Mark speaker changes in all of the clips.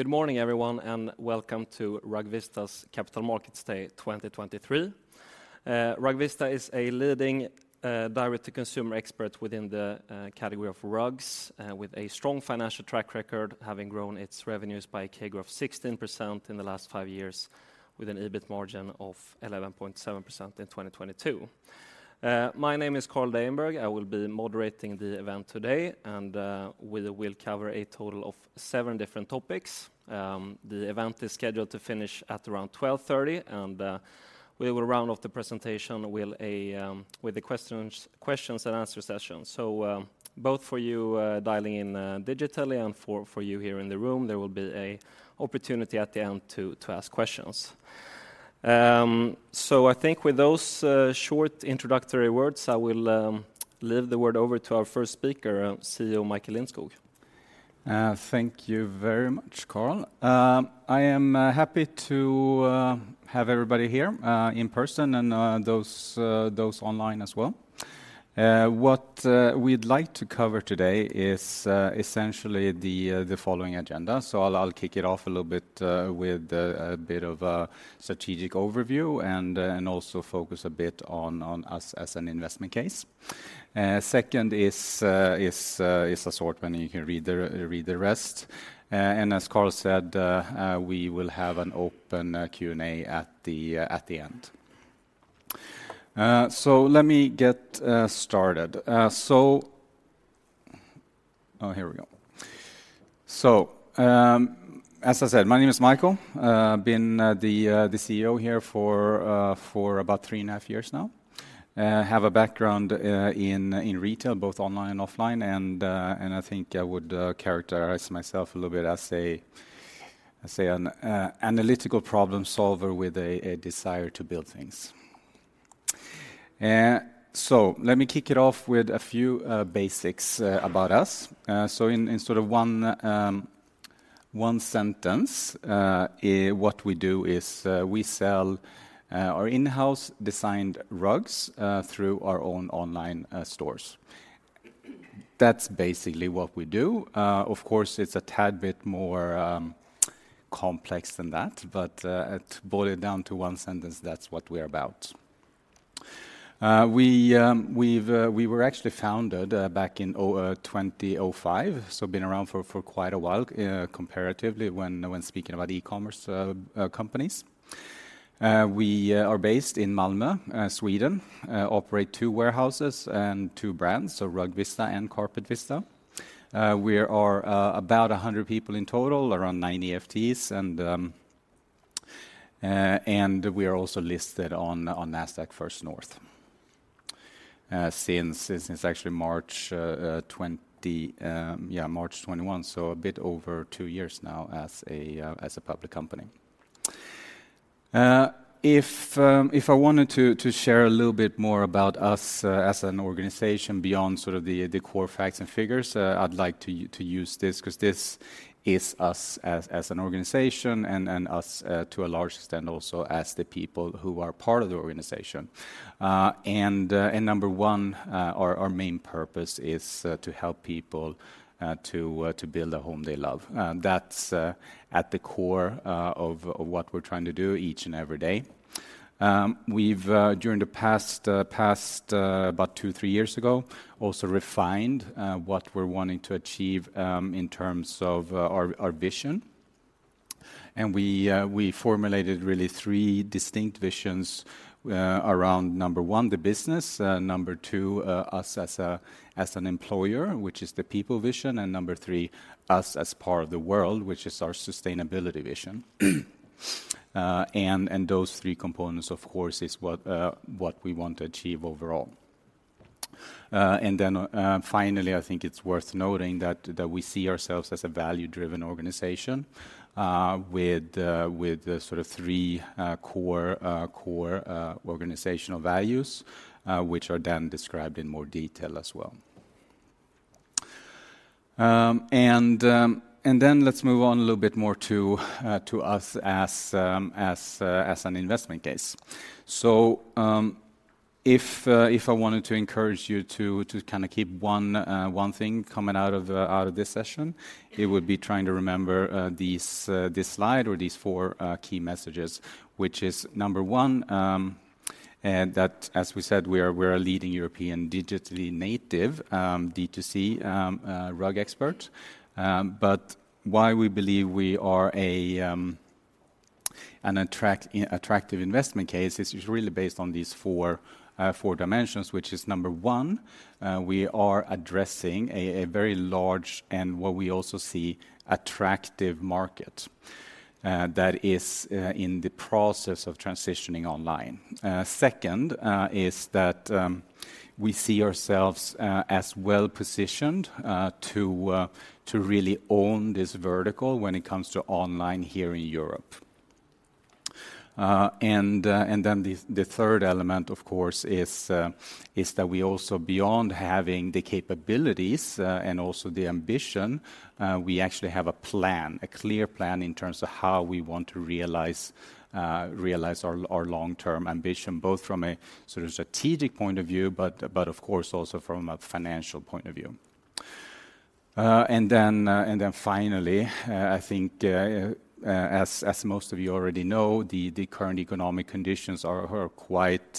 Speaker 1: Good morning, everyone, welcome to Rugvista's Capital Markets Day 2023. Rugvista is a leading direct-to-consumer expert within the category of rugs with a strong financial track record, having grown its revenues by a CAGR of 16% in the last 5 years, with an EBIT margin of 11.7% in 2022. My name is Carl Deijenberg. I will be moderating the event today, and we will cover a total of seven different topics. The event is scheduled to finish at around 12:30 P.M., and we will round off the presentation with a questions and answer session. Both for you dialing in digitally and for you here in the room, there will be a opportunity at the end to ask questions. I think with those short introductory words, I will leave the word over to our first speaker, CEO Michael Lindskog.
Speaker 2: Thank you very much, Carl. I am happy to have everybody here in person and those online as well. What we'd like to cover today is essentially the following agenda. I'll kick it off a little bit with a bit of a strategic overview and also focus a bit on us as an investment case. Second is a sort, and you can read the rest. As Carl said, we will have an open Q&A at the end. Let me get started. Oh, here we go. As I said, my name is Michael. Been the CEO here for about three and a half years now. Have a background in retail, both online and offline, and I think I would characterize myself a little bit as an analytical problem solver with a desire to build things. Let me kick it off with a few basics about us. In sort of one sentence, what we do is we sell our in-house designed rugs through our own online stores. That's basically what we do. Of course, it's a tad bit more complex than that, to boil it down to one sentence, that's what we're about. We've, we were actually founded back in 2005, so been around for quite a while comparatively, when speaking about e-commerce companies. We are based in Malmö, Sweden, operate 2 warehouses and 2 brands, so Rugvista and Carpetvista. We are about 100 people in total, around 90 FTEs, and we are also listed on Nasdaq First North since actually March 2021, so a bit over 2 years now as a public company. If I wanted to share a little bit more about us, as an organization beyond sort of the core facts and figures, I'd like to use this, 'cause this is us as an organization and us, to a large extent, also as the people who are part of the organization. Number one, our main purpose is, to help people, to build a home they love. That's, at the core of what we're trying to do each and every day. We've, during the past about two, three years ago, also refined, what we're wanting to achieve, in terms of, our vision. We formulated really three distinct visions around, number 1, the business, number 2, us as an employer, which is the people vision, and number 3, us as part of the world, which is our sustainability vision. And those three components, of course, is what we want to achieve overall. Then, finally, I think it's worth noting that we see ourselves as a value-driven organization, with, sort of three core organizational values, which are then described in more detail as well. And then let's move on a little bit more to us as an investment case. If I wanted to encourage you to kind of keep one thing coming out of, out of this session, it would be trying to remember these, this slide or these four, key messages, which is, number one, and that, as we said, we're a leading European digitally native, D2C, rug expert. But why we believe we are a, an attractive investment case is really based on these four dimensions, which is, number one, we are addressing a very large and what we also see, attractive market, that is, in the process of transitioning online. Second, is that, we see ourselves, as well-positioned, to really own this vertical when it comes to online here in Europe. The third element, of course, is that we also, beyond having the capabilities and also the ambition, we actually have a plan, a clear plan in terms of how we want to realize our long-term ambition, both from a sort of strategic point of view, but of course, also from a financial point of view. Finally, I think as most of you already know, the current economic conditions are quite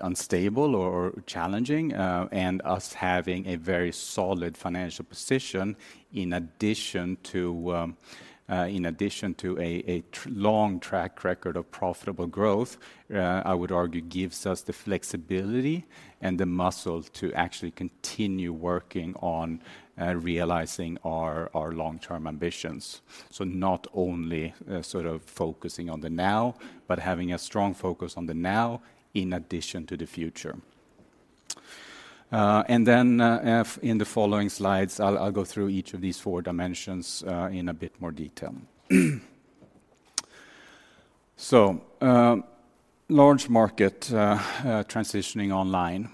Speaker 2: unstable or challenging. Us having a very solid financial position, in addition to a long track record of profitable growth, I would argue, gives us the flexibility and the muscle to actually continue working on realizing our long-term ambitions. Not only, sort of focusing on the now, but having a strong focus on the now in addition to the future. Then, in the following slides, I'll go through each of these four dimensions in a bit more detail. Large market, transitioning online.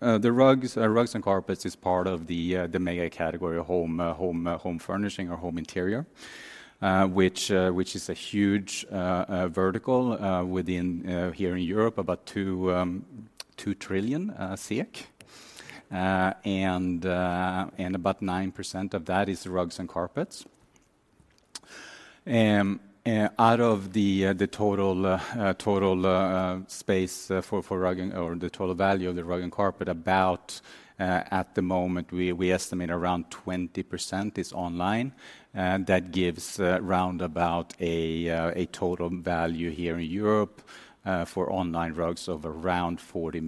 Speaker 2: The rugs and carpets is part of the mega category of home furnishing or home interior, which is a huge vertical within here in Europe, about 2 trillion SEK. And about 9% of that is rugs and carpets. Out of the total space for rugging or the total value of the rug and carpet, at the moment, we estimate around 20% is online. That gives round about a total value here in Europe for online rugs of around 40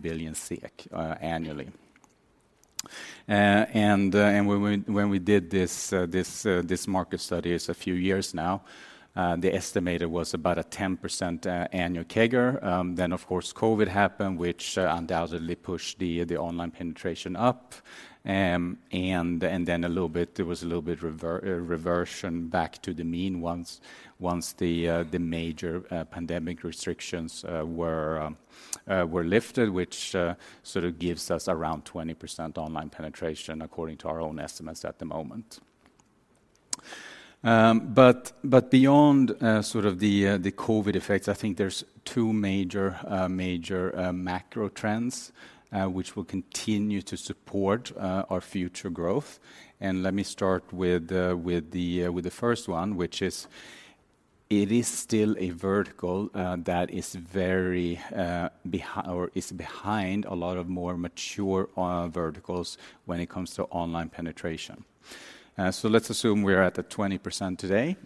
Speaker 2: billion SEK annually. When we did this market study a few years now, the estimator was about a 10% annual CAGR. Of course, COVID happened, which undoubtedly pushed the online penetration up. Then there was a little bit reversion back to the mean once the major pandemic restrictions were lifted, which sort of gives us around 20% online penetration, according to our own estimates at the moment. Beyond sort of the COVID effects, I think there's two major macro trends which will continue to support our future growth. Let me start with the first one, which is, it is still a vertical that is very or is behind a lot of more mature verticals when it comes to online penetration. Let's assume we're at the 20% today.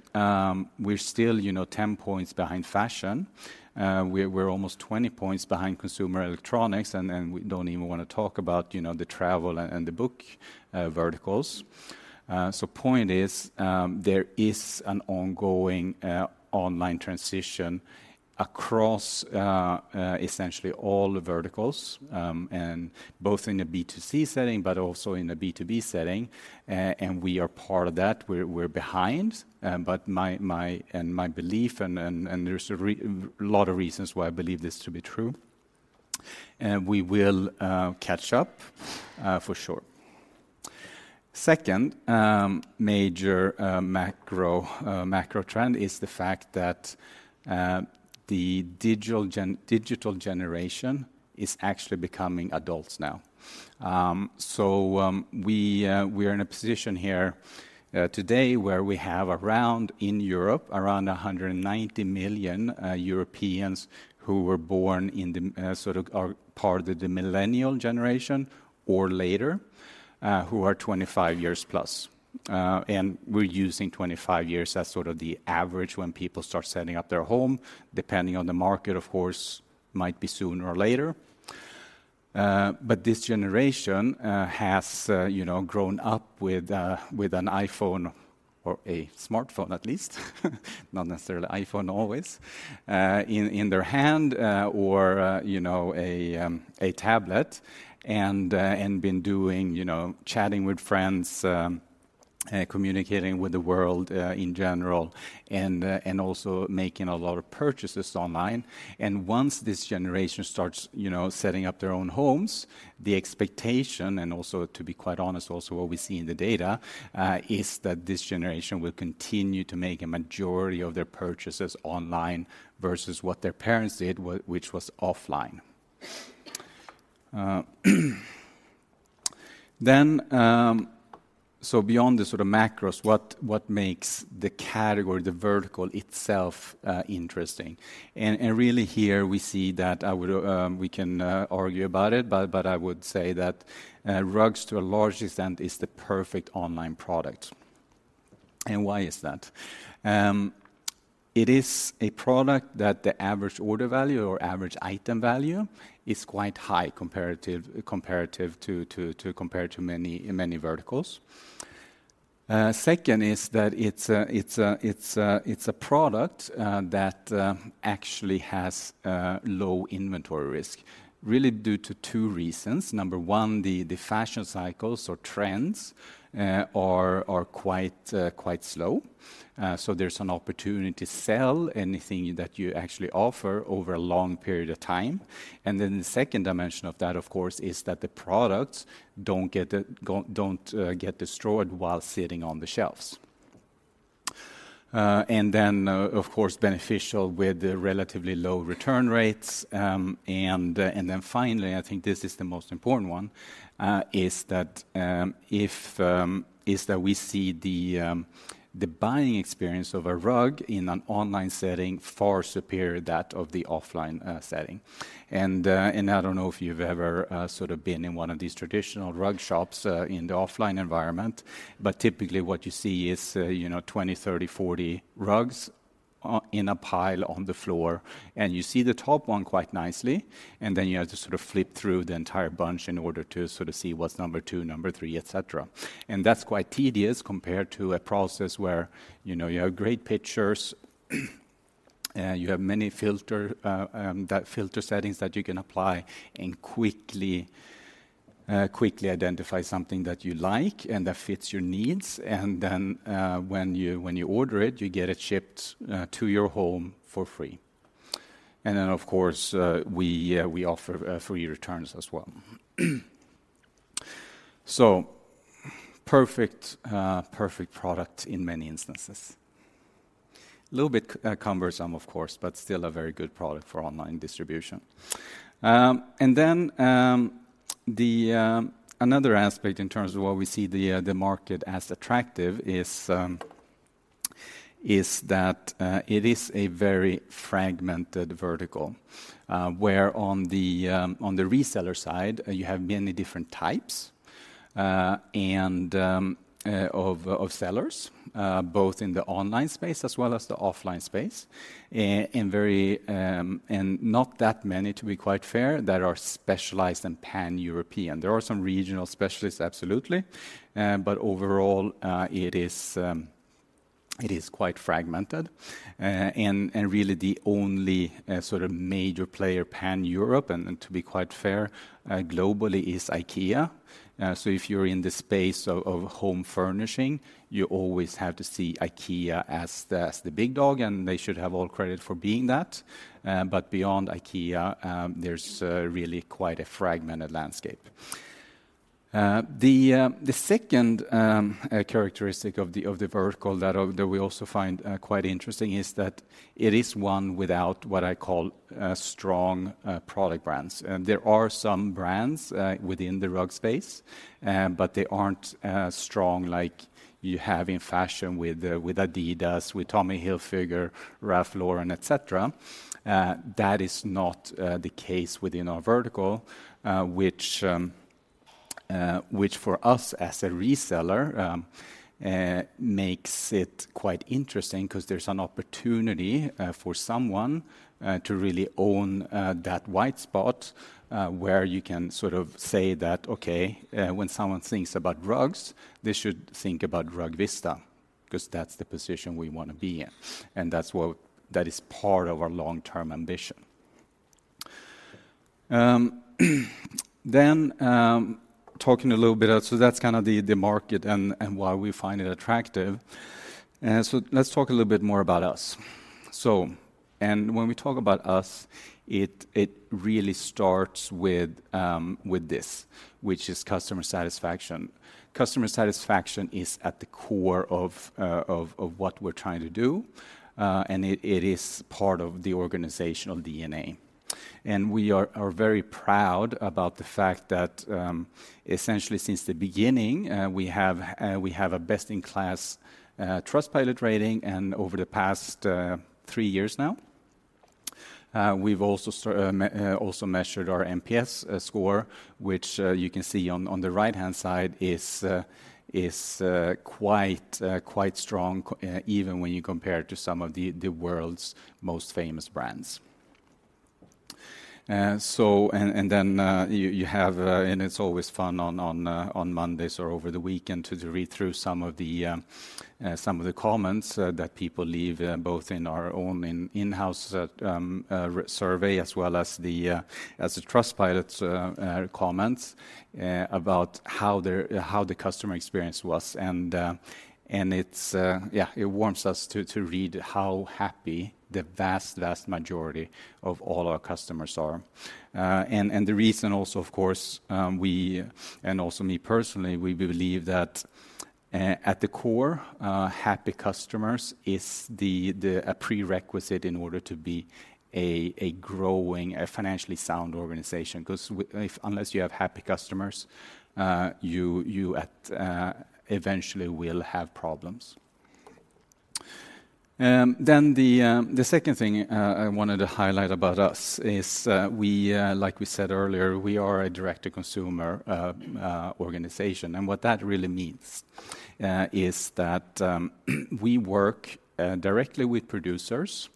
Speaker 2: We're still, you know, 10 points behind fashion, we're almost 20 points behind consumer electronics. Then we don't even want to talk about, you know, the travel and the book verticals. Point is, there is an ongoing online transition across essentially all the verticals, both in a B2C setting, but also in a B2B setting. We are part of that. We're behind. My belief, and there's a lot of reasons why I believe this to be true, we will catch up for sure. Second, major macro macro trend is the fact that the digital generation is actually becoming adults now. We are in a position here today, where we have around, in Europe, around 190 million Europeans who were born in the sort of are part of the millennial generation or later, who are 25 years plus. We're using 25 years as sort of the average when people start setting up their home, depending on the market, of course, might be sooner or later. This generation has, you know, grown up with an iPhone or a smartphone, at least, not necessarily iPhone, always, in their hand, or, you know, a tablet. Been doing, you know, chatting with friends, communicating with the world in general, and also making a lot of purchases online. Once this generation starts, you know, setting up their own homes, the expectation, and also, to be quite honest, also what we see in the data, is that this generation will continue to make a majority of their purchases online versus what their parents did, which was offline. Beyond the sort of macros, what makes the category, the vertical itself, interesting? Really here, we see that I would, we can argue about it, but I would say that, rugs, to a large extent, is the perfect online product. Why is that? It is a product that the average order value or average item value is quite high, comparative to many, in many verticals. Second is that it's a product that actually has low inventory risk, really due to two reasons. Number one, the fashion cycles or trends are quite slow. There's an opportunity to sell anything that you actually offer over a long period of time. The second dimension of that, of course, is that the products don't get destroyed while sitting on the shelves. Of course, beneficial with the relatively low return rates. Finally, I think this is the most important one, is that we see the buying experience of a rug in an online setting far superior that of the offline setting. I don't know if you've ever sort of been in one of these traditional rug shops in the offline environment, but typically what you see is, you know, 20, 30, 40 rugs in a pile on the floor, and you see the top one quite nicely, and then you have to sort of flip through the entire bunch in order to sort of see what's number 2, number 3, et cetera. That's quite tedious compared to a process where, you know, you have great pictures, you have many filter settings that you can apply and quickly identify something that you like and that fits your needs. Then, when you order it, you get it shipped to your home for free. Of course, we offer free returns as well. Perfect, perfect product in many instances. A little bit cumbersome, of course, but still a very good product for online distribution. Another aspect in terms of why we see the market as attractive is that it is a very fragmented vertical, where on the reseller side, you have many different types and of sellers, both in the online space as well as the offline space. Very, and not that many, to be quite fair, that are specialized and Pan-European. There are some regional specialists, absolutely, but overall, it is quite fragmented. Really the only sort of major player, Pan-Europe, and to be quite fair, globally, is IKEA. If you're in the space of home furnishing, you always have to see IKEA as the big dog, and they should have all credit for being that. Beyond IKEA, there's really quite a fragmented landscape. The second characteristic of the vertical that we also find quite interesting is that it is one without what I call strong product brands. There are some brands within the rug space, but they aren't strong like you have in fashion with adidas, with Tommy Hilfiger, Ralph Lauren, et cetera. That is not the case within our vertical, which for us, as a reseller, makes it quite interesting 'cause there's an opportunity for someone to really own that white spot, where you can sort of say that, "Okay, when someone thinks about rugs, they should think about Rugvista," 'cause that's the position we wanna be in, and that's what that is part of our long-term ambition. Talking a little bit about... That's kind of the market and why we find it attractive. Let's talk a little bit more about us. When we talk about us, it really starts with this, which is customer satisfaction. Customer satisfaction is at the core of what we're trying to do, and it is part of the organizational DNA. We are very proud about the fact that essentially, since the beginning, we have a best-in-class Trustpilot rating, and over the past three years now. We've also measured our NPS score, which you can see on the right-hand side, is quite strong even when you compare it to some of the world's most famous brands. Then you have. It's always fun on Mondays or over the weekend to read through some of the comments that people leave both in our own in-house survey, as well as the Trustpilot's comments about how the customer experience was. Yeah, it warms us to read how happy the vast majority of all our customers are. The reason also, of course, we, and also me personally, we believe that at the core, happy customers is a prerequisite in order to be a growing, a financially sound organization. 'Cause unless you have happy customers, you eventually will have problems. Then the second thing I wanted to highlight about us is we, like we said earlier, we are a direct-to-consumer organization. What that really means is that we work directly with producers,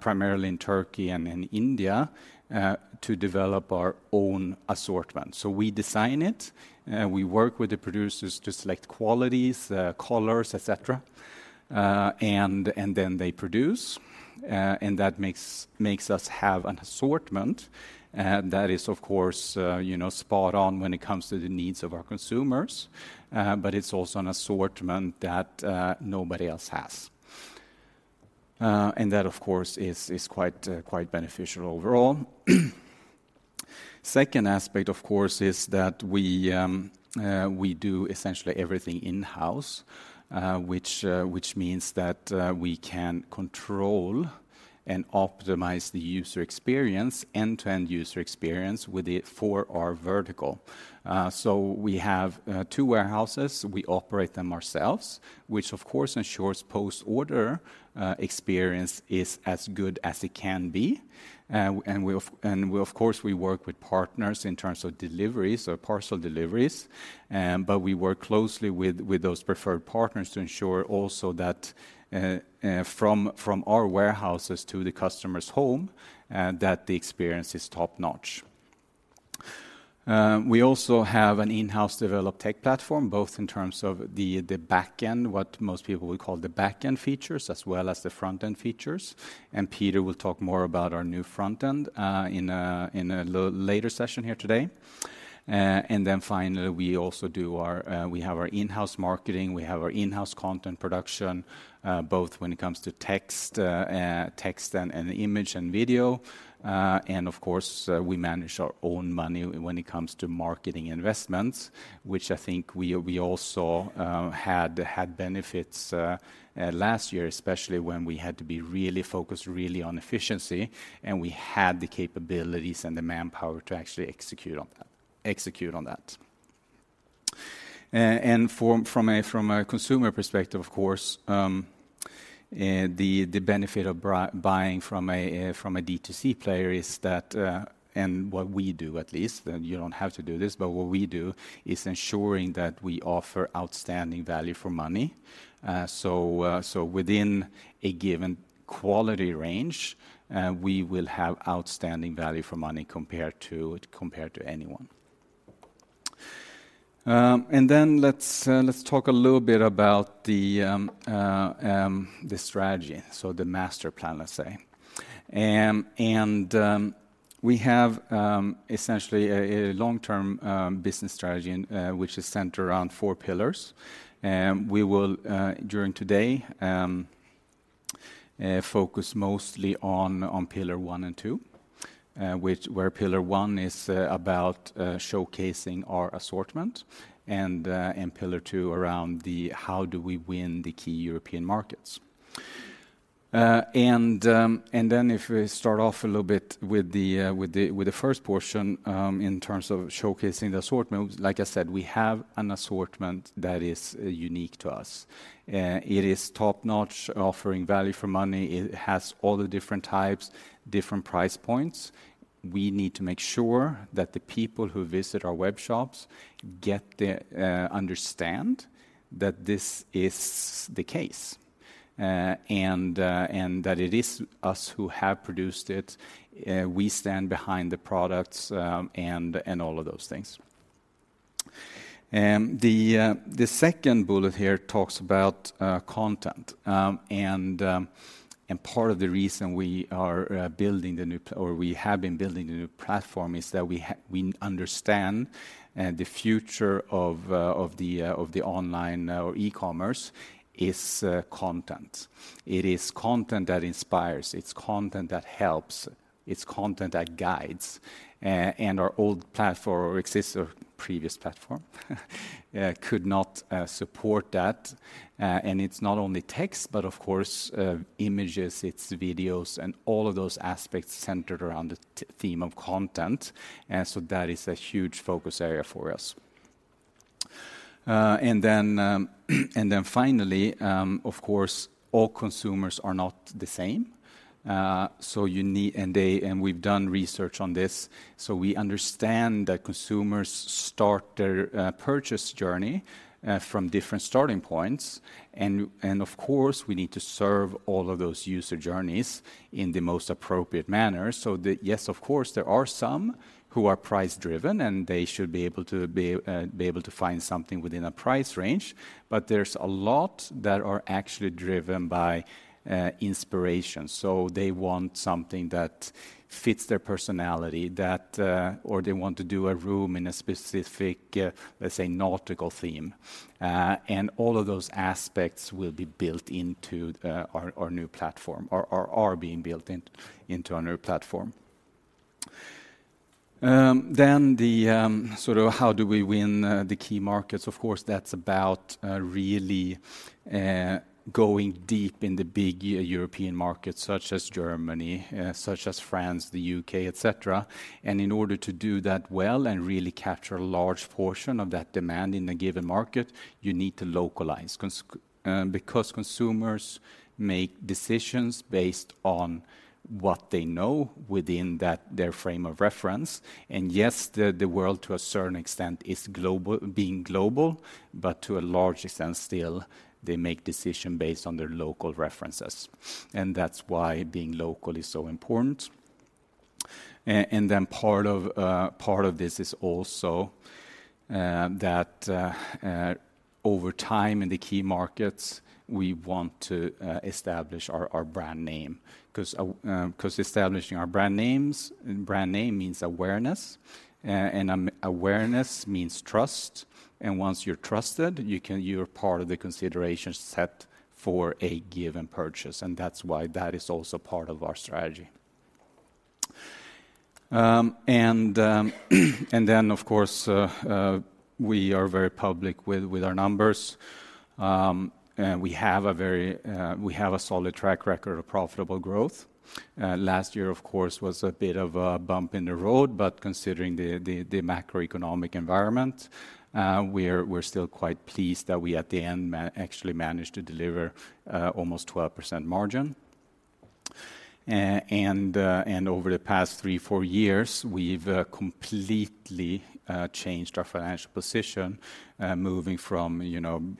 Speaker 2: primarily in Turkey and in India, to develop our own assortment. We design it, we work with the producers to select qualities, colors, et cetera, and then they produce, and that makes us have an assortment that is, of course, you know, spot on when it comes to the needs of our consumers, but it's also an assortment that nobody else has. That, of course, is quite beneficial overall. Rugvista Group's business model is characterized by its direct-to-consumer (D2C) approach, allowing for greater control over the customer experience Of course, we manage our own money when it comes to marketing investments, which I think we also had benefits last year, especially when we had to be really focused, really on efficiency, and we had the capabilities and the manpower to actually execute on that. From a consumer perspective, of course, the benefit of buying from a D2C player is that, what we do, at least, you don't have to do this, but what we do is ensuring that we offer outstanding value for money. Within a given quality range, we will have outstanding value for money compared to, compared to anyone. Let's talk a little bit about the strategy. So the master plan, let's say. We have, essentially a long-term, business strategy, which is centered around four pillars. We will during today focus mostly on pillar one and two, which where pillar one is about showcasing our assortment, and pillar two around the how do we win the key European markets? Then if we start off a little bit with the with the with the first portion, in terms of showcasing the assortment, like I said, we have an assortment that is unique to us. It is top-notch, offering value for money. It has all the different types, different price points. We need to make sure that the people who visit our web shops get the understand that this is the case, and that it is us who have produced it, we stand behind the products, and all of those things. The second bullet here talks about content. Part of the reason we are building the new, or we have been building the new platform, is that we understand the future of the online or e-commerce is content. It is content that inspires, it's content that helps, it's content that guides. Our old platform or existing previous platform could not support that. It's not only text, but of course, images, it's videos, and all of those aspects centered around the theme of content. That is a huge focus area for us. Then, finally, of course, all consumers are not the same, so we've done research on this, so we understand that consumers start their purchase journey from different starting points. Of course, we need to serve all of those user journeys in the most appropriate manner. Yes, of course, there are some who are price-driven, and they should be able to find something within a price range, but there's a lot that are actually driven by inspiration. They want something that fits their personality, or they want to do a room in a specific, let's say, nautical theme. All of those aspects will be built into our new platform or are being built into our new platform. Then the sort of how do we win the key markets? Of course, that's about really going deep in the big European markets, such as Germany, such as France, the UK, et cetera. In order to do that well and really capture a large portion of that demand in a given market, you need to localize, because consumers make decisions based on what they know within that, their frame of reference. Yes, the world, to a certain extent, is global, being global, but to a large extent, still, they make decision based on their local references, and that's why being local is so important. Then part of this is also that over time, in the key markets, we want to establish our brand name, 'cause establishing our brand name means awareness, and awareness means trust, and once you're trusted, you're part of the consideration set for a given purchase, and that's why that is also part of our strategy. Then, of course, we are very public with our numbers. We have a very, we have a solid track record of profitable growth. Last year, of course, was a bit of a bump in the road, but considering the macroeconomic environment, we're still quite pleased that we, at the end, actually managed to deliver almost 12% margin. Over the past three to four years, we've completely changed our financial position. Moving from -80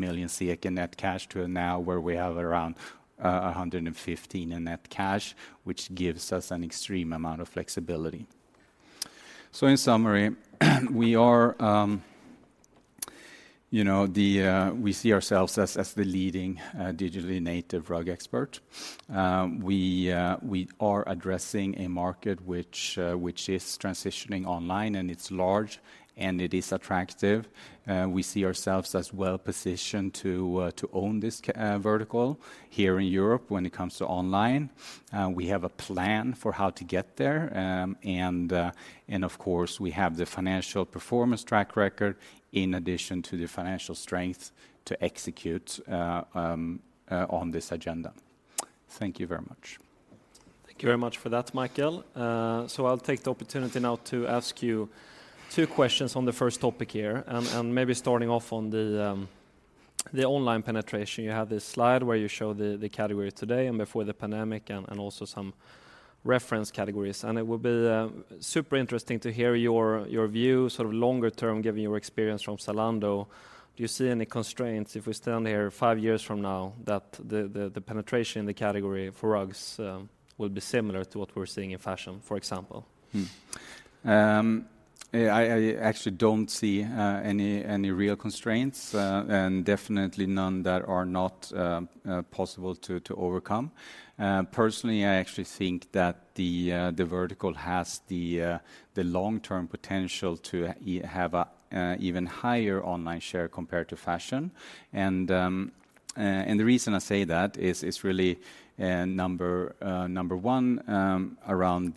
Speaker 2: million SEK in net cash, we now have around 115 million in net cash, which gives us an extreme amount of flexibility. This robust financial health enables us to pursue further growth opportunities, invest in innovation, and navigate market dynamics with confidence. **Our Vision: The Leadin Of course, we have the financial performance track record in addition to the financial strength to execute on this agenda. Thank you very much.
Speaker 1: Thank you very much for that, Michael.I'll take the opportunity now to ask you two questions on the first topic here, and maybe starting off on the online penetration. You have this slide, where you show the category today and before the pandemic and also some reference categories. It would be super interesting to hear your view, sort of, longer term, given your experience from Zalando. Do you see any constraints if we stand here five years from now, that the penetration in the category for rugs will be similar to what we're seeing in fashion, for example?
Speaker 2: Yeah, I actually don't see any real constraints and definitely none that are not possible to overcome. Personally, I actually think that the vertical has the long-term potential to have a even higher online share compared to fashion. The reason I say that is really number one around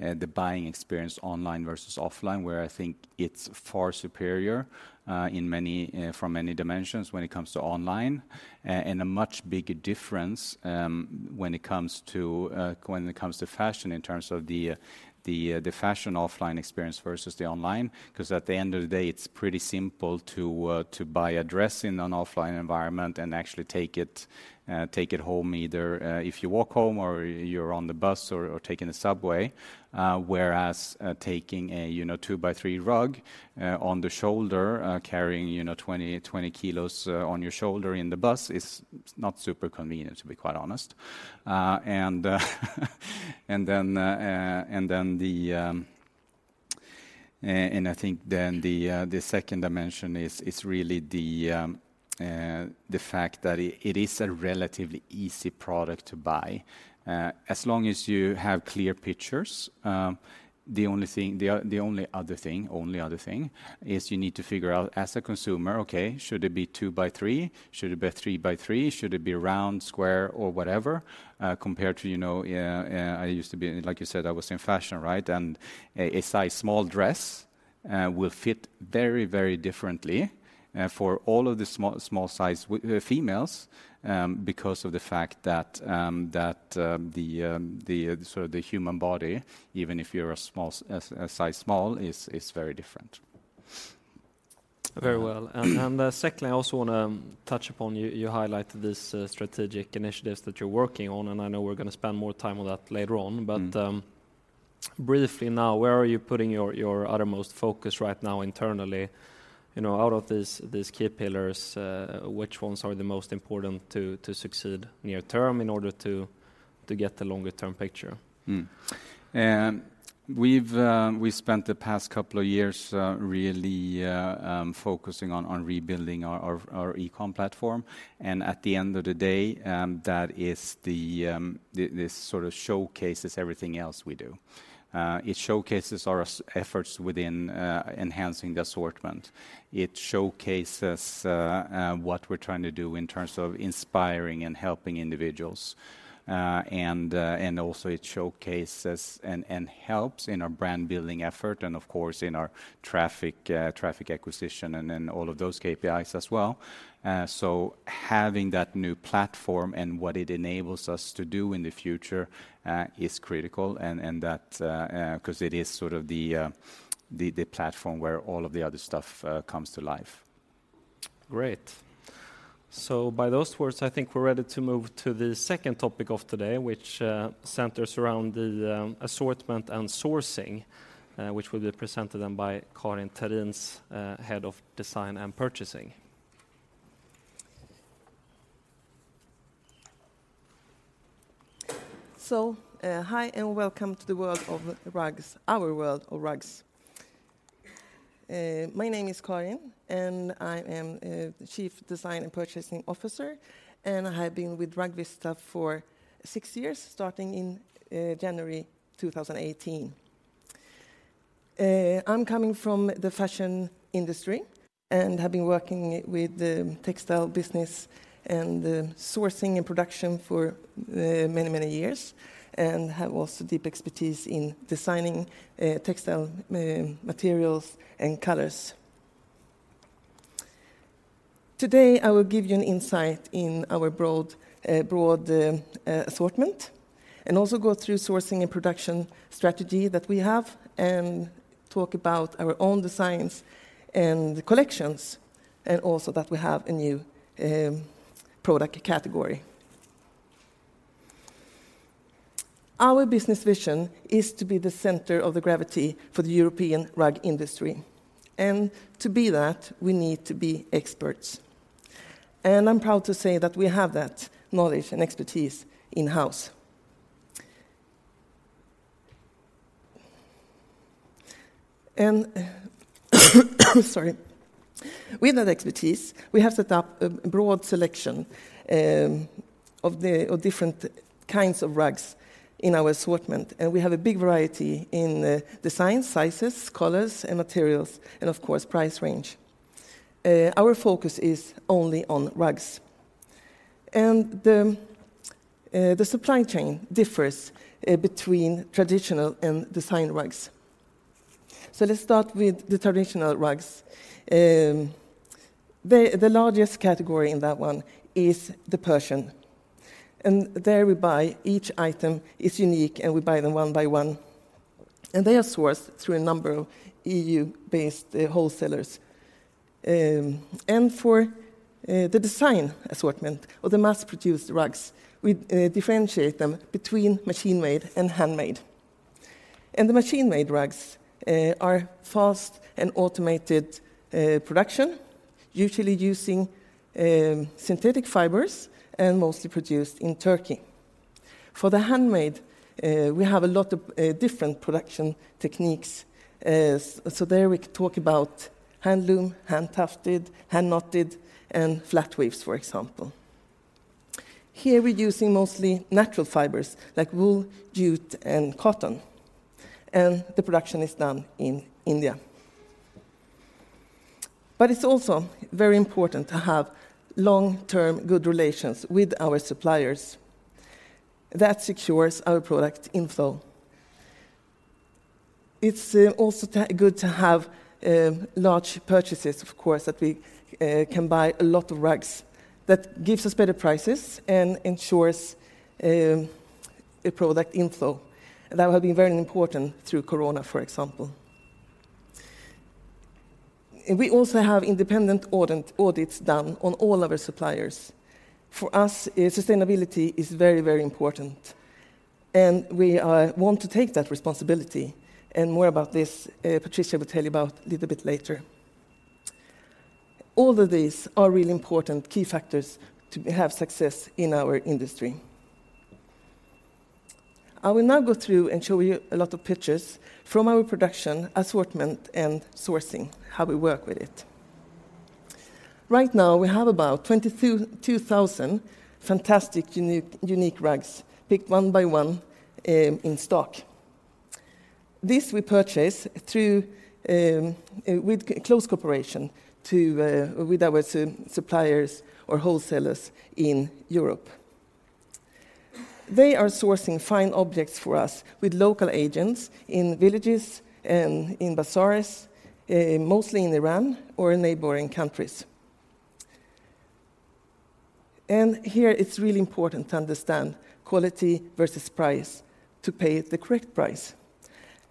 Speaker 2: the buying experience online versus offline, where I think it's far superior from many dimensions when it comes to online. A much bigger difference when it comes to fashion in terms of the fashion offline experience versus the online, 'cause at the end of the day, it's pretty simple to buy a dress in an offline environment and actually take it home, either ifyou walk home or you're on the bus or taking the subway. Taking a, you know, 2-by-3 rug on the shoulder, carrying, you know, 20 kilos on your shoulder in the bus is not super convenient, to be quite honest. Then the, and I think then the second dimension is really the fact that it is a relatively easy product to buy. As long as you have clear pictures, the only other thing is you need to figure out, as a consumer, okay, should it be 2 by 3? Should it be 3 by 3? Should it be round, square, or whatever? Compared to, you know, I used to be, like you said, I was in fashion, right? A size small dress will fit very, very differently for all of the small size females because of the fact that the sort of the human body, even if you're a small size small, is very different.
Speaker 1: Very well. Secondly, I also wanna touch upon, you highlighted this strategic initiatives that you're working on, and I know we're gonna spend more time on that later on.
Speaker 2: Mm-hmm.
Speaker 1: Briefly, now, where are you putting your uttermost focus right now internally? You know, out of these key pillars, which ones are the most important to succeed near term in order to get the longer-term picture?
Speaker 2: We have spent the past couple of years really focusing on rebuilding our e-com platform. At the end of the day, that is this sort of showcases everything else we do. It showcases our efforts within enhancing the assortment. It showcases what we're trying to do in terms of inspiring and helping individuals. Also, it showcases and helps in our brand-building effort, of course, in our traffic acquisition, then all of those KPIs as well. Having that new platform and what it enables us to do in the future is critical, and that 'cause it is sort of the platform where all of the other stuff comes to life.
Speaker 1: Great. By those words, I think we're ready to move to the second topic of today, which centers around the assortment and sourcing, which will be presented then by Carin Terins, Head of Design and Purchasing.
Speaker 3: Hi, and welcome to the world of rugs, our world of rugs. My name is Carin Terins, and I am the Chief Design and Purchasing Officer, and I have been with Rugvista for 6 years, starting in January 2018. I'm coming from the fashion industry, and have been working with the textile business and sourcing and production for many, many years, and have also deep expertise in designing textile materials and colors. Today, I will give you an insight in our broad assortment, and also go through sourcing and production strategy that we have, and talk about our own designs and collections, and also that we have a new product category. Our business vision is to be the center of the gravity for the European rug industry, and to be that, we need to be experts. I'm proud to say that we have that knowledge and expertise in-house. Sorry. With that expertise, we have set up a broad selection of different kinds of rugs in our assortment, and we have a big variety in designs, sizes, colors, and materials, and of course, price range. Our focus is only on rugs. The supply chain differs between traditional and design rugs. Let's start with the traditional rugs. The largest category in that one is the Persian, and there we buy each item is unique, and we buy them one by one, and they are sourced through a number of EU-based wholesalers. For the design assortment or the mass-produced rugs, we differentiate them between machine-made and handmade. The machine-made rugs are fast and automated production, usually using synthetic fibers and mostly produced in Turkey. For the handmade, we have a lot of different production techniques. There we could talk about hand loom, hand tufted, hand knotted, and flat weaves, for example. Here, we're using mostly natural fibers like wool, jute, and cotton, and the production is done in India. It's also very important to have long-term good relations with our suppliers. That secures our product inflow. It's also good to have large purchases, of course, that we can buy a lot of rugs. That gives us better prices and ensures a product inflow. That have been very important through Corona, for example. We also have independent audits done on all of our suppliers. For us, sustainability is very, very important, we are want to take that responsibility, more about this Patricia will tell you about a little bit later. All of these are really important key factors to have success in our industry. I will now go through and show you a lot of pictures from our production, assortment, and sourcing, how we work with it. Right now, we have about 22,000 fantastic unique rugs, picked one by one, in stock. This we purchase through, with close cooperation to with our suppliers or wholesalers in Europe. They are sourcing fine objects for us with local agents in villages and in bazaars, mostly in Iran or in neighboring countries. Here, it's really important to understand quality versus price, to pay the correct price.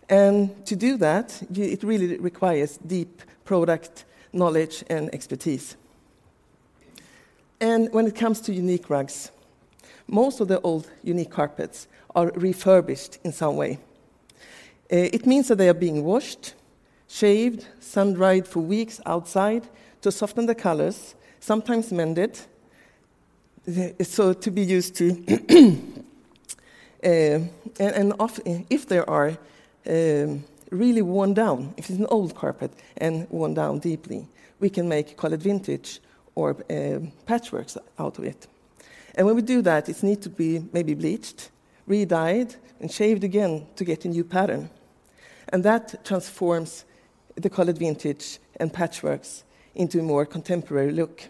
Speaker 3: To do that, it really requires deep product knowledge and expertise. When it comes to unique rugs, most of the old unique carpets are refurbished in some way. It means that they are being washed, shaved, sun-dried for weeks outside to soften the colors, sometimes mended, so to be used to. If they are really worn down, if it's an old carpet and worn down deeply, we can make colored vintage or patchworks out of it. When we do that, it need to be maybe bleached, re-dyed, and shaved again to get a new pattern, and that transforms the colored vintage and patchworks into a more contemporary look.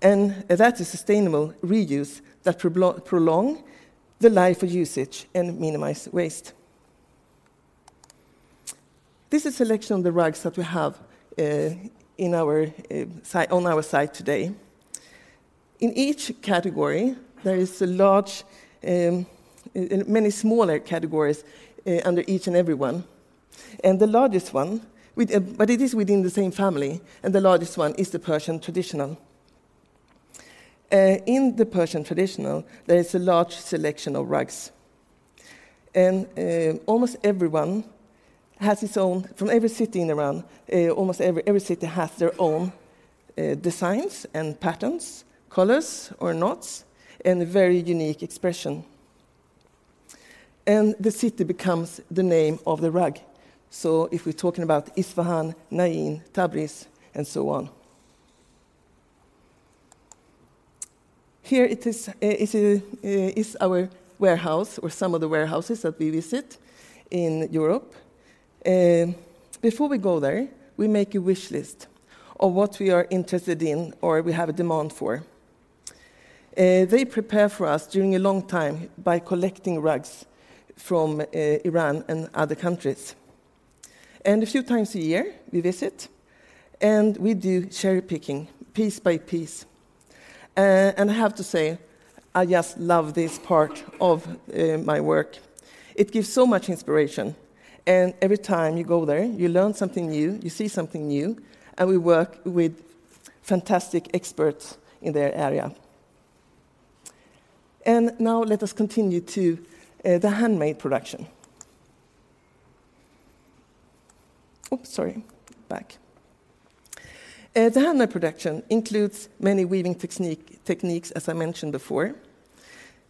Speaker 3: That is sustainable reuse that prolong the life of usage and minimize waste. This is a selection of the rugs that we have on our site today. In each category, there is a large, many smaller categories under each and every one, and the largest one, but it is within the same family, and the largest one is the Persian traditional. In the Persian traditional, there is a large selection of rugs, and almost everyone has its own. From every city in Iran, almost every city has their own designs and patterns, colors or knots, and a very unique expression. The city becomes the name of the rug. If we're talking about Isfahan, Nain, Tabriz, and so on. Here it is, it is our warehouse or some of the warehouses that we visit in Europe. Before we go there, we make a wish list of what we are interested in or we have a demand for. They prepare for us during a long time by collecting rugs from Iran and other countries. A few times a year, we visit, and we do cherry-picking, piece by piece. I have to say, I just love this part of my work. It gives so much inspiration, and every time you go there, you learn something new, you see something new, and we work with fantastic experts in their area. Now, let us continue to the handmade production. Oops, sorry. Back. The handmade production includes many weaving techniques, as I mentioned before.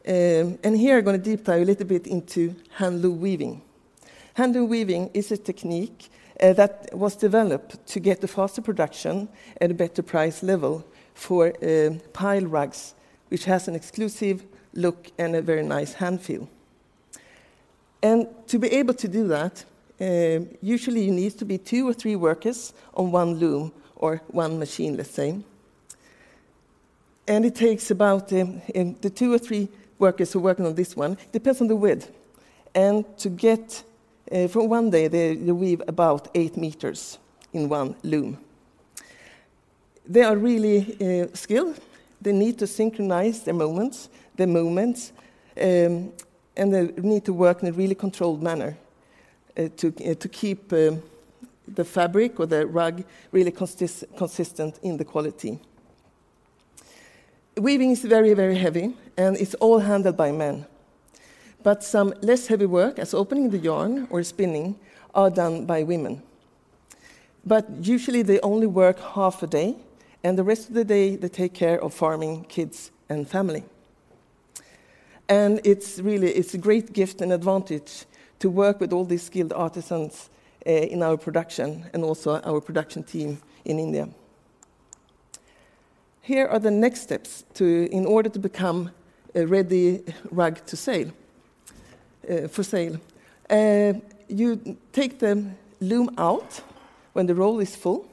Speaker 3: Here, I'm gonna deep dive a little bit into hand loom weaving. Hand loom weaving is a technique that was developed to get the faster production at a better price level for pile rugs, which has an exclusive look and a very nice hand feel. To be able to do that, usually you need to be two or three workers on one loom or one machine, let's say. It takes about the two or three workers who are working on this one, depends on the width. To get from one day, they weave about eight meters in one loom. They are really skilled. They need to synchronize their movements, and they need to work in a really controlled manner to keep the fabric or the rug really consistent in the quality. Weaving is very, very heavy, and it's all handled by men. Some less heavy work, as opening the yarn or spinning, are done by women. Usually, they only work half a day, and the rest of the day, they take care of farming, kids, and family. It's really, it's a great gift and advantage to work with all these skilled artisans in our production and also our production team in India. Here are the next steps in order to become a ready rug to sale, for sale. You take the loom out when the roll is full,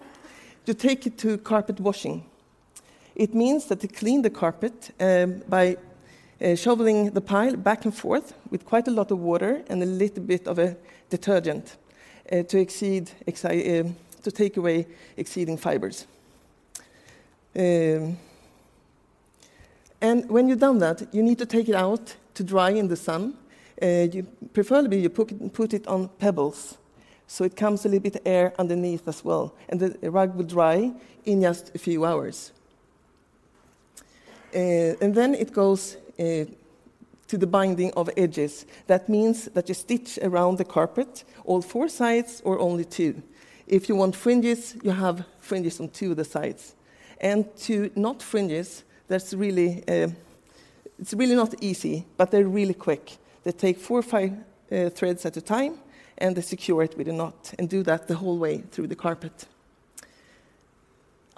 Speaker 3: you take it to carpet washing. It means that to clean the carpet by shoveling the pile back and forth with quite a lot of water and a little bit of a detergent to take away exceeding fibers. When you're done that, you need to take it out to dry in the sun. You preferably, you put it on pebbles, so it comes a little bit air underneath as well, the rug will dry in just a few hours. Then it goes to the binding of edges. That means that you stitch around the carpet, all four sides or only two. If you want fringes, you have fringes on two of the sides. To knot fringes, that's really, it's really not easy, but they're really quick. They take four or five threads at a time, they secure it with a knot and do that the whole way through the carpet.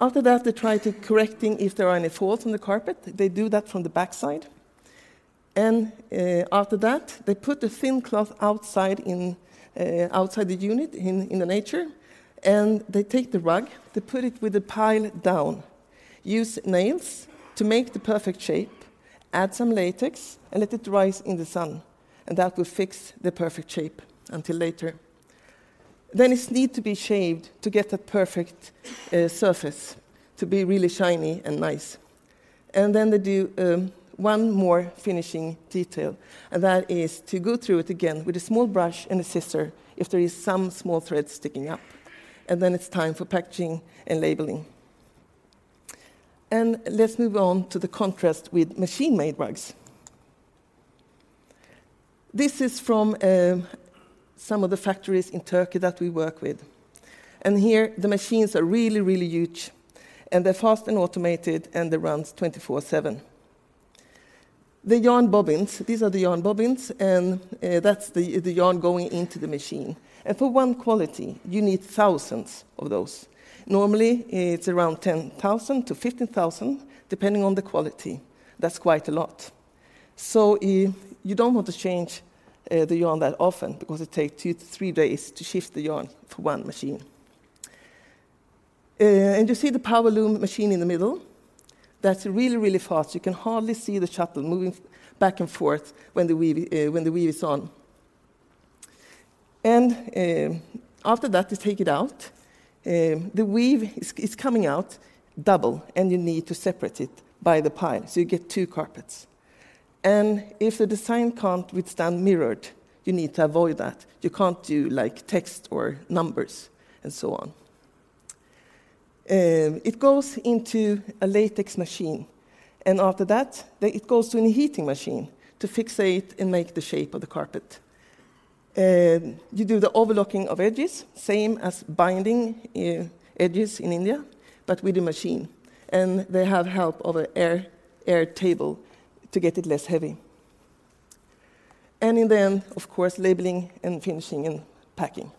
Speaker 3: After that, they try to correcting if there are any faults on the carpet. They do that from the backside. After that, they put a thin cloth outside in outside the unit in in the nature, they take the rug, they put it with the pile down, use nails to make the perfect shape, add some latex, let it dry in the sun, that will fix the perfect shape until later. It need to be shaved to get the perfect surface, to be really shiny and nice. They do 1 more finishing detail, that is to go through it again with a small brush and a scissor if there is some small thread sticking up. It's time for packaging and labeling. Let's move on to the contrast with machine-made rugs. This is from some of the factories in Turkey that we work with. Here, the machines are really, really huge, and they're fast and automated, and they run 24/7. The yarn bobbins, these are the yarn bobbins, and that's the yarn going into the machine. For one quality, you need thousands of those. Normally, it's around 10,000-15,000, depending on the quality. That's quite a lot. So you don't want to change the yarn that often because it takes 2-3 days to shift the yarn for one machine. You see the power loom machine in the middle, that's really, really fast. You can hardly see the shuttle moving back and forth when the weave, when the weave is on. After that, they take it out. The weave is coming out double, you need to separate it by the pile, so you get 2 carpets. If the design can't withstand mirrored, you need to avoid that. You can't do, like, text or numbers and so on. It goes into a latex machine, after that, it goes to a heating machine to fixate and make the shape of the carpet. You do the overlocking of edges, same as binding, edges in India, with a machine, they have help of a air table to get it less heavy. In the end, of course, labeling and finishing and packing.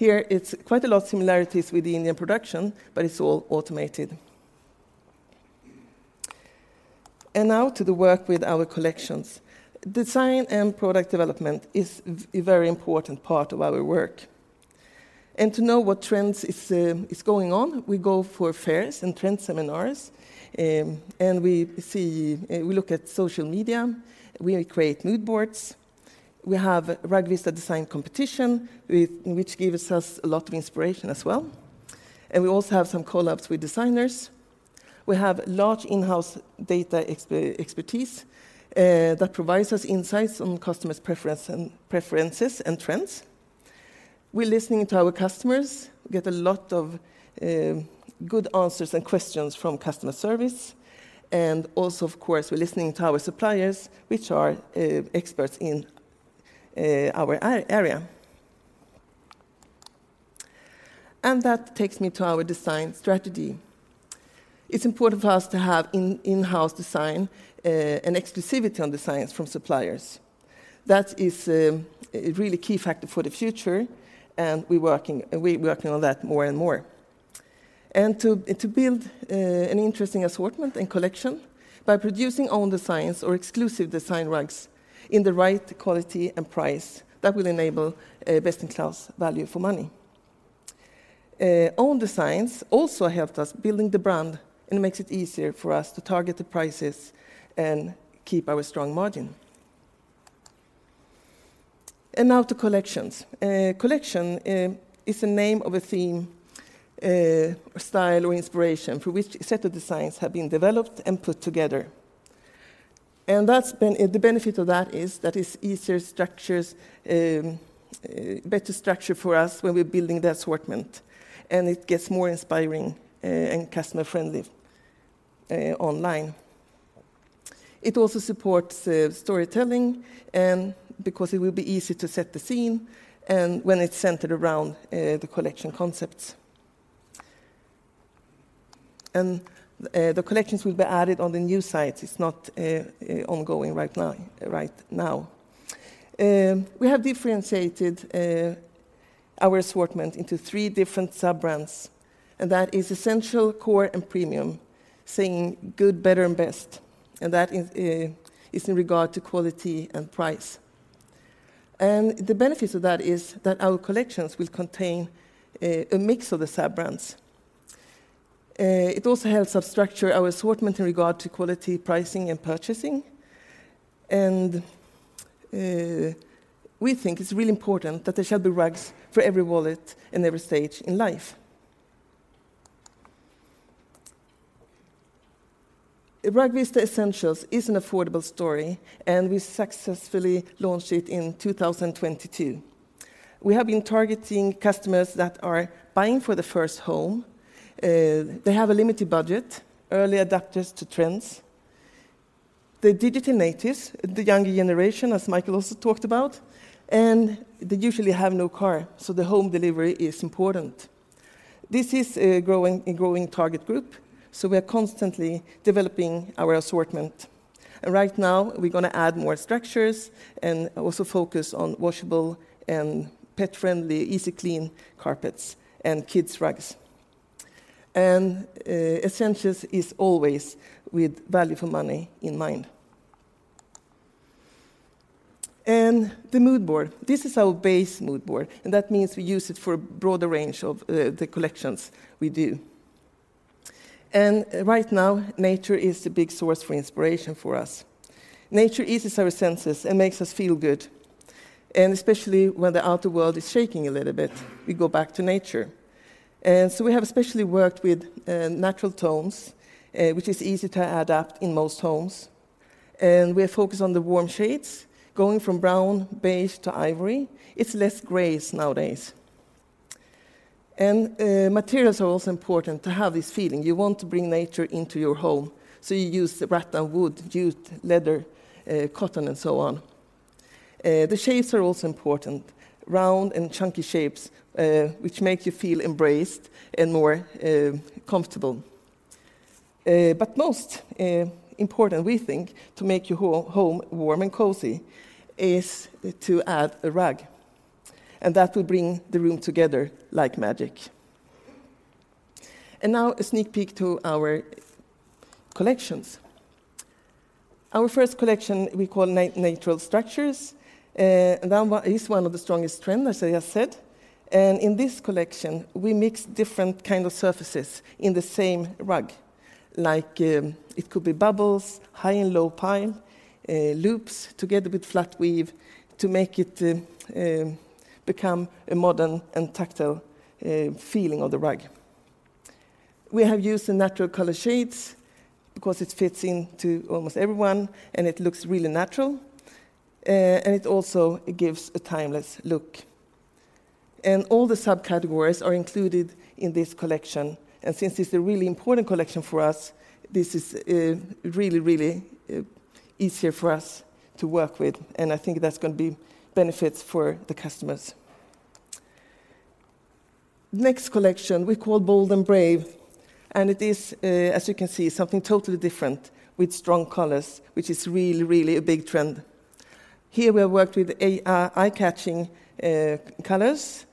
Speaker 3: Here, it's quite a lot of similarities with the Indian production, it's all automated. Now to the work with our collections. Design and product development is a very important part of our work. To know what trends is going on, we go for fairs and trend seminars, we look at social media, we create mood boards. We have Rugvista Design Competition, which gives us a lot of inspiration as well. We also have some collabs with designers. We have large in-house data expertise that provides us insights on customers' preferences and trends. We're listening to our customers, get a lot of good answers and questions from customer service. Also, of course, we're listening to our suppliers, which are experts in our area. That takes me to our design strategy. It's important for us to have in-house design and exclusivity on designs from suppliers. That is a really key factor for the future, we working on that more and more. To build an interesting assortment and collection by producing own designs or exclusive design rugs in the right quality and price, that will enable a best-in-class value for money. Own designs also helped us building the brand and makes it easier for us to target the prices and keep our strong margin. Now to collections. Collection is a name of a theme or style or inspiration for which a set of designs have been developed and put together. The benefit of that is, that it's easier structures, better structure for us when we're building the assortment, and it gets more inspiring, and customer friendly online. It also supports storytelling, because it will be easy to set the scene, when it's centered around the collection concepts. The collections will be added on the new site. It's not ongoing right now. We have differentiated our assortment into 3 different sub-brands, and that is essential, core, and premium, saying good, better, and best, and that is in regard to quality and price. The benefits of that is that our collections will contain a mix of the sub-brands. It also helps us structure our assortment in regard to quality, pricing, and purchasing. We think it's really important that there shall be rugs for every wallet and every stage in life. Rugvista Essentials is an affordable story, and we successfully launched it in 2022. We have been targeting customers that are buying for the first home. They have a limited budget, early adapters to trends. They're digital natives, the younger generation, as Michael also talked about, and they usually have no car, so the home delivery is important. This is a growing target group, so we are constantly developing our assortment. Right now, we're gonna add more structures and also focus on washable and pet-friendly, easy-clean carpets and kids' rugs. Essentials is always with value for money in mind. The mood board. This is our base mood board, and that means we use it for a broader range of the collections we do. Right now, nature is the big source for inspiration for us. Nature eases our senses and makes us feel good. Especially when the outer world is shaking a little bit, we go back to nature. We have especially worked with natural tones, which is easy to adapt in most homes. We are focused on the warm shades, going from brown, beige, to ivory. It's less grays nowadays. Materials are also important to have this feeling. You want to bring nature into your home. You use the rattan wood, jute, leather, cotton, and so on. The shapes are also important. Round and chunky shapes, which make you feel embraced and more comfortable. Most important, we think, to make your home warm and cozy is to add a rug. That will bring the room together like magic. Now, a sneak peek to our collections. Our first collection, we call Natural Structures, that one is one of the strongest trends, as I just said. In this collection, we mix different kind of surfaces in the same rug. Like, it could be bubbles, high and low pile, loops together with flat weave to make it become a modern and tactile feeling of the rug. We have used the natural color shades because it fits in to almost everyone, it looks really natural, it also gives a timeless look. All the subcategories are included in this collection. Since it's a really important collection for us, this is really easier for us to work with, and I think that's going to be benefits for the customers. The next collection we call Bold and Brave, and it is, as you can see, something totally different with strong colors, which is really a big trend. Here, we have worked with a eye-catching colors,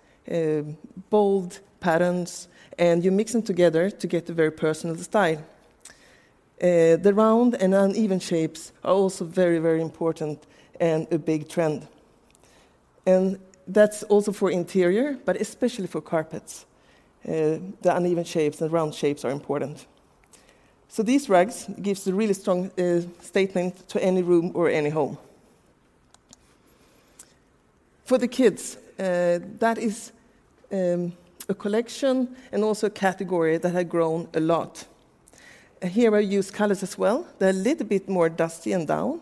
Speaker 3: bold patterns, and you mix them together to get a very personal style. The round and uneven shapes are also very important and a big trend. That's also for interior, but especially for carpets, the uneven shapes and round shapes are important. These rugs gives a really strong statement to any room or any home. For the kids, that is a collection and also a category that had grown a lot. Here, I use colors as well. They're a little bit more dusty and down.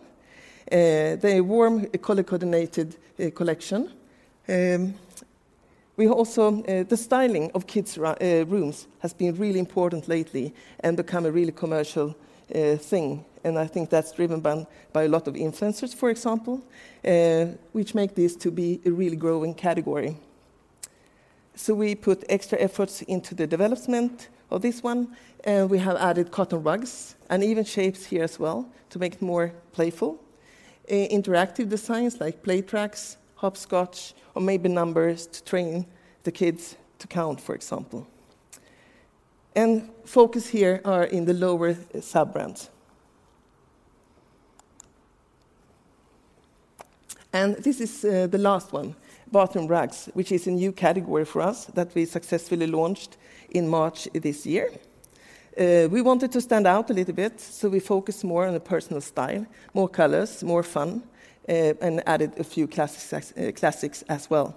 Speaker 3: They're a warm, color-coordinated collection. We also, the styling of kids rooms has been really important lately and become a really commercial thing, I think that's driven by a lot of influencers, for example, which make this to be a really growing category. We put extra efforts into the development of this one, we have added cotton rugs and even shapes here as well to make it more playful. Interactive designs like play tracks, hopscotch, or maybe numbers to train the kids to count, for example. Focus here are in the lower sub-brands. This is the last one, bathroom rugs, which is a new category for us that we successfully launched in March this year. We wanted to stand out a little bit, so we focused more on the personal style, more colors, more fun, and added a few classics as well.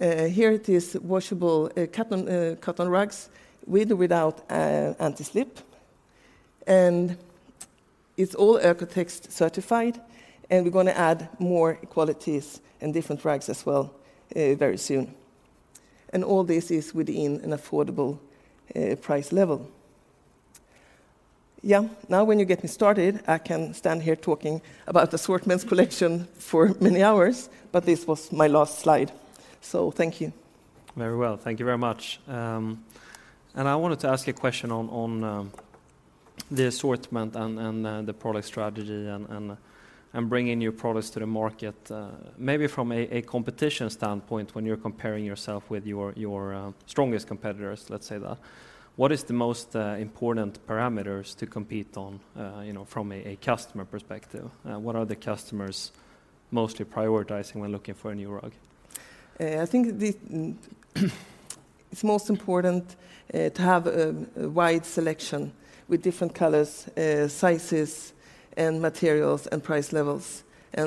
Speaker 3: Here it is washable cotton rugs with or without anti-slip, and it's all OEKO-TEX certified, and we're gonna add more qualities and different rugs as well, very soon. All this is within an affordable price level. Now when you get me started, I can stand here talking about the assortment collection for many hours, but this was my last slide. Thank you.
Speaker 1: Very well. Thank you very much. I wanted to ask a question on the assortment and the product strategy and bringing new products to the market. Maybe from a competition standpoint, when you're comparing yourself with your strongest competitors, let's say that, what is the most important parameters to compete on, you know, from a customer perspective? What are the customers mostly prioritizing when looking for a new rug?
Speaker 3: I think it's most important to have a wide selection with different colors, sizes, and materials, and price levels.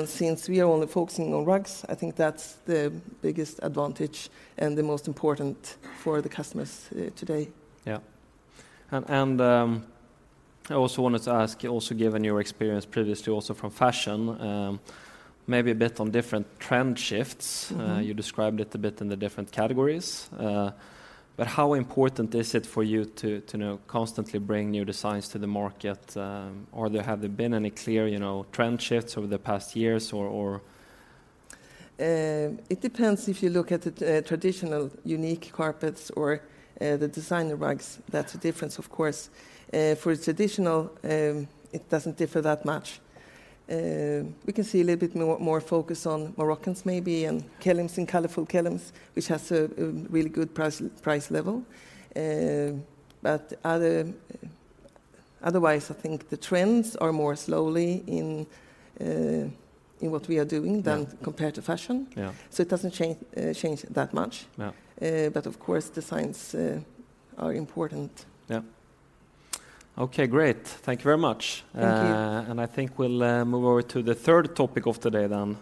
Speaker 3: Since we are only focusing on rugs, I think that's the biggest advantage and the most important for the customers today.
Speaker 1: Yeah. I also wanted to ask, also, given your experience previously, also from fashion, maybe a bit on different trend shifts.
Speaker 3: Mm-hmm.
Speaker 1: You described it a bit in the different categories, but how important is it for you to, you know, constantly bring new designs to the market, or have there been any clear, you know, trend shifts over the past years or?
Speaker 3: It depends if you look at the traditional, unique carpets or the designer rugs. That's a difference, of course. For traditional, it doesn't differ that much. We can see a little bit more focus on Moroccan maybe, and Kilims and colorful Kilims, which has a really good price level. Otherwise, I think the trends are more slowly in what we are doing than compared to fashion.
Speaker 1: Yeah.
Speaker 3: It doesn't change that much.
Speaker 1: Yeah.
Speaker 3: Of course, designs, are important.
Speaker 1: Yeah. Okay, great. Thank you very much.
Speaker 3: Thank you.
Speaker 1: I think we'll move over to the third topic of today then,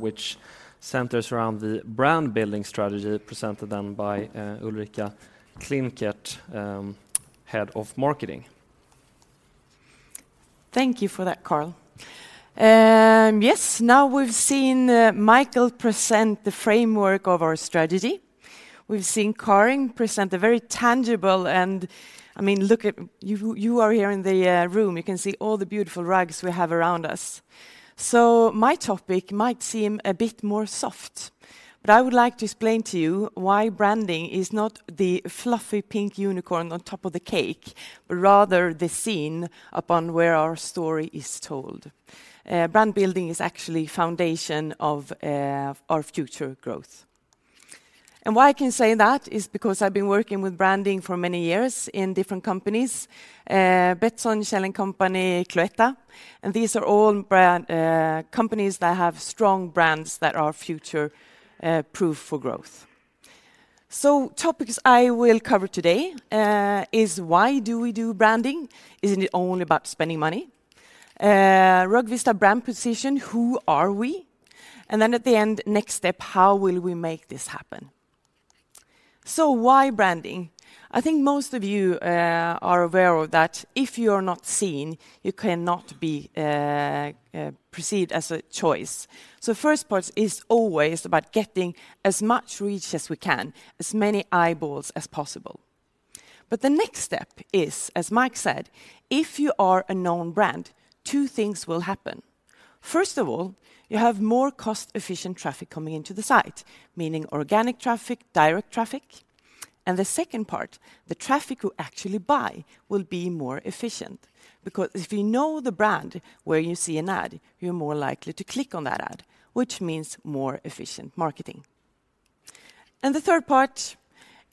Speaker 1: which centers around the brand-building strategy, presented then by Ulrika Klinkert, Head of Marketing.
Speaker 4: Thank you for that, Carl. Yes, now we've seen Michael present the framework of our strategy. We've seen Carin present a very tangible and I mean, you are here in the room. You can see all the beautiful rugs we have around us. My topic might seem a bit more soft, but I would like to explain to you why branding is not the fluffy pink unicorn on top of the cake, but rather the scene upon where our story is told. Brand building is actually foundation of our future growth. Why I can say that is because I've been working with branding for many years in different companies, Betsson, Kjell & Company, Cloetta, and these are all brand companies that have strong brands that are future proof for growth. Topics I will cover today is why do we do branding? Isn't it only about spending money? Rugvista brand position, who are we? At the end, next step, how will we make this happen? Why branding? I think most of you are aware of that if you are not seen, you cannot be perceived as a choice. First part is always about getting as much reach as we can, as many eyeballs as possible. The next step is as Mike said, if you are a known brand, two things will happen. First of all, you have more cost-efficient traffic coming into the site, meaning organic traffic, direct traffic. The second part the traffic who actually buy will be more efficient. If you know the brand, where you see an ad, you're more likely to click on that ad, which means more efficient marketing. The third part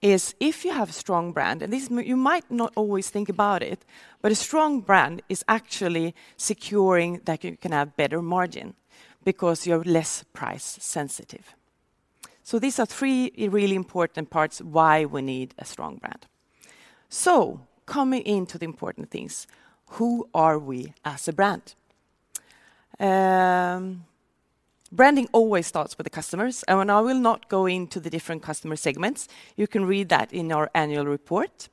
Speaker 4: is, if you have a strong brand, and this, you might not always think about it, but a strong brand is actually securing that you can have better margin because you're less price sensitive. These are 3, really important parts why we need a strong brand. Coming into the important things who are we as a brand? Branding always starts with the customers, and when I will not go into the different customer segments, you can read that in our annual report.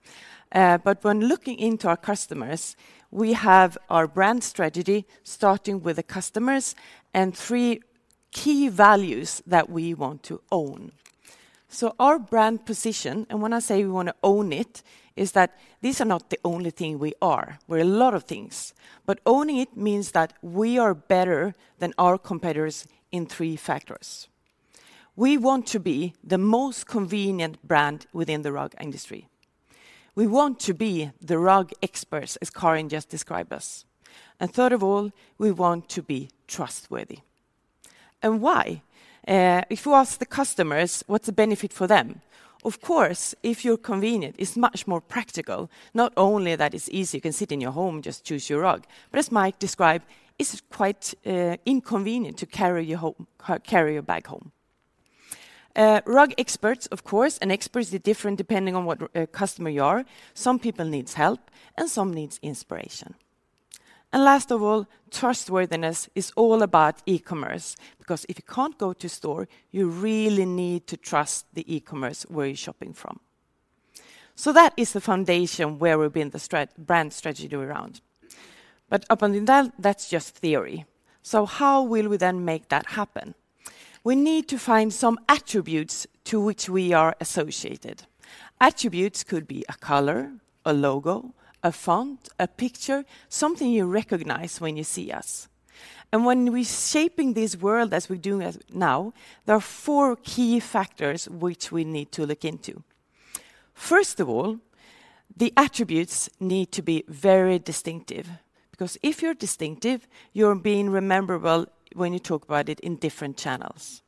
Speaker 4: When looking into our customers, we have our brand strategy, starting with the customers and 3 key values that we want to own. Our brand position, and when I say we want to own it, is that these are not the only thing we are. We're a lot of things, owning it means that we are better than our competitors in 3 factors. We want to be the most convenient brand within the rug industry. We want to be the rug experts, as Carin just described us. 3rd of all, we want to be trustworthy. Why? If you ask the customers, what's the benefit for them? Of course, if you're convenient, it's much more practical. Not only that, it's easy, you can sit in your home, just choose your rug. As Mike described, it's quite inconvenient to carry your home, carry your bag home. Rug experts, of course, and experts are different depending on what customer you are. Some people needs help, and some needs inspiration. Last of all, trustworthiness is all about e-commerce, because if you can't go to store, you really need to trust the e-commerce where you're shopping from. That is the foundation where we've been the brand strategy around. Upon that's just theory. How will we then make that happen? We need to find some attributes to which we are associated. Attributes could be a color, a logo, a font, a picture, something you recognize when you see us. When we shaping this world as we're doing as now, there are four key factors which we need to look into. First of all, the attributes need to be very distinctive, because if you're distinctive, you're being memorable when you talk about it in different channels.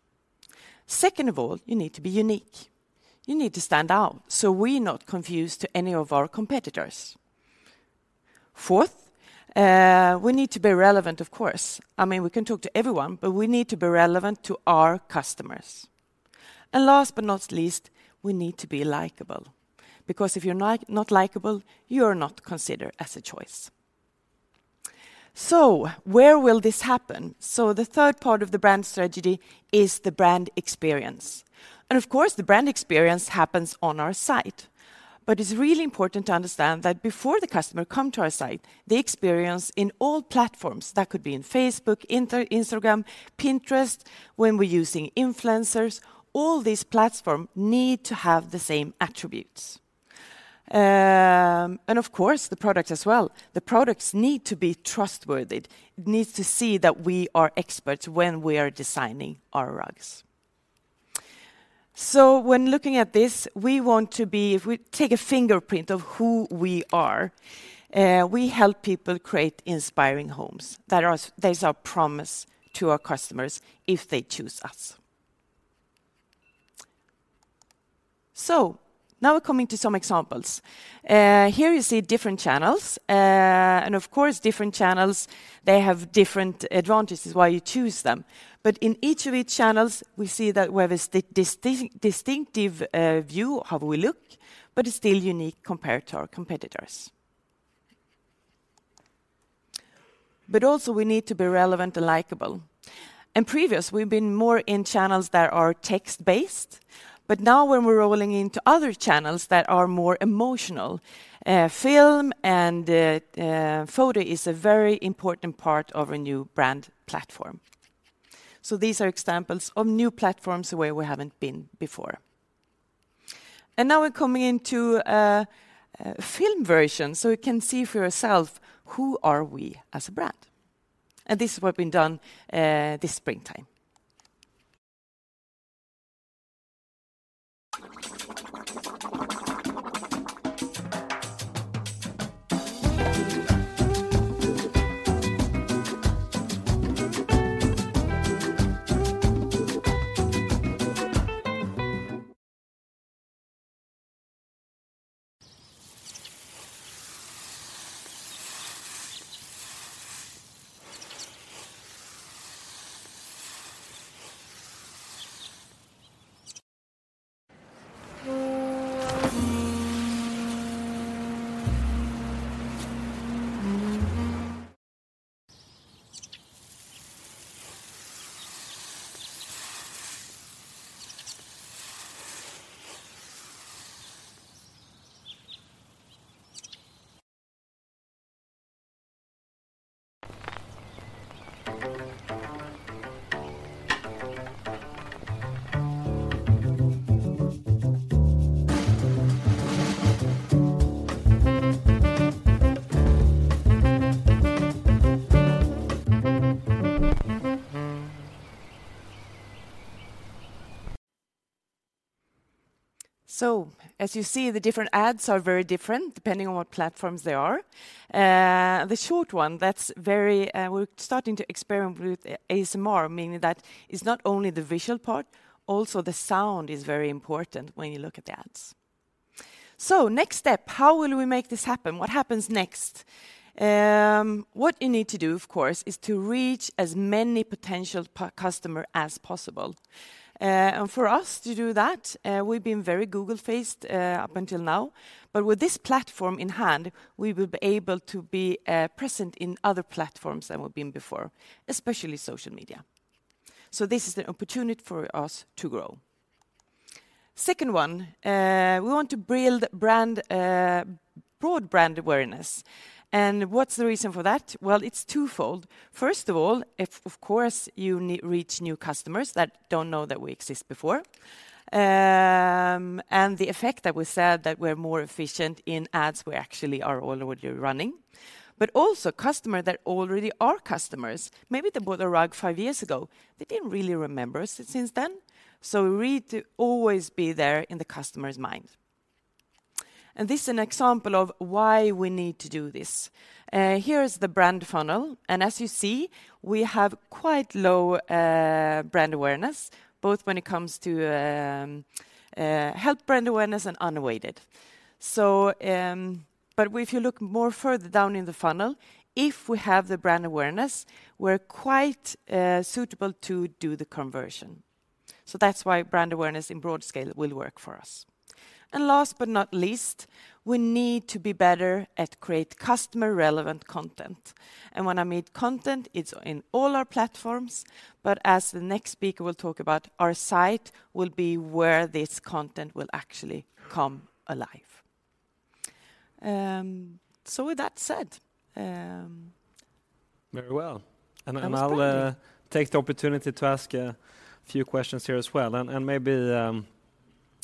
Speaker 4: Second of all, you need to be unique. You need to stand out, so we're not confused to any of our competitors. Fourth, we need to be relevant, of course. I mean, we can talk to everyone, but we need to be relevant to our customers. Last but not least, we need to be likable, because if you're not likable, you're not considered as a choice. Where will this happen? The third part of the brand strategy is the brand experience. Of course, the brand experience happens on our site. It's really important to understand that before the customer come to our site, the experience in all platforms, that could be in Facebook, Instagram, Pinterest, when we're using influencers, all these platform need to have the same attributes. And of course, the products as well. The products need to be trustworthy. It needs to see that we are experts when we are designing our rugs. When looking at this, if we take a fingerprint of who we are, we help people create inspiring homes. That is our promise to our customers if they choose us. Now we're coming to some examples. Here you see different channels, of course, different channels, they have different advantages, why you choose them. In each channels, we see that we have a distinctive view of how we look, it's still unique compared to our competitors. Also, we need to be relevant and likable. In previous, we've been more in channels that are text-based, but now when we're rolling into other channels that are more emotional, film and photo is a very important part of a new brand platform. These are examples of new platforms where we haven't been before. Now we're coming into a film version, so you can see for yourself, who are we as a brand? This is what been done this springtime. As you see, the different ads are very different, depending on what platforms they are. The short one, that's very, we're starting to experiment with ASMR, meaning that it's not only the visual part, also the sound is very important when you look at the ads. Next step, how will we make this happen? What happens next? What you need to do, of course, is to reach as many potential customer as possible. For us to do that, we've been very Google-faced up until now, but with this platform in hand, we will be able to be present in other platforms than we've been before, especially social media. This is an opportunity for us to grow. Second one, we want to build brand broad brand awareness. What's the reason for that? Well, it's twofold. First of all, if of course, you reach new customers that don't know that we exist before, and the effect that we said that we're more efficient in ads, we actually are already running. Also, customer that already are customers. Maybe they bought a rug 5 years ago. They didn't really remember us since then, we need to always be there in the customer's mind. This is an example of why we need to do this. Here is the brand funnel, as you see, we have quite low, brand awareness, both when it comes to, help brand awareness and unaided. But if you look more further down in the funnel, if we have the brand awareness, we're quite, suitable to do the conversion. That's why brand awareness in broad scale will work for us. Last but not least, we need to be better at create customer-relevant content. When I mean content, it's in all our platforms, but as the next speaker will talk about, our site will be where this content will actually come alive. With that said,
Speaker 1: Very well.
Speaker 4: Thank you.
Speaker 1: I'll take the opportunity to ask a few questions here as well, and maybe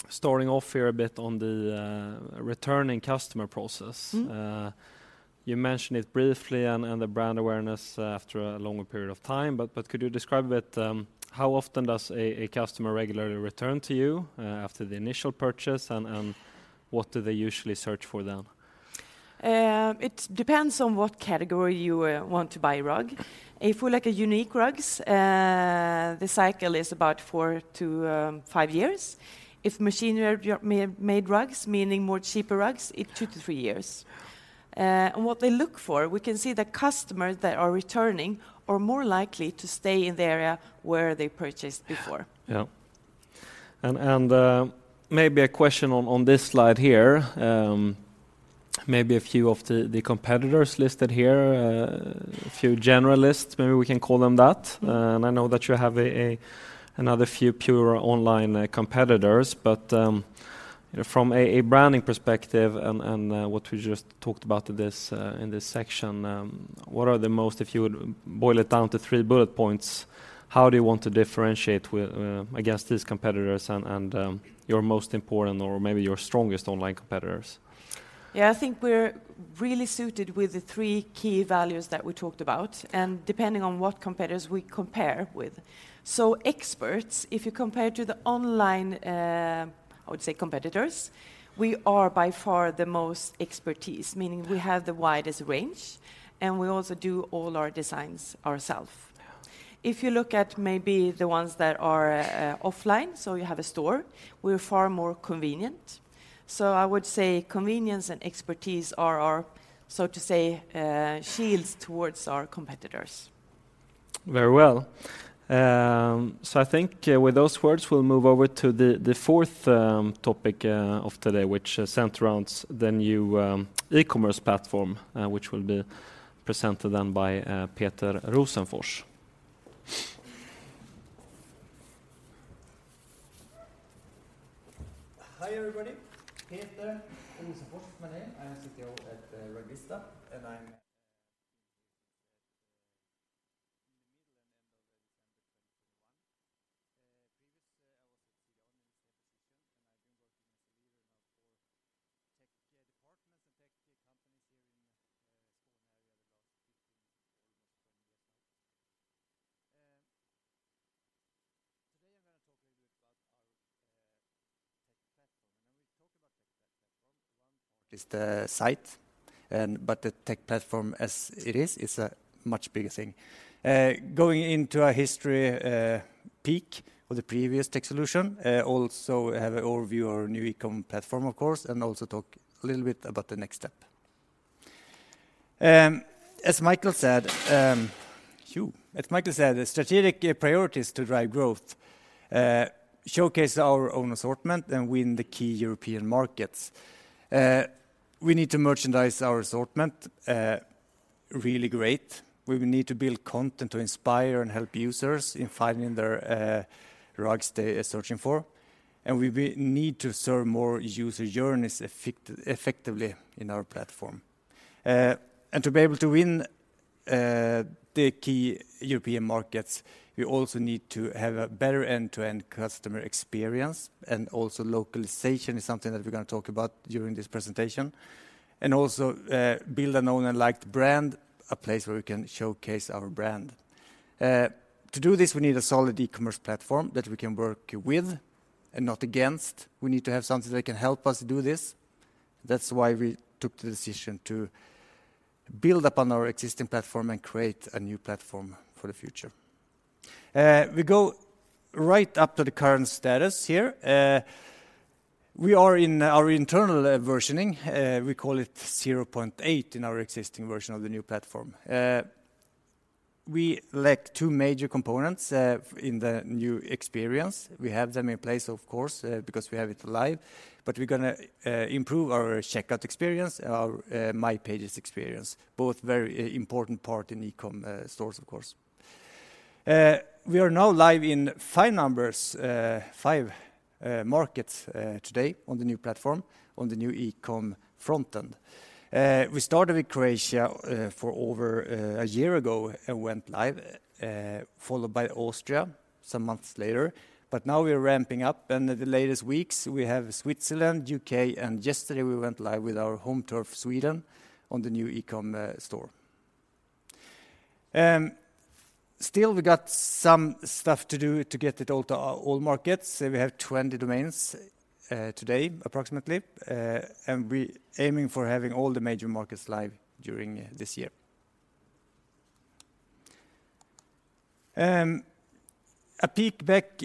Speaker 1: starting off here a bit on the returning customer process.
Speaker 4: Mm-hmm.
Speaker 1: You mentioned it briefly, and the brand awareness after a longer period of time, but could you describe a bit, how often does a customer regularly return to you, after the initial purchase, and what do they usually search for then?
Speaker 4: It depends on what category you want to buy a rug. If you like a unique rugs, the cycle is about 4-5 years. If machine-made rugs, meaning more cheaper rugs, it 2-3 years.
Speaker 1: Yeah.
Speaker 4: What they look for, we can see the customers that are returning are more likely to stay in the area where they purchased before.
Speaker 1: Yeah. And, maybe a question on this slide here, maybe a few of the competitors listed here, a few generalists, maybe we can call them that.
Speaker 4: Mm-hmm.
Speaker 1: I know that you have another few pure online competitors, but, from a branding perspective, what we just talked about this, in this section, what are the most if you would boil it down to three bullet points, how do you want to differentiate with against these competitors, your most important or maybe your strongest online competitors?
Speaker 4: Yeah, I think we're really suited with the 3 key values that we talked about, depending on what competitors we compare with. Experts, if you compare to the online, I would say, competitors, we are by far the most expertise, meaning-
Speaker 1: Yeah
Speaker 4: we have the widest range, and we also do all our designs ourself.
Speaker 1: Yeah.
Speaker 4: If you look at maybe the ones that are, offline, so you have a store, we're far more convenient. I would say convenience and expertise are our, so to say, shields towards our competitors.
Speaker 1: Very well. I think with those words, we'll move over to the fourth topic of today, which centers around the new e-commerce platform, which will be presented then by Peter Rosenfors.
Speaker 5: Hi, everybody. Peter Rosenfors is my name. I'm a CTO at Rugvista, and I'm in the middle and end of December 2021. Previous, I was at BCE the same position, and I've been working as a leader now for tech departments and tech companies here in Stockholm area the last 15, almost 20 years now. Today I'm gonna talk a little about our tech platform. When we talk about tech platform, one part is the site, but the tech platform as it is a much bigger thing. Going into a history, peak of the previous tech solution, also have an overview of our new e-com platform, of course, and also talk a little bit about the next step. As Michael said, the strategic priorities to drive growth, showcase our own assortment and win the key European markets. We need to merchandise our assortment really great. We will need to build content to inspire and help users in finding their rugs they are searching for. We need to serve more user journeys effectively in our platform. To be able to win the key European markets, we also need to have a better end-to-end customer experience, and also localization is something that we're gonna talk about during this presentation. Also, build a known and liked brand, a place where we can showcase our brand. To do this, we need a solid e-commerce platform that we can work with and not against. We need to have something that can help us do this. That's why we took the decision to build upon our existing platform and create a new platform for the future. We go right up to the current status here. We are in our internal versioning. We call it 0.8 in our existing version of the new platform. We lack two major components in the new experience. We have them in place, of course, because we have it live, but we're gonna improve our checkout experience, our My Pages experience, both very important part in e-com stores, of course. We are now live in five numbers, five markets today on the new platform, on the new e-com front end. We started with Croatia for over 1 year ago and went live, followed by Austria some months later. Now we are ramping up, and in the latest weeks, we have Switzerland, UK, and yesterday we went live with our home turf, Sweden, on the new e-com store. Still, we got some stuff to do to get it out to our all markets. We have 20 domains today, approximately, and we aiming for having all the major markets live during this year. A peek back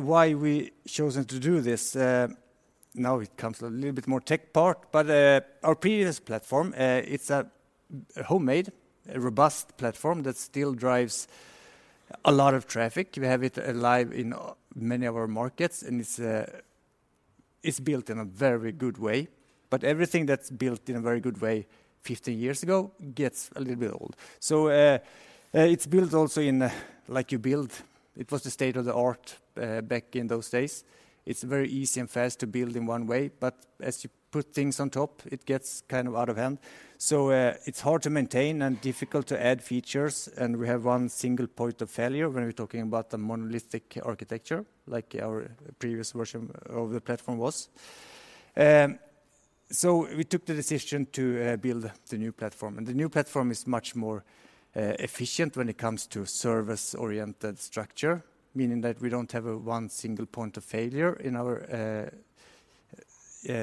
Speaker 5: why we chosen to do this. Now it comes a little bit more tech part, but our previous platform, it's a homemade, a robust platform that still drives a lot of traffic. We have it live in many of our markets. It's built in a very good way. Everything that's built in a very good way 15 years ago gets a little bit old. It's built also in, like you build, it was the state-of-the-art back in those days. It's very easy and fast to build in 1 way, but as you put things on top, it gets kind of out of hand. It's hard to maintain and difficult to add features, and we have 1 single point of failure when we're talking about the monolithic architecture, like our previous version of the platform was. We took the decision to build the new platform. The new platform is much more efficient when it comes to service-oriented structure, meaning that we don't have a one single point of failure in our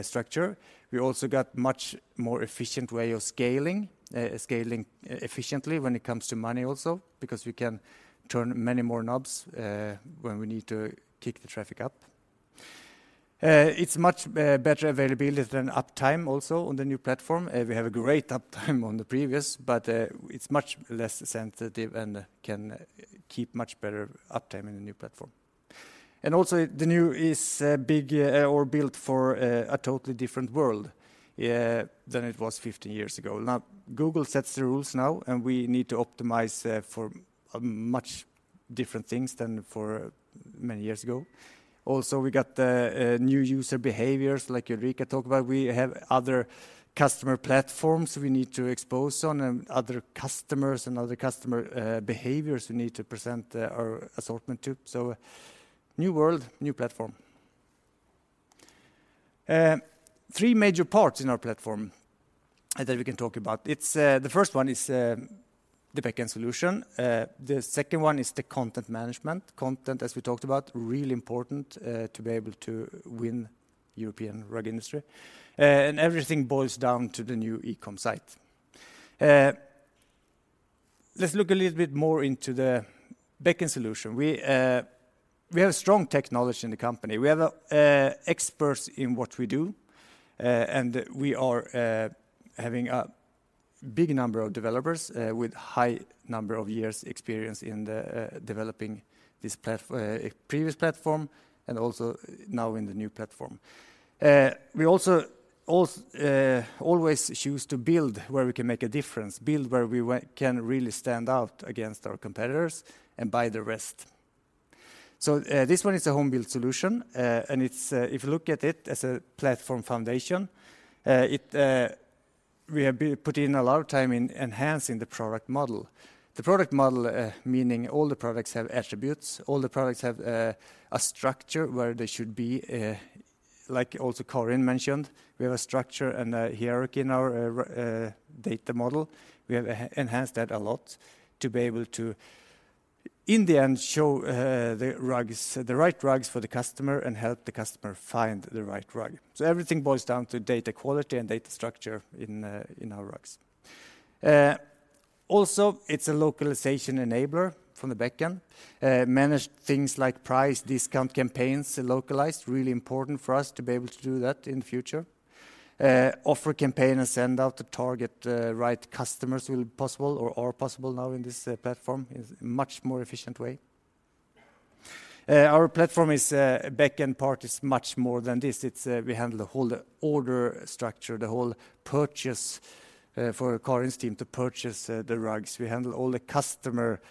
Speaker 5: structure. We also got much more efficient way of scaling efficiently when it comes to money also, because we can turn many more knobs when we need to kick the traffic up. It's much better availability than uptime also on the new platform. We have a great uptime on the previous, it's much less sensitive and can keep much better uptime in the new platform. The new is big or built for a totally different world than it was 15 years ago. Google sets the rules now, and we need to optimize for much different things than for many years ago. We got new user behaviors, like Ulrika talked about. We have other customer platforms we need to expose on, and other customers and other customer behaviors we need to present our assortment to. New world, new platform. Three major parts in our platform that we can talk about. It's the first one is the backend solution. The second one is the content management. Content, as we talked about, really important to be able to win European rug industry. Everything boils down to the new e-com site. Let's look a little bit more into the backend solution. We have strong technology in the company. We have experts in what we do. We are having a big number of developers with high number of years experience in the developing this previous platform and also now in the new platform. We also always choose to build where we can make a difference, build where we can really stand out against our competitors, and buy the rest. This one is a home-built solution, and it's, if you look at it as a platform foundation, it, we have put in a lot of time in enhancing the product model. The product model, meaning all the products have attributes, all the products have a structure where they should be, like also Carin mentioned, we have a structure and a hierarchy in our data model. We have enhanced that a lot to be able to, in the end, show the rugs, the right rugs for the customer and help the customer find the right rug. Everything boils down to data quality and data structure in our rugs. Also, it's a localization enabler from the backend. Manage things like price, discount, campaigns, localized. Really important for us to be able to do that in the future. Offer campaign and send out to target right customers will be possible or are possible now in this platform, in a much more efficient way. Our platform is backend part is much more than this. It's, we handle the whole order structure, the whole purchase for Carin's team to purchase the rugs. We handle all the customer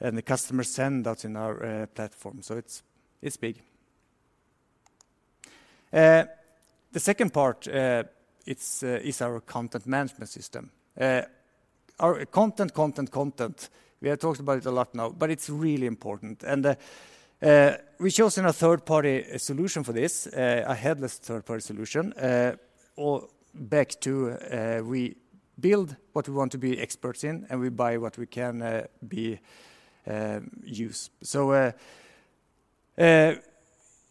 Speaker 5: and the customer sendouts in our platform, so it's big. The second part, it's our content management system. Our content, content, we have talked about it a lot now, but it's really important. We've chosen a third-party solution for this, a headless third-party solution. Or back to, we build what we want to be experts in, and we buy what we can be use.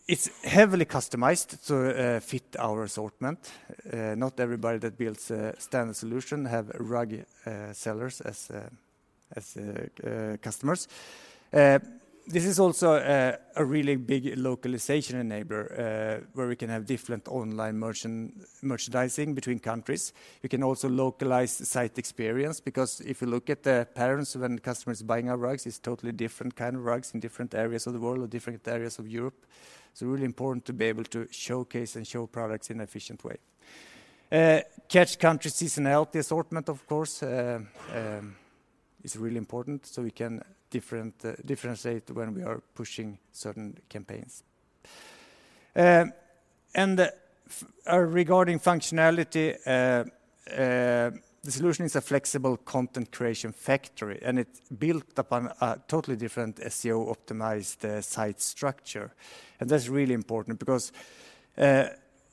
Speaker 5: It's heavily customized to fit our assortment. Not everybody that builds a standard solution have rug sellers as customers. This is also a really big localization enabler, where we can have different online merchandising between countries. We can also localize the site experience, because if you look at the patterns when the customer is buying our rugs, it's totally different kind of rugs in different areas of the world or different areas of Europe. Really important to be able to showcase and show products in an efficient way. Catch country seasonality assortment, of course, is really important, so we can differentiate when we are pushing certain campaigns. Regarding functionality, the solution is a flexible content creation factory, and it's built upon a totally different SEO-optimized site structure. That's really important because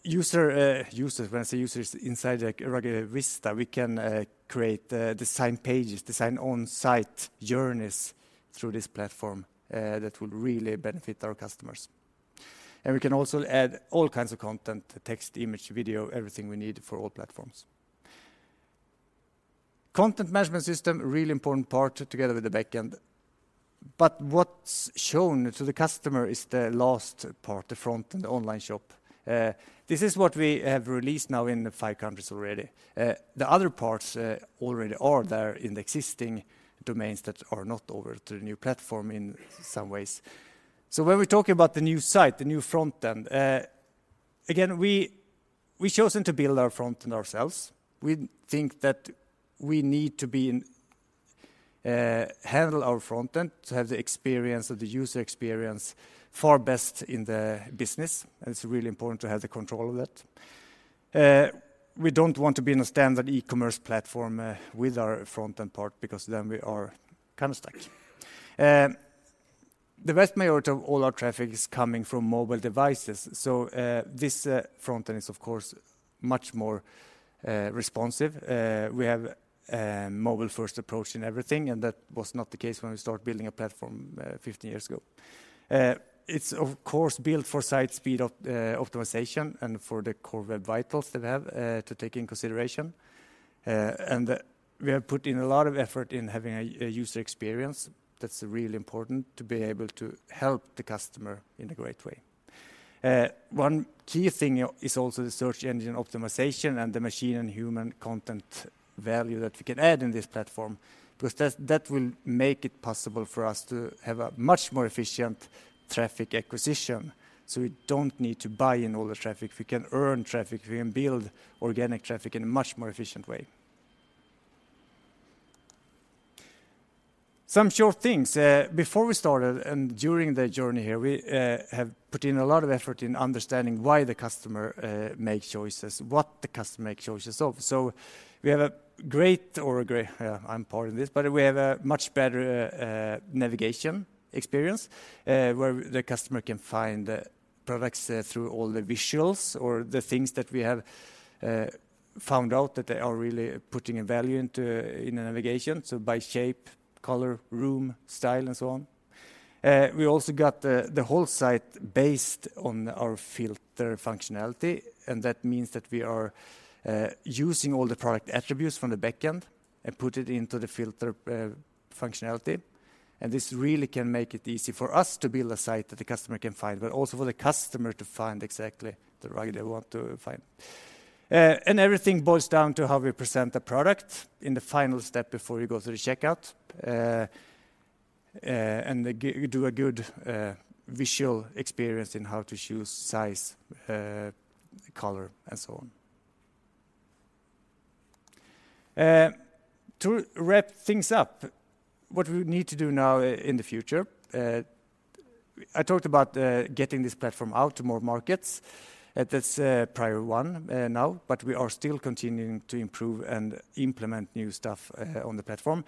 Speaker 5: users, when I say users inside, like, Rugvista, we can create design pages, design on-site journeys through this platform, that will really benefit our customers. We can also add all kinds of content, text, image, video, everything we need for all platforms. Content management system, a really important part together with the back end. What's shown to the customer is the last part, the front, and the online shop. This is what we have released now in the five countries already. The other parts already are there in the existing domains that are not over to the new platform in some ways. When we talk about the new site, the new front end, again, we've chosen to build our front end ourselves. We think that we need to be in, handle our front end to have the experience of the user experience far best in the business, and it's really important to have the control of that. We don't want to be in a standard e-commerce platform with our front-end part, because then we are kind of stuck. The vast majority of all our traffic is coming from mobile devices, so this front end is, of course, much more responsive. We have a mobile-first approach in everything, and that was not the case when we started building a platform 15 years ago. It's, of course, built for site speed optimization and for the Core Web Vitals that we have to take in consideration. We have put in a lot of effort in having a user experience that's really important to be able to help the customer in a great way. One key thing is also the search engine optimization and the machine and human content value that we can add in this platform, because that will make it possible for us to have a much more efficient traffic acquisition. We don't need to buy in all the traffic. We can earn traffic, we can build organic traffic in a much more efficient way. Some short things. Before we started and during the journey here, we have put in a lot of effort in understanding why the customer makes choices, what the customer makes choices of. I'm part of this, but we have a much better navigation experience, where the customer can find the products through all the visuals or the things that we have found out that they are really putting a value into, in the navigation, so by shape, color, room, style, and so on. We also got the whole site based on our filter functionality, and that means that we are using all the product attributes from the back end and put it into the filter functionality. This really can make it easy for us to build a site that the customer can find, but also for the customer to find exactly the rug they want to find. Everything boils down to how we present the product in the final step before you go through the checkout and do a good visual experience in how to choose size, color, and so on. To wrap things up, what we need to do now in the future, I talked about getting this platform out to more markets. That's a priority 1 now, but we are still continuing to improve and implement new stuff on the platform.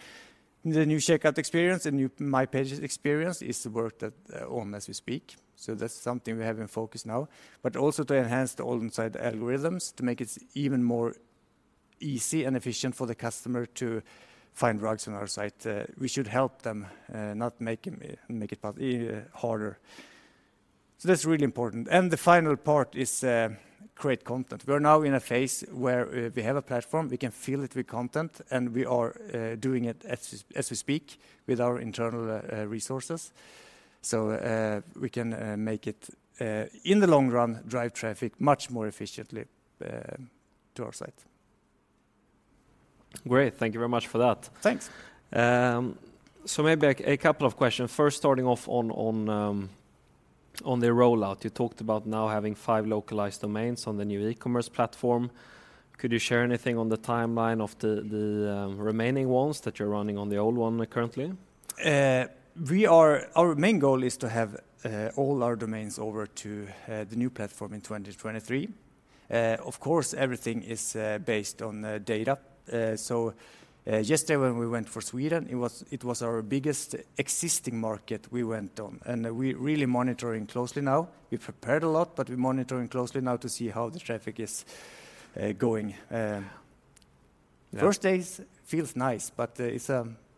Speaker 5: The new checkout experience, the new My Pages experience is worked on as we speak. That's something we have in focus now. Also to enhance the on-site algorithms to make it even more easy and efficient for the customer to find rugs on our site. We should help them not make it harder. That's really important. The final part is create content. We are now in a phase where we have a platform, we can fill it with content, and we are doing it as we speak with our internal resources. We can make it in the long run, drive traffic much more efficiently to our site.
Speaker 1: Great. Thank you very much for that.
Speaker 5: Thanks.
Speaker 1: Maybe a couple of questions. First, starting off on the rollout. You talked about now having 5 localized domains on the new e-commerce platform. Could you share anything on the timeline of the remaining ones that you're running on the old one currently?
Speaker 5: Our main goal is to have all our domains over to the new platform in 2023. Of course, everything is based on data. Yesterday, when we went for Sweden, it was our biggest existing market we went on, and we're really monitoring closely now. We've prepared a lot, but we're monitoring closely now to see how the traffic is going.
Speaker 1: Yeah.
Speaker 5: First days feels nice, but it's,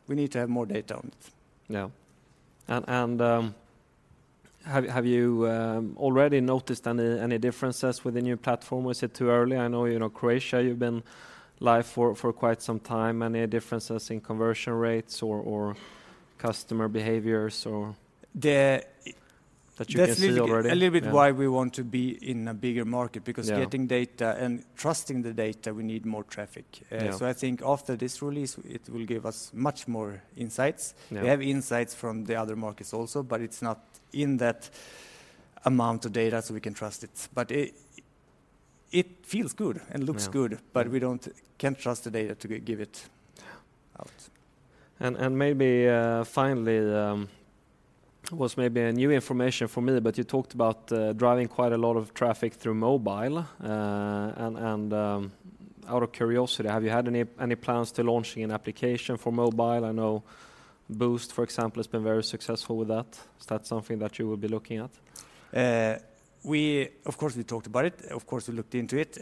Speaker 5: we need to have more data on it.
Speaker 1: Yeah. Have you already noticed any differences with the new platform? Is it too early? I know, you know, Croatia, you've been live for quite some time. Any differences in conversion rates or customer behaviors or...
Speaker 5: The-
Speaker 1: That you can see already?
Speaker 5: That's a little bit-
Speaker 1: Yeah...
Speaker 5: a little bit why we want to be in a bigger market-
Speaker 1: Yeah
Speaker 5: because getting data and trusting the data, we need more traffic.
Speaker 1: Yeah.
Speaker 5: I think after this release, it will give us much more insights.
Speaker 1: Yeah.
Speaker 5: We have insights from the other markets also, but it's not in that amount of data, so we can trust it. It feels good.
Speaker 1: Yeah
Speaker 5: and looks good.
Speaker 1: Yeah
Speaker 5: We can't trust the data to give it out.
Speaker 1: Yeah. Maybe, finally, was maybe a new information for me, but you talked about driving quite a lot of traffic through mobile. Out of curiosity, have you had any plans to launching an application for mobile? I know Boozt, for example, has been very successful with that. Is that something that you will be looking at?
Speaker 5: Of course, we talked about it. Of course, we looked into it.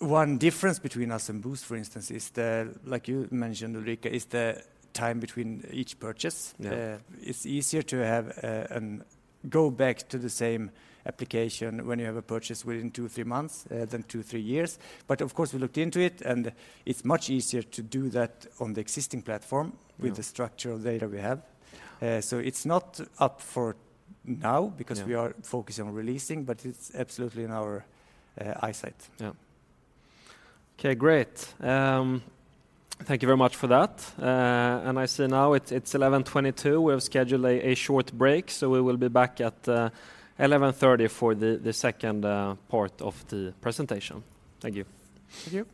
Speaker 5: One difference between us and Boozt, for instance, is the, like you mentioned, Ulrika, is the time between each purchase.
Speaker 1: Yeah.
Speaker 5: It's easier to have, go back to the same application when you have a purchase within 2, 3 months, than 2, 3 years. Of course, we looked into it, and it's much easier to do that on the existing platform.
Speaker 1: Yeah...
Speaker 5: with the structural data we have. so it's not up for now-
Speaker 1: Yeah
Speaker 5: because we are focusing on releasing, but it's absolutely in our eyesight.
Speaker 1: Yeah. Okay, great. Thank you very much for that. I see now it's 11:22 A.M. We have scheduled a short break, so we will be back at 11:30 A.M. for the second part of the presentation. Thank you.
Speaker 5: Thank you. ...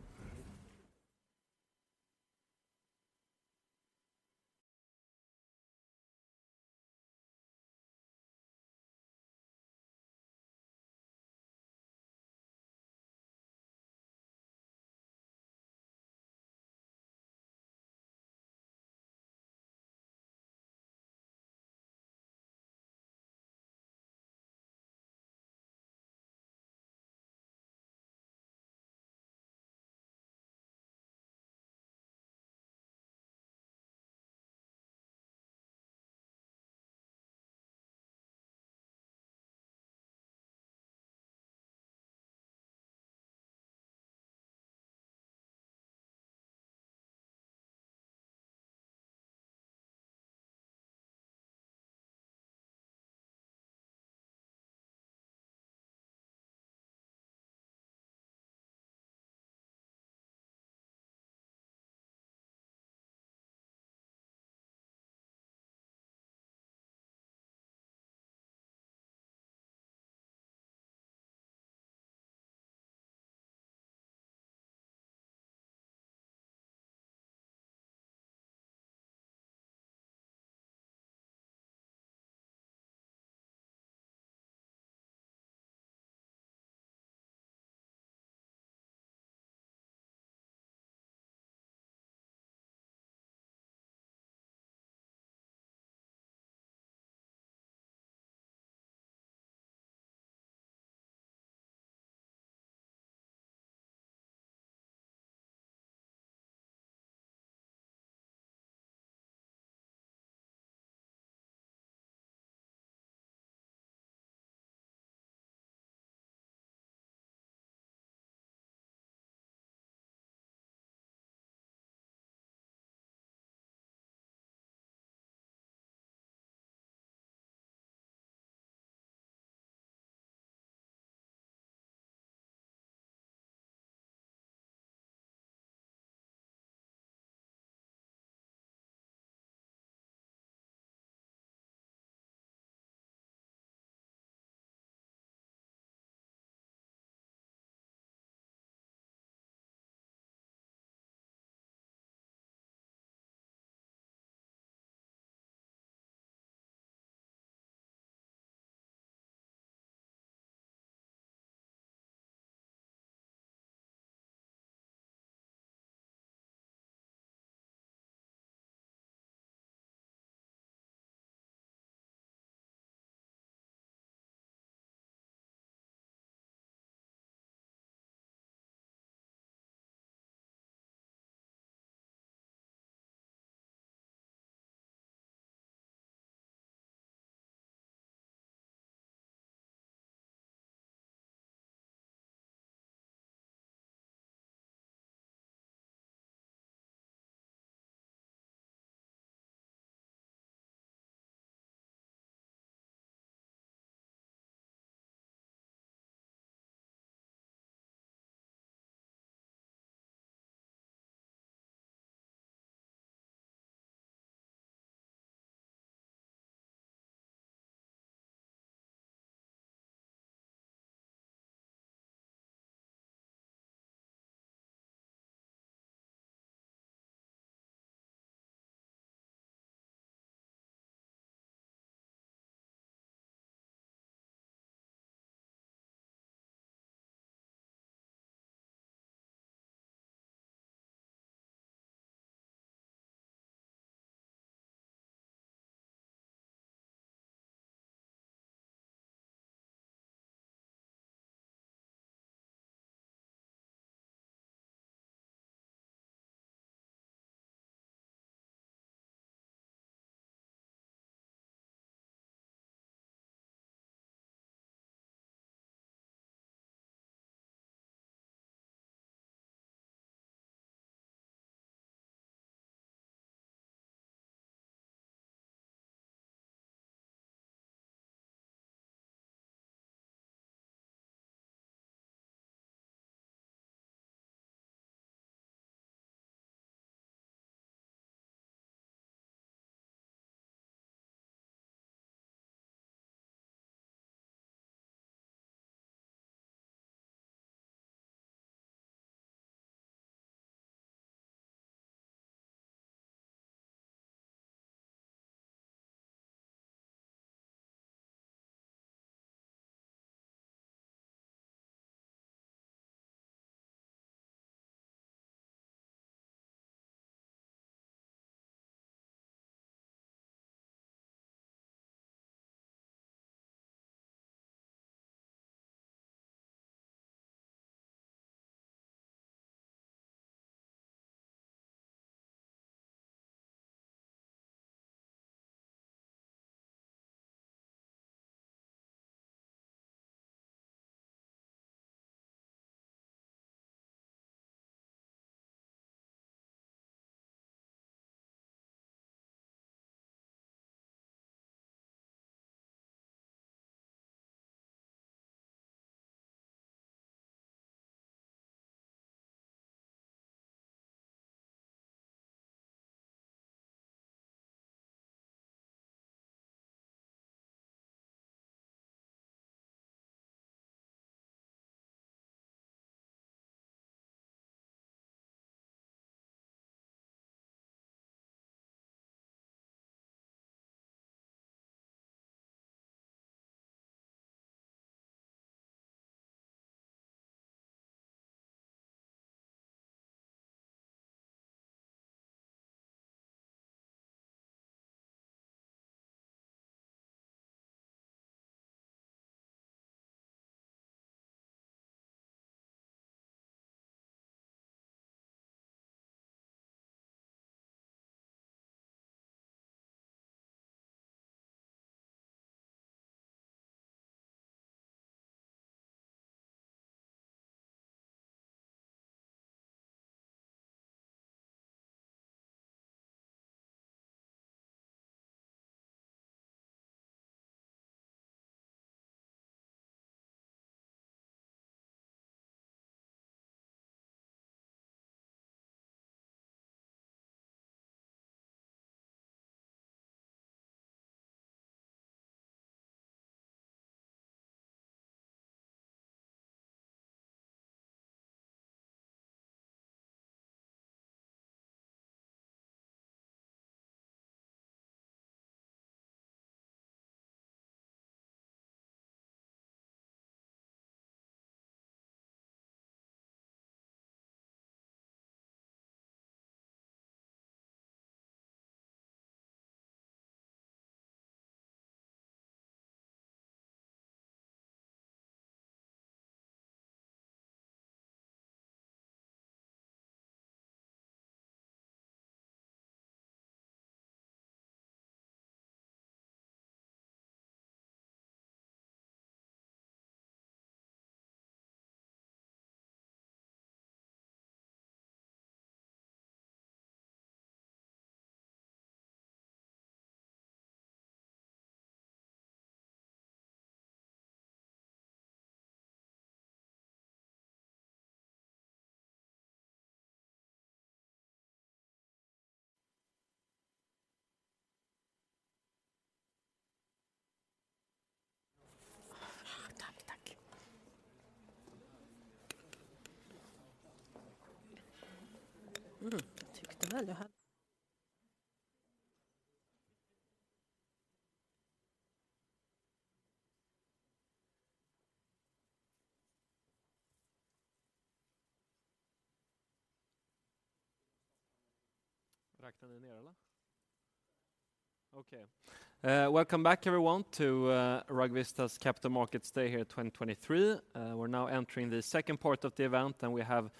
Speaker 1: Welcome back everyone to Rugvista's Capital Markets Day here 2023. We're now entering the second part of the event. We have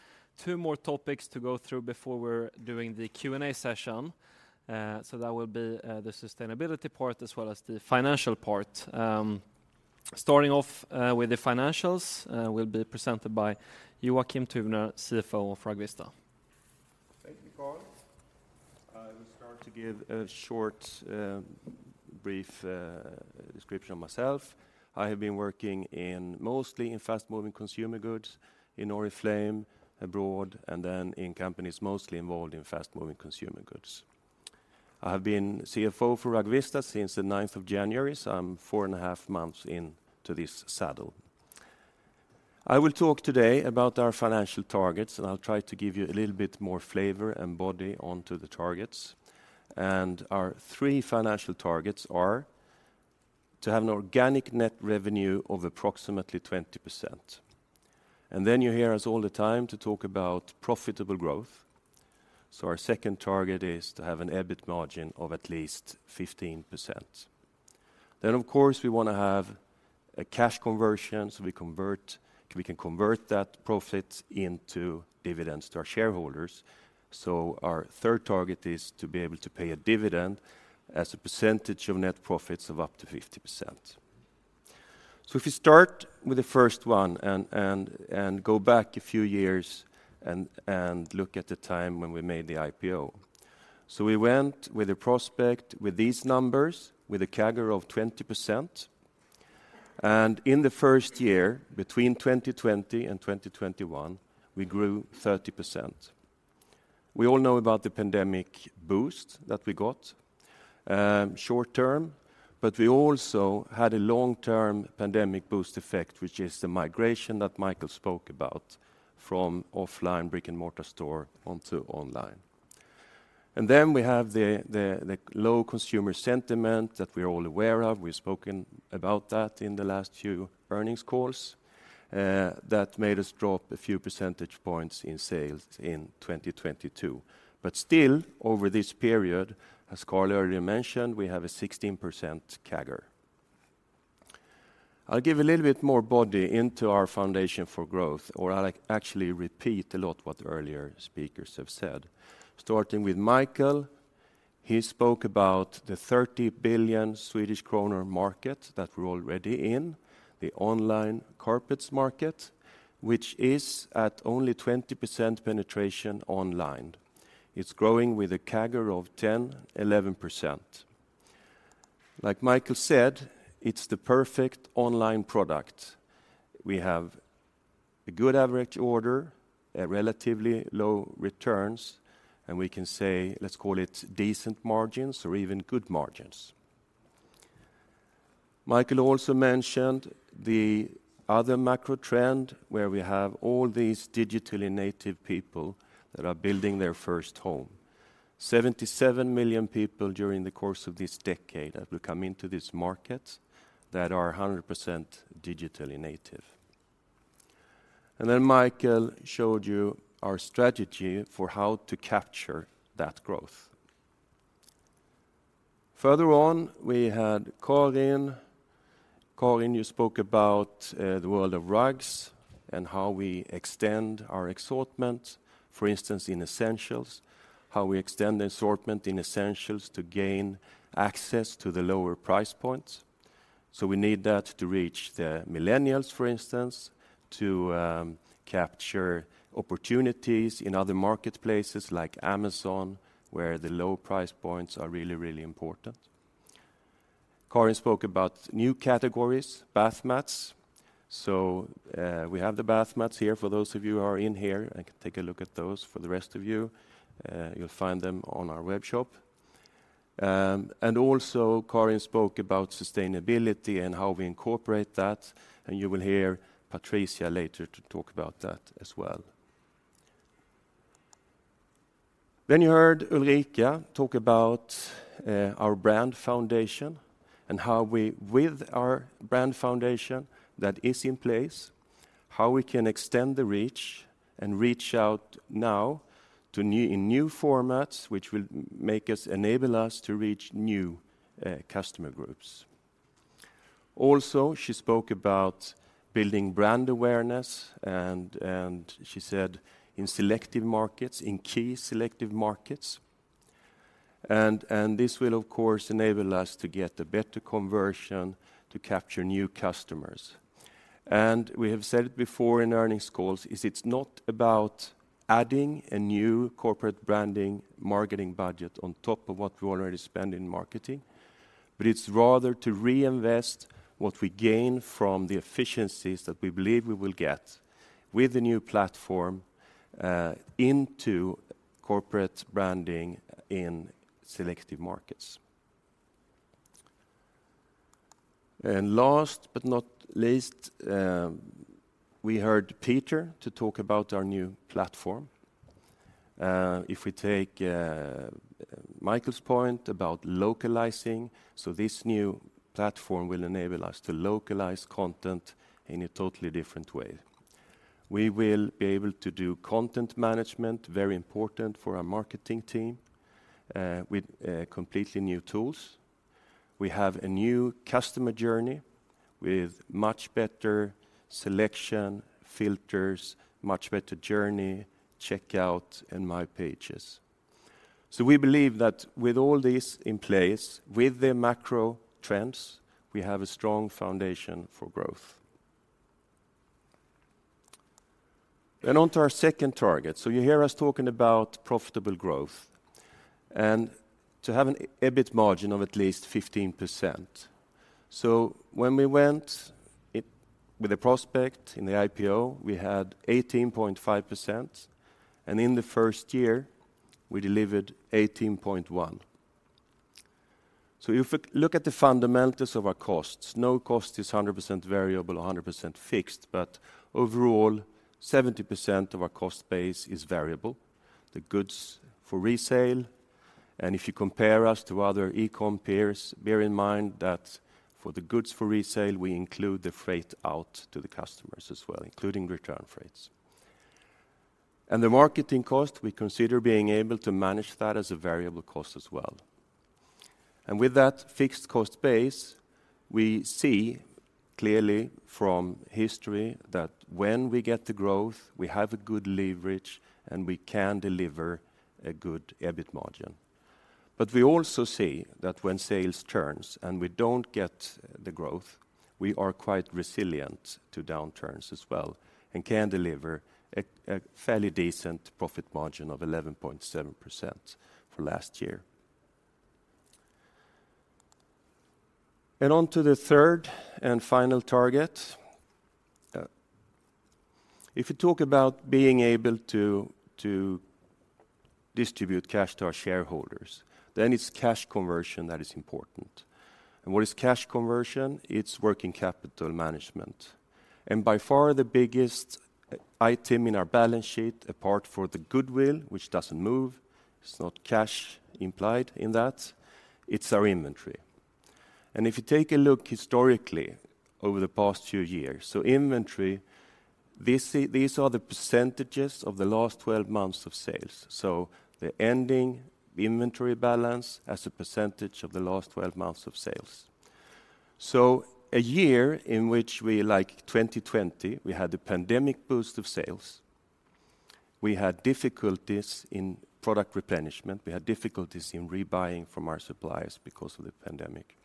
Speaker 1: 2 more topics to go through before we're doing the Q&A session. That will be the sustainability part as well as the financial part. Starting off with the financials, will be presented by Joakim Tuvner, CFO of Rugvista.
Speaker 6: Thank you, Carl. I will start to give a short, brief description of myself. I have been working in mostly in fast-moving consumer goods, in Oriflame abroad, and then in companies mostly involved in fast-moving consumer goods. I have been CFO for Rugvista since the ninth of January, so I'm 4 and a half months into this saddle. I will talk today about our financial targets, and I'll try to give you a little bit more flavor and body onto the targets. Our three financial targets are: to have an organic net revenue of approximately 20%. Then you hear us all the time to talk about profitable growth. Our second target is to have an EBIT margin of at least 15%. Of course, we wanna have a cash conversion, so we can convert that profit into dividends to our shareholders. Our third target is to be able to pay a dividend as a percentage of net profits of up to 50%. If you start with the first one and go back a few years and look at the time when we made the IPO. We went with a prospect, with these numbers, with a CAGR of 20%, and in the first year, between 2020 and 2021, we grew 30%. We all know about the pandemic boost that we got, short term, but we also had a long-term pandemic boost effect, which is the migration that Michael spoke about from offline brick-and-mortar store onto online. We have the low consumer sentiment that we're all aware of. We've spoken about that in the last few earnings calls, that made us drop a few percentage points in sales in 2022. Still, over this period, as Carl already mentioned, we have a 16% CAGR. I'll give a little bit more body into our foundation for growth, or I'll actually repeat a lot what earlier speakers have said. Starting with Michael, he spoke about the 30 billion Swedish kronor market that we're already in, the online carpets market, which is at only 20% penetration online. It's growing with a CAGR of 10%, 11%. Like Michael said, it's the perfect online product. We have a good average order, a relatively low returns, and we can say, let's call it, decent margins or even good margins. Michael also mentioned the other macro trend, where we have all these digitally native people that are building their first home. 77 million people during the course of this decade that will come into this market that are 100% digitally native. Michael showed you our strategy for how to capture that growth. Further on, we had Carin. Carin, you spoke about the world of rugs and how we extend our assortment, for instance, in Essentials, how we extend the assortment in Essentials to gain access to the lower price points. We need that to reach the millennials, for instance, to capture opportunities in other marketplaces like Amazon, where the low price points are really, really important. Carin spoke about new categories, bath mats. We have the bath mats here. For those of you who are in here, you can take a look at those. For the rest of you'll find them on our webshop. Also, Carin spoke about sustainability and how we incorporate that, and you will hear Patricia later to talk about that as well. You heard Ulrika talk about our brand foundation and how we, with our brand foundation that is in place, how we can extend the reach and reach out now to new formats, which will enable us to reach new customer groups. She spoke about building brand awareness and she said in selective markets, in key selective markets, and this will, of course, enable us to get a better conversion to capture new customers. We have said it before in earnings calls, is it's not about adding a new corporate branding marketing budget on top of what we already spend in marketing, but it's rather to reinvest what we gain from the efficiencies that we believe we will get with the new platform, into corporate branding in selective markets. Last but not least, we heard Peter to talk about our new platform. If we take Michael's point about localizing, so this new platform will enable us to localize content in a totally different way. We will be able to do content management, very important for our marketing team, with completely new tools. We have a new customer journey with much better selection, filters, much better journey, checkout, and my pages. We believe that with all this in place, with the macro trends, we have a strong foundation for growth. On to our second target. You hear us talking about profitable growth and to have an EBIT margin of at least 15%. When we went it, with a prospect in the IPO, we had 18.5%, and in the first year, we delivered 18.1%. If you look at the fundamentals of our costs, no cost is 100% variable or 100% fixed, but overall, 70% of our cost base is variable, the goods for resale. If you compare us to other e-com peers, bear in mind that for the goods for resale, we include the freight out to the customers as well, including return freights. The marketing cost, we consider being able to manage that as a variable cost as well. With that fixed cost base, we see clearly from history that when we get the growth, we have a good leverage, and we can deliver a good EBIT margin. We also see that when sales turns and we don't get the growth, we are quite resilient to downturns as well, and can deliver a fairly decent profit margin of 11.7% for last year. On to the third and final target. If you talk about being able to distribute cash to our shareholders, then it's cash conversion that is important. What is cash conversion? It's working capital management. By far, the biggest item in our balance sheet, apart for the goodwill, which doesn't move, it's not cash implied in that, it's our inventory. If you take a look historically over the past few years, inventory, these are the percentages of the last 12 months of sales. The ending inventory balance as a percentage of the last 12 months of sales. A year in which we, like 2020, we had a pandemic boost of sales, we had difficulties in product replenishment, we had difficulties in rebuying from our suppliers because of the pandemic.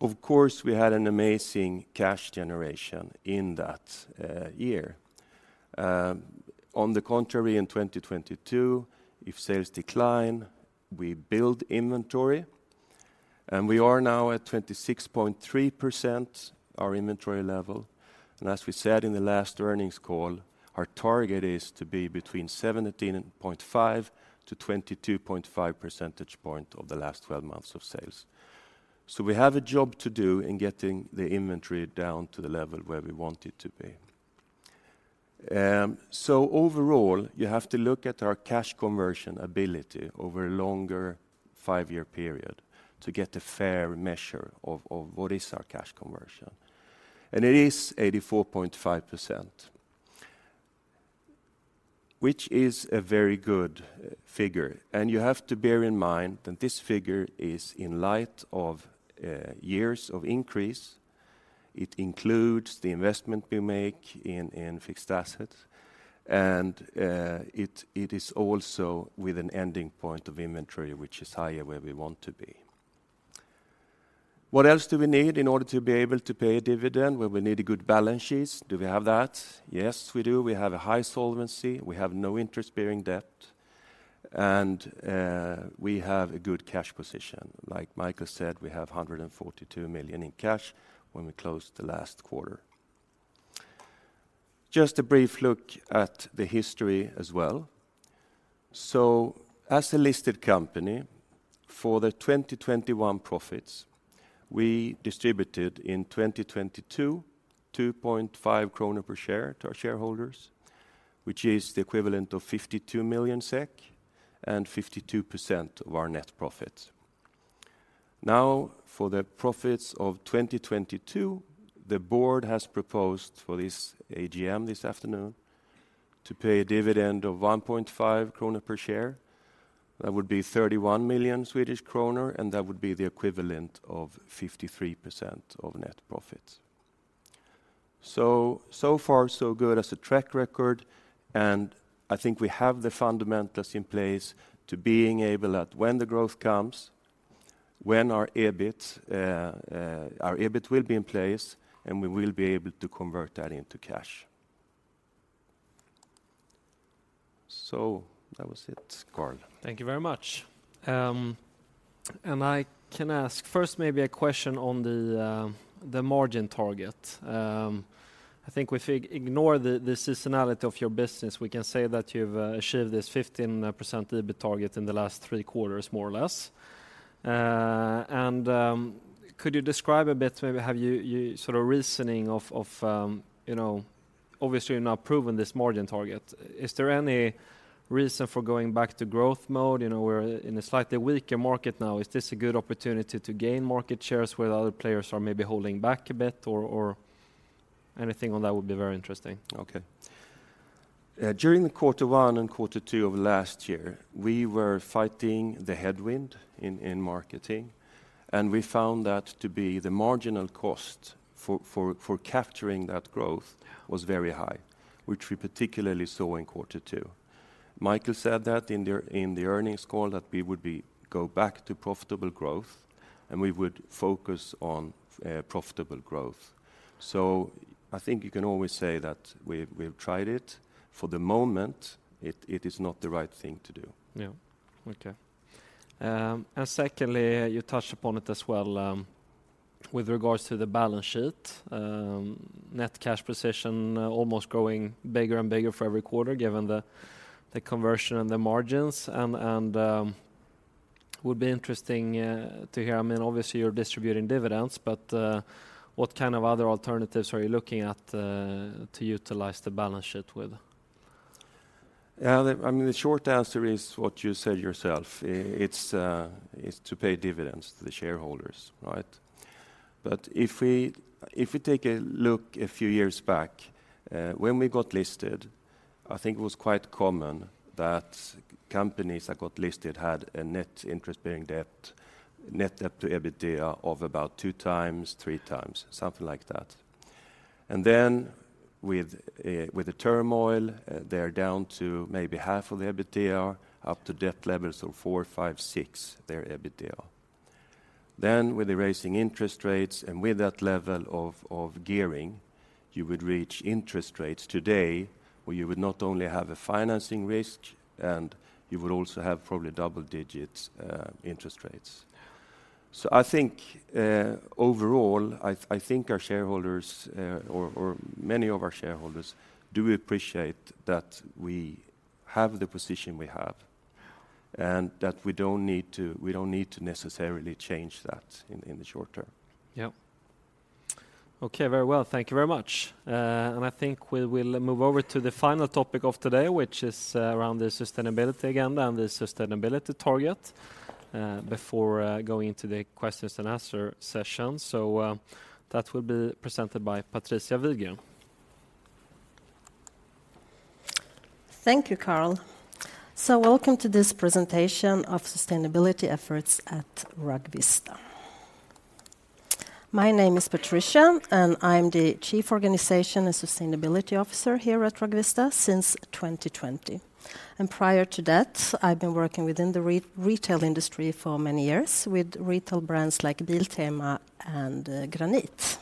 Speaker 6: Of course, we had an amazing cash generation in that year. On the contrary, in 2022, if sales decline, we build inventory, and we are now at 26.3%, our inventory level. As we said in the last earnings call, our target is to be between 17.5-22.5 percentage point of the last twelve months of sales. We have a job to do in getting the inventory down to the level where we want it to be. Overall, you have to look at our cash conversion ability over a longer five-year period to get a fair measure of what is our cash conversion. It is 84.5%, which is a very good figure. You have to bear in mind that this figure is in light of years of increase. It includes the investment we make in fixed assets, and it is also with an ending point of inventory, which is higher where we want to be. What else do we need in order to be able to pay a dividend? Well, we need a good balance sheet. Do we have that? Yes, we do. We have a high solvency, we have no interest-bearing debt, and we have a good cash position. Like Michael said, we have 142 million in cash when we closed the last quarter. Just a brief look at the history as well. As a listed company, for the 2021 profits, we distributed in 2022, 2.5 krona per share to our shareholders, which is the equivalent of 52 million SEK and 52% of our net profit. For the profits of 2022, the board has proposed for this AGM this afternoon to pay a dividend of 1.5 krona per share. That would be 31 million Swedish kronor, and that would be the equivalent of 53% of net profit. So far, so good as a track record. I think we have the fundamentals in place to being able at when the growth comes, when our EBIT will be in place, and we will be able to convert that into cash. That was it, Carl.
Speaker 1: Thank you very much. I can ask first, maybe a question on the margin target. I think if we ignore the seasonality of your business, we can say that you've achieved this 15% EBIT target in the last three quarters, more or less. Could you describe a bit, maybe have you sort of reasoning of, you know, obviously, you've not proven this margin target. Is there any reason for going back to growth mode? You know, we're in a slightly weaker market now. Is this a good opportunity to gain market shares where other players are maybe holding back a bit or anything on that would be very interesting.
Speaker 6: Okay. During the quarter one and quarter two of last year, we were fighting the headwind in marketing, and we found that to be the marginal cost for capturing that growth was very high, which we particularly saw in quarter two. Michael said that in the earnings call that we would go back to profitable growth, and we would focus on profitable growth. I think you can always say that we've tried it. For the moment, it is not the right thing to do.
Speaker 1: Yeah. Okay. Secondly, you touched upon it as well, with regards to the balance sheet. Net cash position, almost growing bigger and bigger for every quarter, given the conversion and the margins, and would be interesting to hear. I mean, obviously, you're distributing dividends, but what kind of other alternatives are you looking at to utilize the balance sheet with?
Speaker 6: Yeah, I mean, the short answer is what you said yourself. It's to pay dividends to the shareholders, right? If we take a look a few years back, when we got listed, I think it was quite common that companies that got listed had a net interest-bearing debt, net debt to EBITDA of about 2 times, 3 times, something like that. With the turmoil, they're down to maybe half of the EBITDA, up to debt levels of 4, 5, 6, their EBITDA. With the raising interest rates and with that level of gearing, you would reach interest rates today, where you would not only have a financing risk, and you would also have probably double digits interest rates. I think, overall, I think our shareholders, or many of our shareholders do appreciate that we have the position we have, and that we don't need to necessarily change that in the short term.
Speaker 1: Yeah. Okay, very well. Thank you very much. I think we will move over to the final topic of today, which is around the sustainability agenda and the sustainability target before going into the questions and answer session. That will be presented by Patricia Widgren.
Speaker 7: Thank you, Carl. Welcome to this presentation of sustainability efforts at Rugvista. My name is Patricia, and I'm the Chief Organisation and Sustainability Officer here at Rugvista since 2020. Prior to that, I've been working within the retail industry for many years, with retail brands like Biltema and Granit.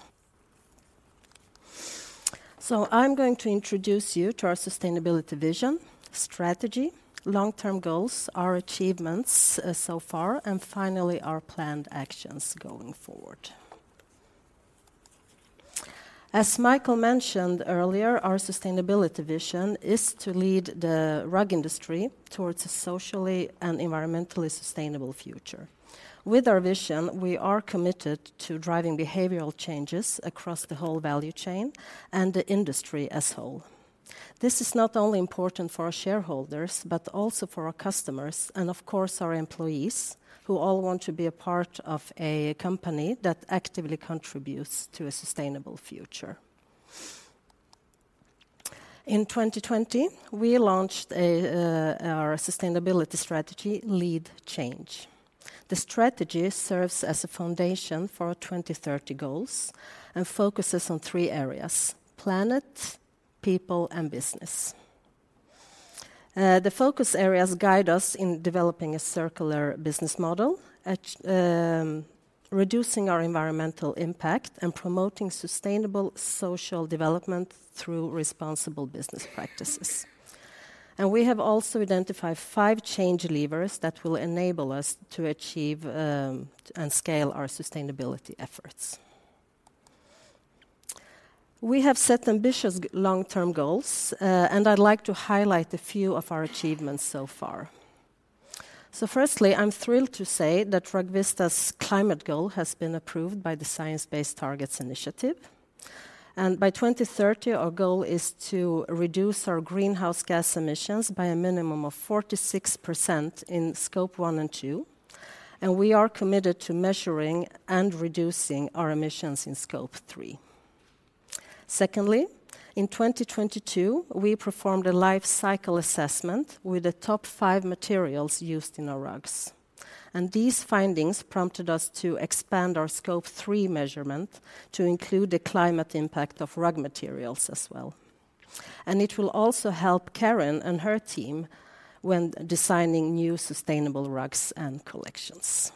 Speaker 7: I'm going to introduce you to our sustainability vision, strategy, long-term goals, our achievements so far, and finally, our planned actions going forward. As Michael mentioned earlier, our sustainability vision is to lead the rug industry towards a socially and environmentally sustainable future. With our vision, we are committed to driving behavioral changes across the whole value chain and the industry as whole. This is not only important for our shareholders, but also for our customers, of course, our employees, who all want to be a part of a company that actively contributes to a sustainable future. In 2020, we launched our sustainability strategy, LEAD.CHANGE. The strategy serves as a foundation for our 2030 goals and focuses on 3 areas: planet, people, and business. The focus areas guide us in developing a circular business model, reducing our environmental impact, and promoting sustainable social development through responsible business practices. We have also identified 5 change levers that will enable us to achieve and scale our sustainability efforts. We have set ambitious long-term goals, I'd like to highlight a few of our achievements so far. Firstly, I'm thrilled to say that Rugvista's climate goal has been approved by the Science Based Targets initiative. By 2030, our goal is to reduce our greenhouse gas emissions by a minimum of 46% in Scope 1 and 2. We are committed to measuring and reducing our emissions in Scope 3. Secondly, in 2022, we performed a life cycle assessment with the top five materials used in our rugs. These findings prompted us to expand our Scope 3 measurement to include the climate impact of rug materials as well. It will also help Carin and her team when designing new sustainable rugs and collections.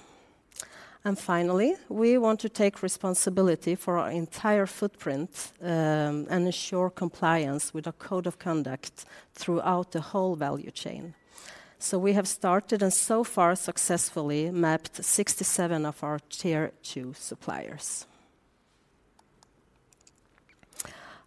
Speaker 7: Finally, we want to take responsibility for our entire footprint. Ensure compliance with a code of conduct throughout the whole value chain. We have started, and so far, successfully mapped 67 of our tier 2 suppliers.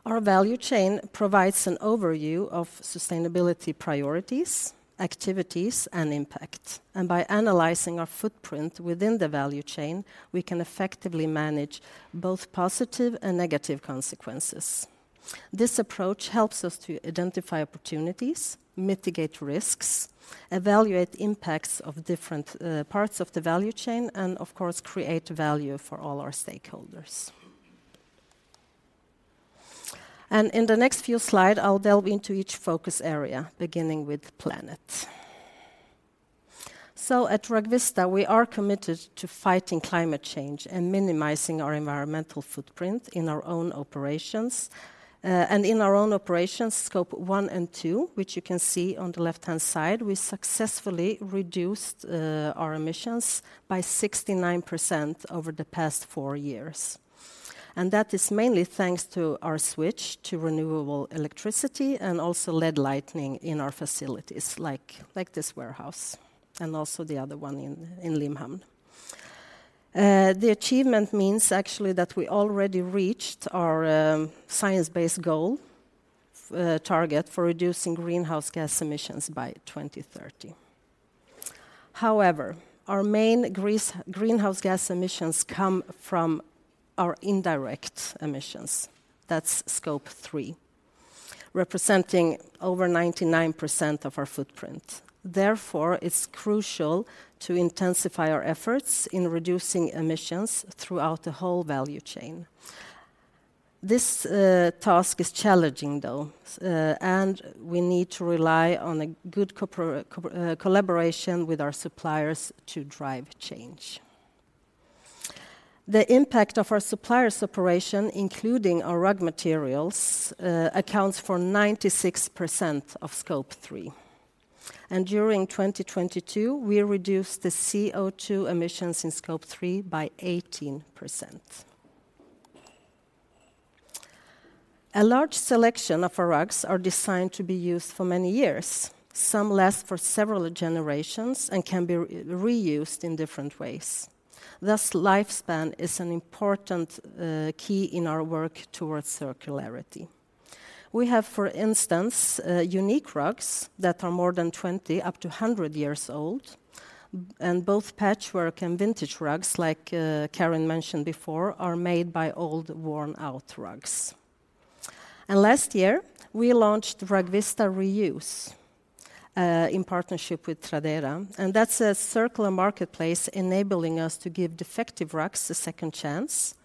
Speaker 7: Our value chain provides an overview of sustainability priorities, activities, and impact, and by analyzing our footprint within the value chain, we can effectively manage both positive and negative consequences. This approach helps us to identify opportunities, mitigate risks, evaluate impacts of different parts of the value chain, and of course, create value for all our stakeholders. In the next few slide, I'll delve into each focus area, beginning with planet. At Rugvista, we are committed to fighting climate change and minimizing our environmental footprint in our own operations. In our own operations, Scope 1 and 2, which you can see on the left-hand side, we successfully reduced our emissions by 69% over the past 4 years.... That is mainly thanks to our switch to renewable electricity and also LED lighting in our facilities, like this warehouse and also the other one in Limhamn. The achievement means actually that we already reached our science-based goal target for reducing greenhouse gas emissions by 2030. However, our main greenhouse gas emissions come from our indirect emissions. That's Scope 3, representing over 99% of our footprint. It's crucial to intensify our efforts in reducing emissions throughout the whole value chain. This task is challenging, though, we need to rely on a good collaboration with our suppliers to drive change. The impact of our suppliers' operation, including our rug materials, accounts for 96% of Scope 3, during 2022, we reduced the CO₂ emissions in Scope 3 by 18%. A large selection of our rugs are designed to be used for many years. Some last for several generations and can be reused in different ways. Lifespan is an important key in our work towards circularity. We have, for instance, unique rugs that are more than 20, up to 100 years old, and both patchwork and vintage rugs, like Carin mentioned before, are made by old, worn-out rugs. Last year, we launched Rugvista RE.USE in partnership with Tradera, and that's a circular marketplace enabling us to give defective rugs a second chance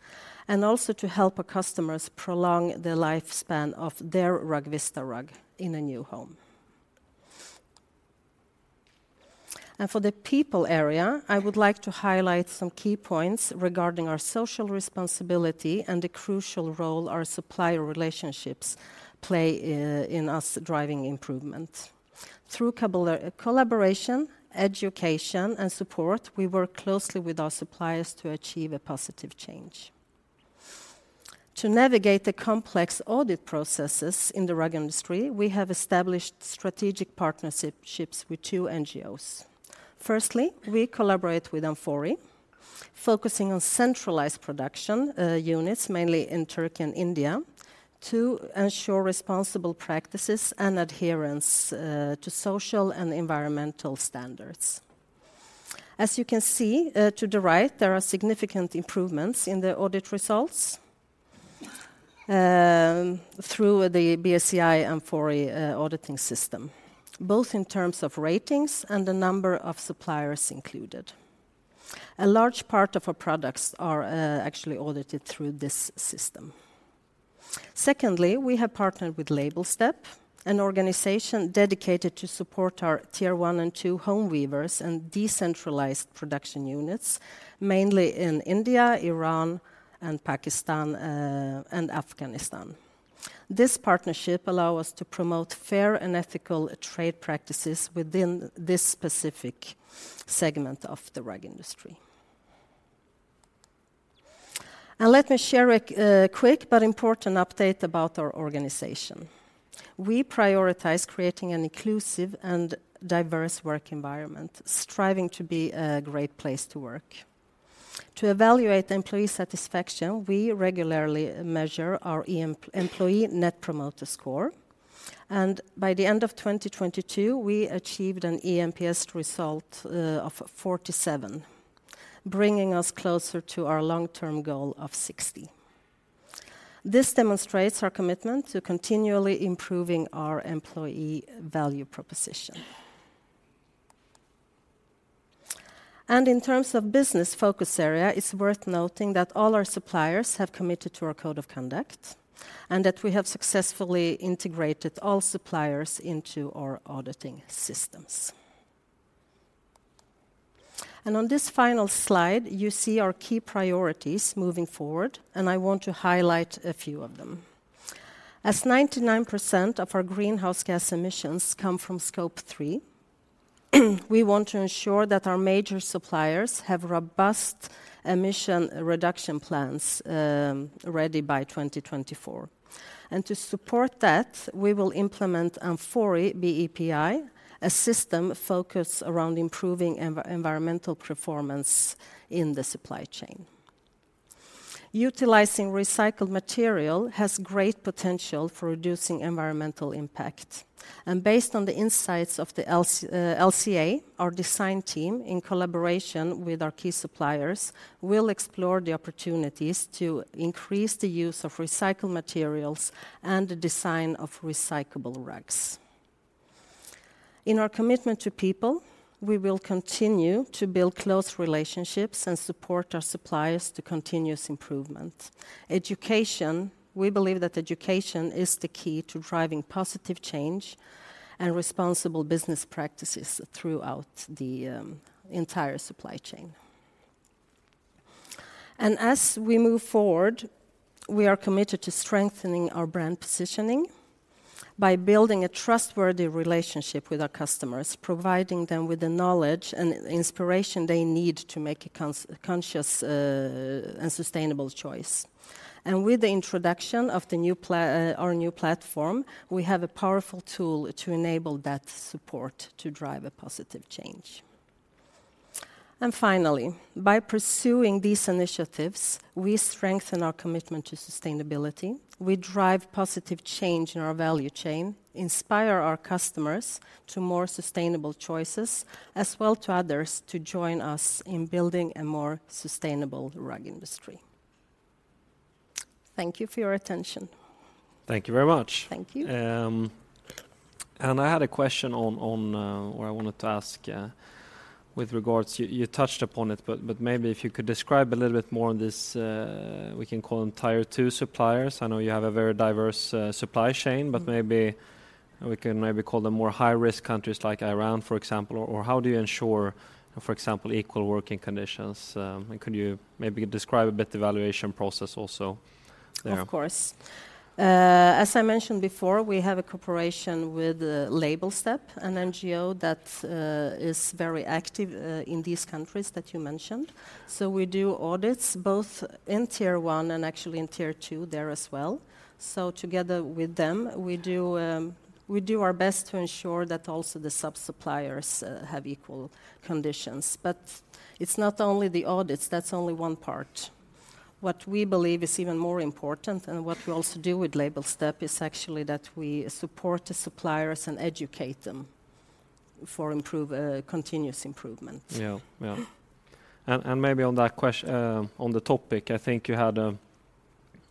Speaker 7: and also to help our customers prolong the lifespan of their Rugvista rug in a new home. For the people area, I would like to highlight some key points regarding our social responsibility and the crucial role our supplier relationships play in us driving improvement. Through collaboration, education, and support, we work closely with our suppliers to achieve a positive change. To navigate the complex audit processes in the rug industry, we have established strategic partnerships with two NGOs. Firstly, we collaborate with Amfori, focusing on centralized production units, mainly in Turkey and India, to ensure responsible practices and adherence to social and environmental standards. As you can see, to the right, there are significant improvements in the audit results through the BSCI Amfori auditing system, both in terms of ratings and the number of suppliers included. A large part of our products are actually audited through this system. Secondly, we have partnered with Label STEP, an organization dedicated to support our tier one and two home weavers and decentralized production units, mainly in India, Iran, and Pakistan, and Afghanistan. This partnership allow us to promote fair and ethical trade practices within this specific segment of the rug industry. Let me share a quick but important update about our organization. We prioritize creating an inclusive and diverse work environment, striving to be a great place to work. To evaluate the employee satisfaction, we regularly measure our Employee Net Promoter Score, and by the end of 2022, we achieved an eNPS result of 47, bringing us closer to our long-term goal of 60. This demonstrates our commitment to continually improving our employee value proposition. In terms of business focus area, it's worth noting that all our suppliers have committed to our code of conduct, and that we have successfully integrated all suppliers into our auditing systems. On this final slide, you see our key priorities moving forward, and I want to highlight a few of them. As 99% of our greenhouse gas emissions come from Scope 3, we want to ensure that our major suppliers have robust emission reduction plans ready by 2024. To support that, we will implement amfori BEPI, a system focused around improving environmental performance in the supply chain. Utilizing recycled material has great potential for reducing environmental impact, and based on the insights of the LCA, our design team, in collaboration with our key suppliers, will explore the opportunities to increase the use of recycled materials and the design of recyclable rugs. In our commitment to people, we will continue to build close relationships and support our suppliers to continuous improvement. Education, we believe that education is the key to driving positive change and responsible business practices throughout the entire supply chain. As we move forward, we are committed to strengthening our brand positioning by building a trustworthy relationship with our customers, providing them with the knowledge and inspiration they need to make a conscious and sustainable choice. With the introduction of our new platform, we have a powerful tool to enable that support to drive a positive change. Finally, by pursuing these initiatives, we strengthen our commitment to sustainability, we drive positive change in our value chain, inspire our customers to more sustainable choices, as well to others to join us in building a more sustainable rug industry. Thank you for your attention.
Speaker 1: Thank you very much.
Speaker 7: Thank you.
Speaker 1: I had a question on... or I wanted to ask, with regards, you touched upon it, but maybe if you could describe a little bit more on this, we can call them tier two suppliers. I know you have a very diverse, supply chain. maybe we can call them more high-risk countries, like Iran, for example. How do you ensure, for example, equal working conditions? Could you maybe describe a bit the evaluation process also there?
Speaker 7: Of course. As I mentioned before, we have a cooperation with Label STEP, an NGO that is very active in these countries that you mentioned. We do audits both in tier 1 and actually in tier 2 there as well. Together with them, we do our best to ensure that also the sub-suppliers have equal conditions. It's not only the audits, that's only 1 part. What we believe is even more important, and what we also do with Label STEP, is actually that we support the suppliers and educate them for improve continuous improvement.
Speaker 1: Yeah. Yeah. Maybe on that on the topic, I think you had,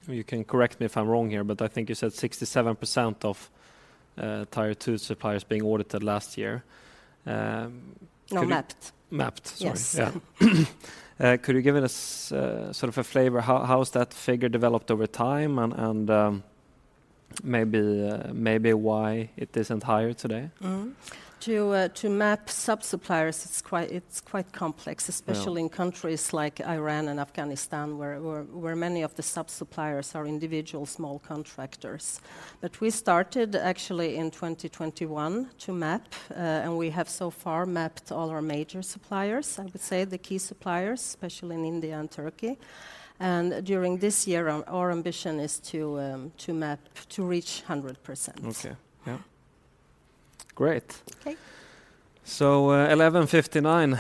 Speaker 1: you can correct me if I'm wrong here, but I think you said 67% of tier two suppliers being audited last year. Could you
Speaker 7: No, mapped.
Speaker 1: Mapped.
Speaker 7: Yes.
Speaker 1: Sorry. Yeah. Could you give us, sort of a flavor, how has that figure developed over time, and maybe why it isn't higher today?
Speaker 7: Mm-hmm. To map sub-suppliers, it's quite complex.
Speaker 1: Yeah
Speaker 7: especially in countries like Iran and Afghanistan, where many of the sub-suppliers are individual small contractors. We started actually in 2021 to map, and we have so far mapped all our major suppliers, I would say the key suppliers, especially in India and Turkey. During this year, our ambition is to map, to reach 100%.
Speaker 1: Okay. Yeah. Great.
Speaker 7: Okay.
Speaker 1: 11:59,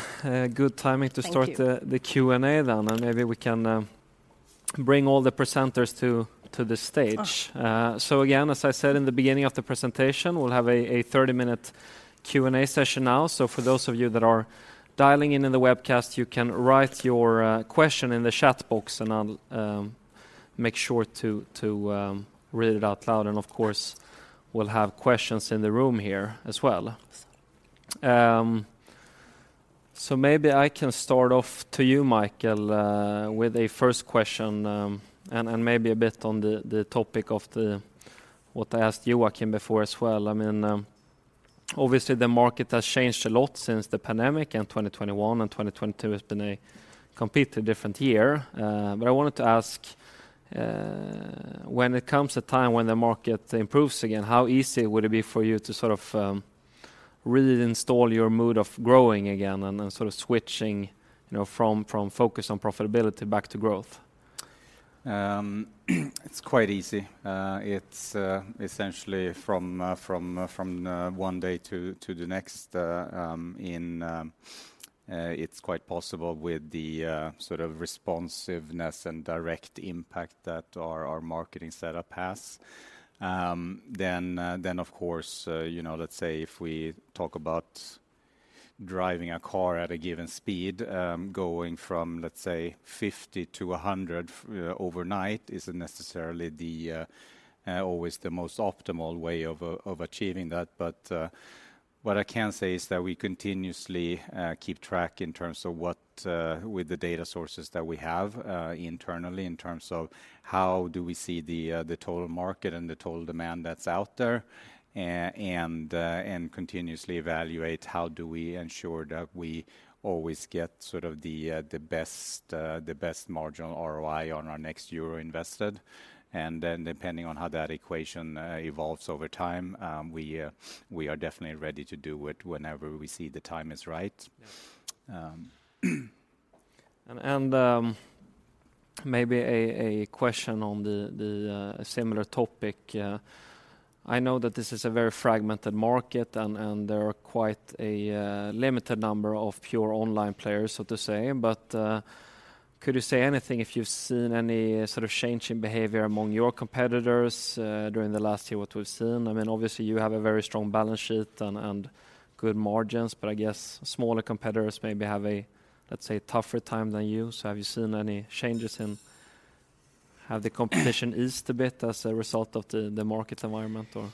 Speaker 1: good timing to start.
Speaker 7: Thank you....
Speaker 1: the Q&A then, and maybe we can bring all the presenters to the stage.
Speaker 7: Sure.
Speaker 1: Again, as I said in the beginning of the presentation, we'll have a 30-minute Q&A session now. For those of you that are dialing in on the webcast, you can write your question in the chat box, and I'll make sure to read it out loud. Of course, we'll have questions in the room here as well. Maybe I can start off to you, Michael, with a first question, and maybe a bit on the topic of what I asked Joakim before as well. I mean, obviously the market has changed a lot since the pandemic, and 2021 and 2022 has been a completely different year. I wanted to ask, when it comes a time when the market improves again, how easy would it be for you to sort of, reinstall your mood of growing again and then sort of switching, you know, from focus on profitability back to growth?
Speaker 2: It's quite easy. It's essentially from one day to the next. It's quite possible with the sort of responsiveness and direct impact that our marketing setup has. Of course, you know, let's say if we talk about driving a car at a given speed, going from, let's say, 50 to 100, overnight isn't necessarily the always the most optimal way of achieving that. What I can say is that we continuously keep track in terms of what with the data sources that we have internally, in terms of how do we see the total market and the total demand that's out there, and continuously evaluate how do we ensure that we always get sort of the best marginal ROI on our next euro invested. Then, depending on how that equation evolves over time, we are definitely ready to do it whenever we see the time is right.
Speaker 1: Yeah.
Speaker 2: Um,
Speaker 1: Maybe a question on the, similar topic. I know that this is a very fragmented market, and there are quite a, limited number of pure online players, so to say. Could you say anything if you've seen any sort of change in behavior among your competitors, during the last year, what we've seen? I mean, obviously, you have a very strong balance sheet and good margins, but I guess smaller competitors maybe have a, let's say, tougher time than you. Have you seen any changes in... Have the competition-... eased a bit as a result of the market environment, or?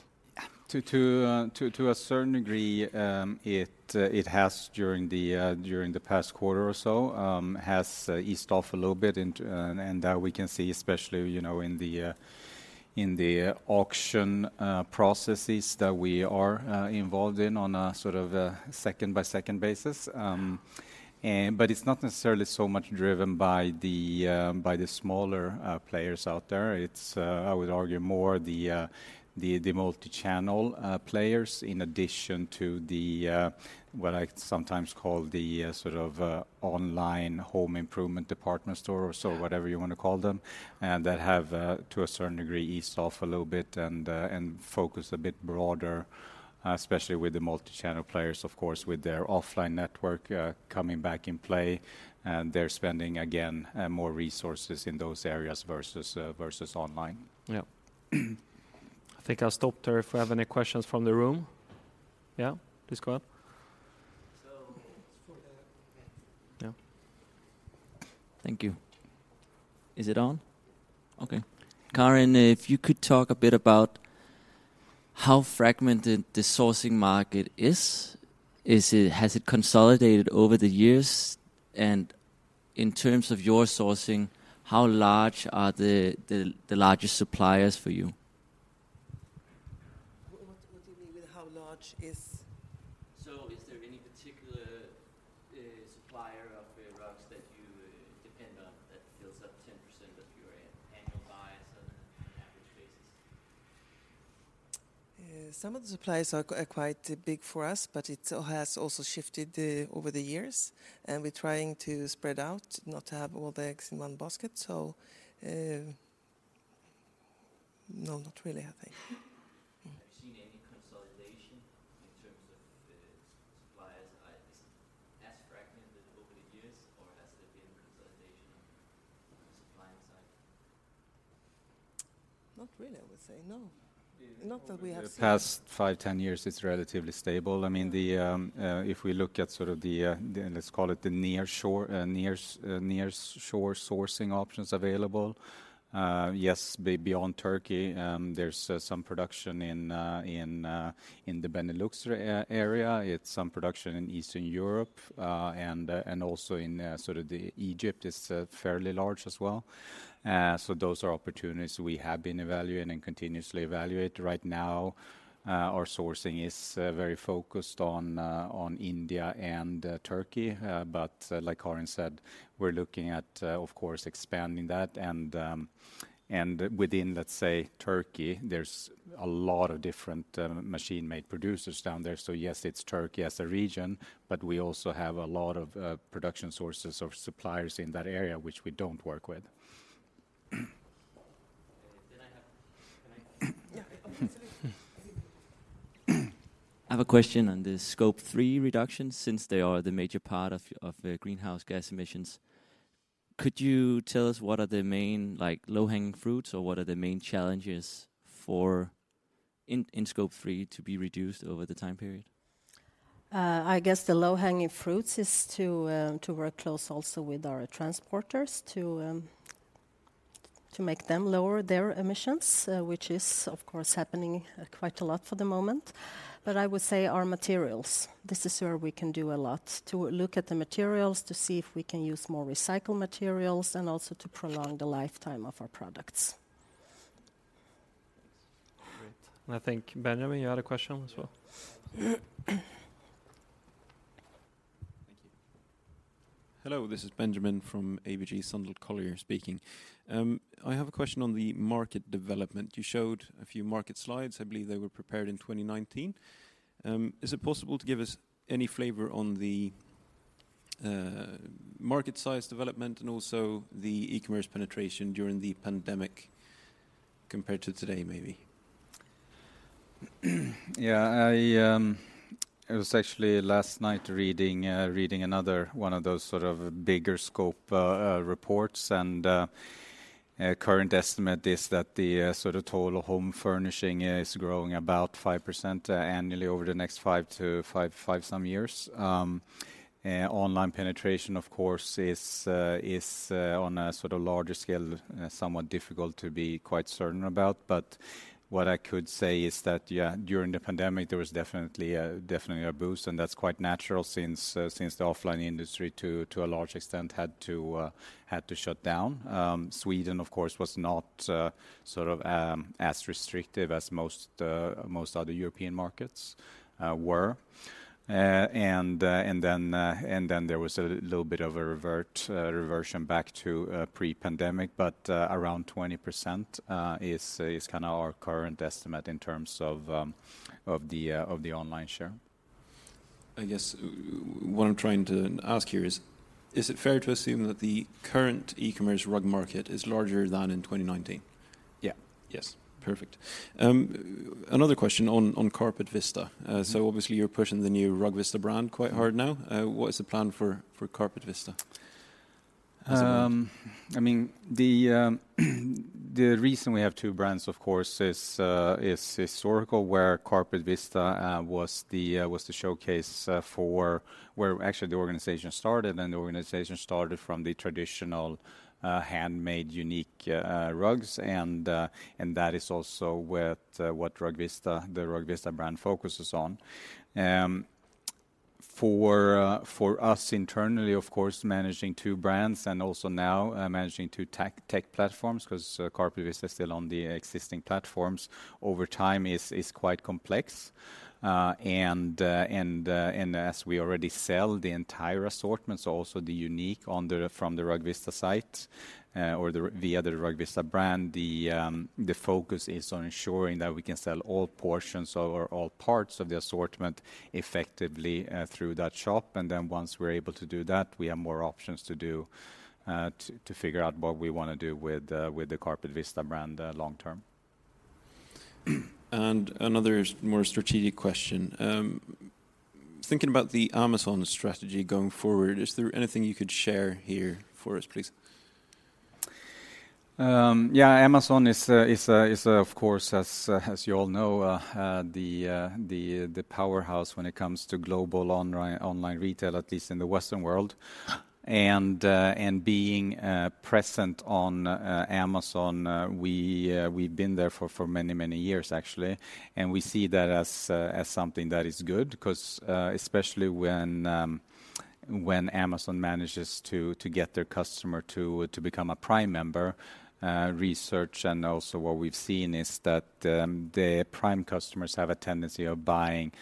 Speaker 2: To a certain degree, it has during the past quarter or so, eased off a little bit, and we can see especially, you know, in the auction processes that we are involved in on a sort of a second-by-second basis. It's not necessarily so much driven by the smaller players out there. It's I would argue more the multi-channel players, in addition to the what I sometimes call the sort of online home improvement department store or so, whatever you wanna call them, and that have to a certain degree eased off a little bit and focus a bit broader, especially with the multi-channel players, of course, with their offline network coming back in play, and they're spending again more resources in those areas versus online.
Speaker 1: I think I'll stop there if we have any questions from the room. Please go on.
Speaker 8: So for the-
Speaker 1: Yeah.
Speaker 8: Thank you. Is it on? Okay. Carin, if you could talk a bit about how fragmented the sourcing market is. Has it consolidated over the years? In terms of your sourcing, how large are the largest suppliers for you?
Speaker 3: What do you mean with how large is...?
Speaker 8: Is there any particular supplier of rugs that you depend on, that fills up 10% of your annual buys on an average basis?
Speaker 3: Some of the suppliers are quite big for us. It has also shifted over the years. We're trying to spread out, not to have all the eggs in one basket. No, not really, I think.
Speaker 8: Have you seen any consolidation in terms of suppliers? Is it as fragmented over the years, or has there been consolidation on the supplying side?
Speaker 3: Not really, I would say. No. Not that we have seen-
Speaker 2: The past 5, 10 years, it's relatively stable. I mean, if we look at sort of the let's call it the nearshore sourcing options available, yes, beyond Turkey, there's some production in the Benelux area. It's some production in Eastern Europe, and also in sort of the Egypt is fairly large as well. Those are opportunities we have been evaluating and continuously evaluate. Right now, our sourcing is very focused on India and Turkey. Like Carin said, we're looking at, of course, expanding that. Within, let's say, Turkey, there's a lot of different machine-made producers down there. Yes, it's Turkey as a region, but we also have a lot of production sources or suppliers in that area, which we don't work with.
Speaker 8: I have... Can I?
Speaker 9: Yeah.
Speaker 8: I have a question on the Scope 3 reductions, since they are the major part of greenhouse gas emissions. Could you tell us what are the main, like, low-hanging fruits, or what are the main challenges for in Scope 3 to be reduced over the time period?
Speaker 7: I guess the low-hanging fruits is to work close also with our transporters, to make them lower their emissions, which is, of course, happening quite a lot for the moment. I would say our materials, this is where we can do a lot: to look at the materials, to see if we can use more recycled materials, and also to prolong the lifetime of our products.
Speaker 8: Thanks.
Speaker 1: Great. I think, Benjamin, you had a question as well.
Speaker 10: Thank you. Hello, this is Benjamin from ABG Sundal Collier speaking. I have a question on the market development. You showed a few market slides. I believe they were prepared in 2019. Is it possible to give us any flavor on the market size development and also the e-commerce penetration during the pandemic compared to today, maybe?
Speaker 2: Yeah, I was actually last night reading another one of those sort of bigger scope reports, and current estimate is that the sort of total home furnishing is growing about 5% annually over the next 5 to 5 some years. Online penetration, of course, is on a sort of larger scale, somewhat difficult to be quite certain about. What I could say is that, yeah, during the pandemic, there was definitely a boost, and that's quite natural since since the offline industry, to a large extent, had to shut down. Sweden, of course, was not sort of as restrictive as most other European markets were. There was a little bit of a revert, reversion back to pre-pandemic, but around 20% is kind of our current estimate in terms of the online share.
Speaker 10: I guess what I'm trying to ask here is: Is it fair to assume that the current e-commerce rug market is larger than in 2019?
Speaker 2: Yeah.
Speaker 10: Yes. Perfect. another question on CarpetVista.
Speaker 2: Mm-hmm.
Speaker 10: Obviously, you're pushing the new Rugvista brand quite hard now.
Speaker 2: Mm-hmm.
Speaker 10: What is the plan for CarpetVista as a brand?
Speaker 2: I mean, the reason we have two brands, of course, is historical, where CarpetVista was the showcase for where actually the organization started, and the organization started from the traditional, handmade, unique rugs. That is also what Rugvista, the Rugvista brand focuses on. For us internally, of course, managing two brands and also now managing two tech platforms, 'cause CarpetVista is still on the existing platforms, over time is quite complex. As we already sell the entire assortment, so also the unique from the Rugvista site, or the, via the Rugvista brand, the focus is on ensuring that we can sell all portions or all parts of the assortment effectively through that shop. Then once we're able to do that, we have more options to do, to figure out what we wanna do with the, with the CarpetVista brand long term.
Speaker 10: Another more strategic question. Thinking about the Amazon strategy going forward, is there anything you could share here for us, please?
Speaker 2: Yeah, Amazon is, of course, as you all know, the powerhouse when it comes to global online retail, at least in the Western world. Being present on Amazon, we've been there for many, many years, actually. We see that as something that is good, 'cause especially when Amazon manages to get their customer to become a Prime member, research and also what we've seen is that the Prime customers have a tendency of buying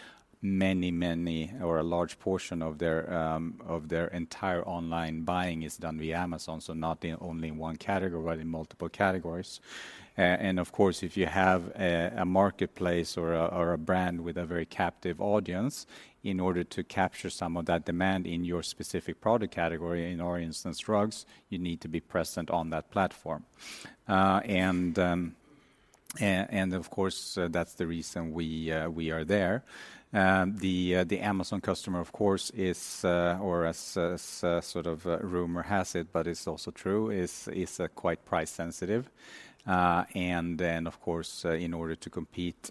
Speaker 2: a large portion of their entire online buying is done via Amazon, so not in only in one category, but in multiple categories. Of course, if you have a marketplace or a brand with a very captive audience, in order to capture some of that demand in your specific product category, in our instance, rugs, you need to be present on that platform. Of course, that's the reason we are there. The Amazon customer, of course, is or as sort of rumor has it, but it's also true, is quite price sensitive. Of course, in order to compete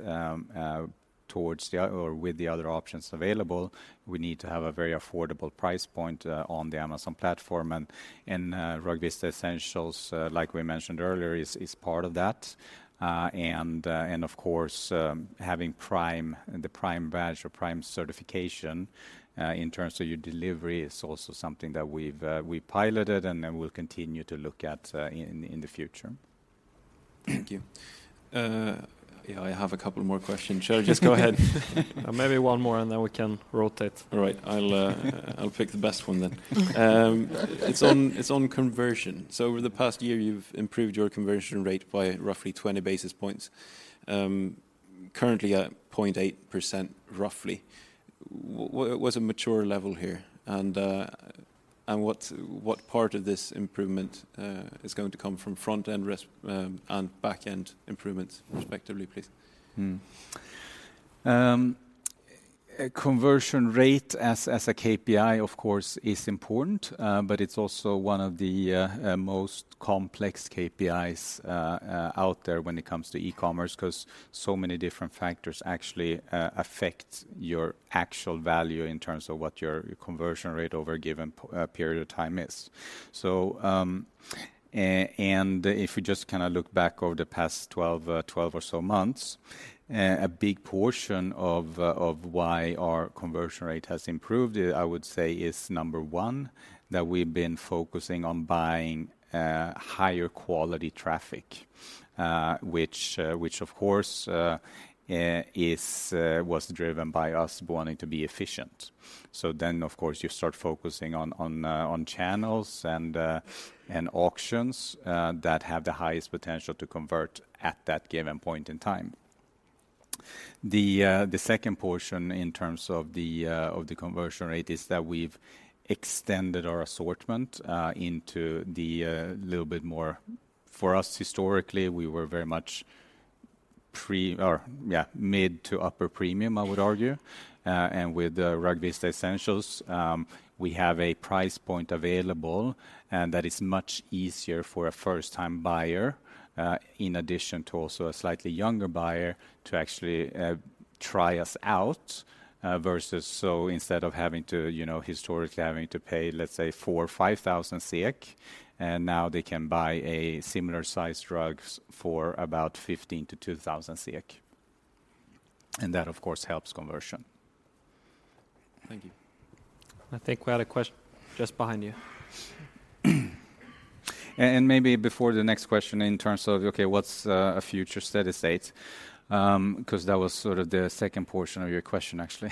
Speaker 2: towards the other or with the other options available, we need to have a very affordable price point on the Amazon platform. Rugvista Essentials, like we mentioned earlier, is part of that. Of course, having Prime, the Prime badge or Prime certification, in terms of your delivery, is also something that we've piloted and then we'll continue to look at in the future.
Speaker 10: Thank you. Yeah, I have a couple more questions. Shall I just go ahead? Maybe one more, and then we can rotate. All right. I'll pick the best one then. It's on, it's on conversion. Over the past year, you've improved your conversion rate by roughly 20 basis points, currently at 0.8%, roughly. What, what's a mature level here? And what part of this improvement is going to come from front-end res, and back-end improvements, respectively, please?
Speaker 2: Conversion rate as a KPI, of course, is important, but it's also one of the most complex KPIs out there when it comes to e-commerce, 'cause so many different factors actually affect your actual value in terms of what your conversion rate over a given period of time is. And if we just kind of look back over the past 12 or so months, a big portion of why our conversion rate has improved, I would say, is, number one, that we've been focusing on buying higher quality traffic, which, of course, is, was driven by us wanting to be efficient. Of course, you start focusing on channels and auctions that have the highest potential to convert at that given point in time. The second portion in terms of the conversion rate is that we've extended our assortment into the little bit more. For us, historically, we were very much pre or, yeah, mid to upper premium, I would argue. With Rugvista Essentials, we have a price point available, and that is much easier for a first-time buyer, in addition to also a slightly younger buyer, to actually try us out, versus instead of having to, you know, historically having to pay, let's say, 4,000-5,000, and now they can buy a similar size rugs for about 15-2,000. That, of course, helps conversion.
Speaker 10: Thank you.
Speaker 1: I think we had a quest- just behind you.
Speaker 2: Maybe before the next question in terms of, okay, what's a future steady state? 'Cause that was sort of the second portion of your question, actually.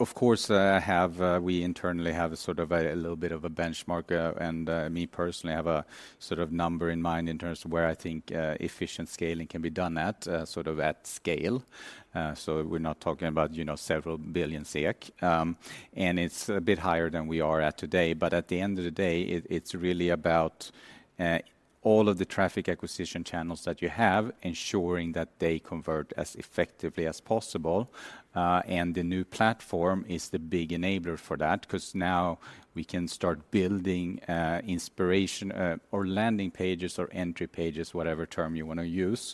Speaker 2: Of course, I have, we internally have a sort of a little bit of a benchmark, and me personally, I have a sort of number in mind in terms of where I think efficient scaling can be done at sort of at scale. We're not talking about, you know, several billion SEK, and it's a bit higher than we are at today. At the end of the day, it's really about all of the traffic acquisition channels that you have, ensuring that they convert as effectively as possible. The new platform is the big enabler for that, 'cause now we can start building inspiration or landing pages or entry pages, whatever term you wanna use,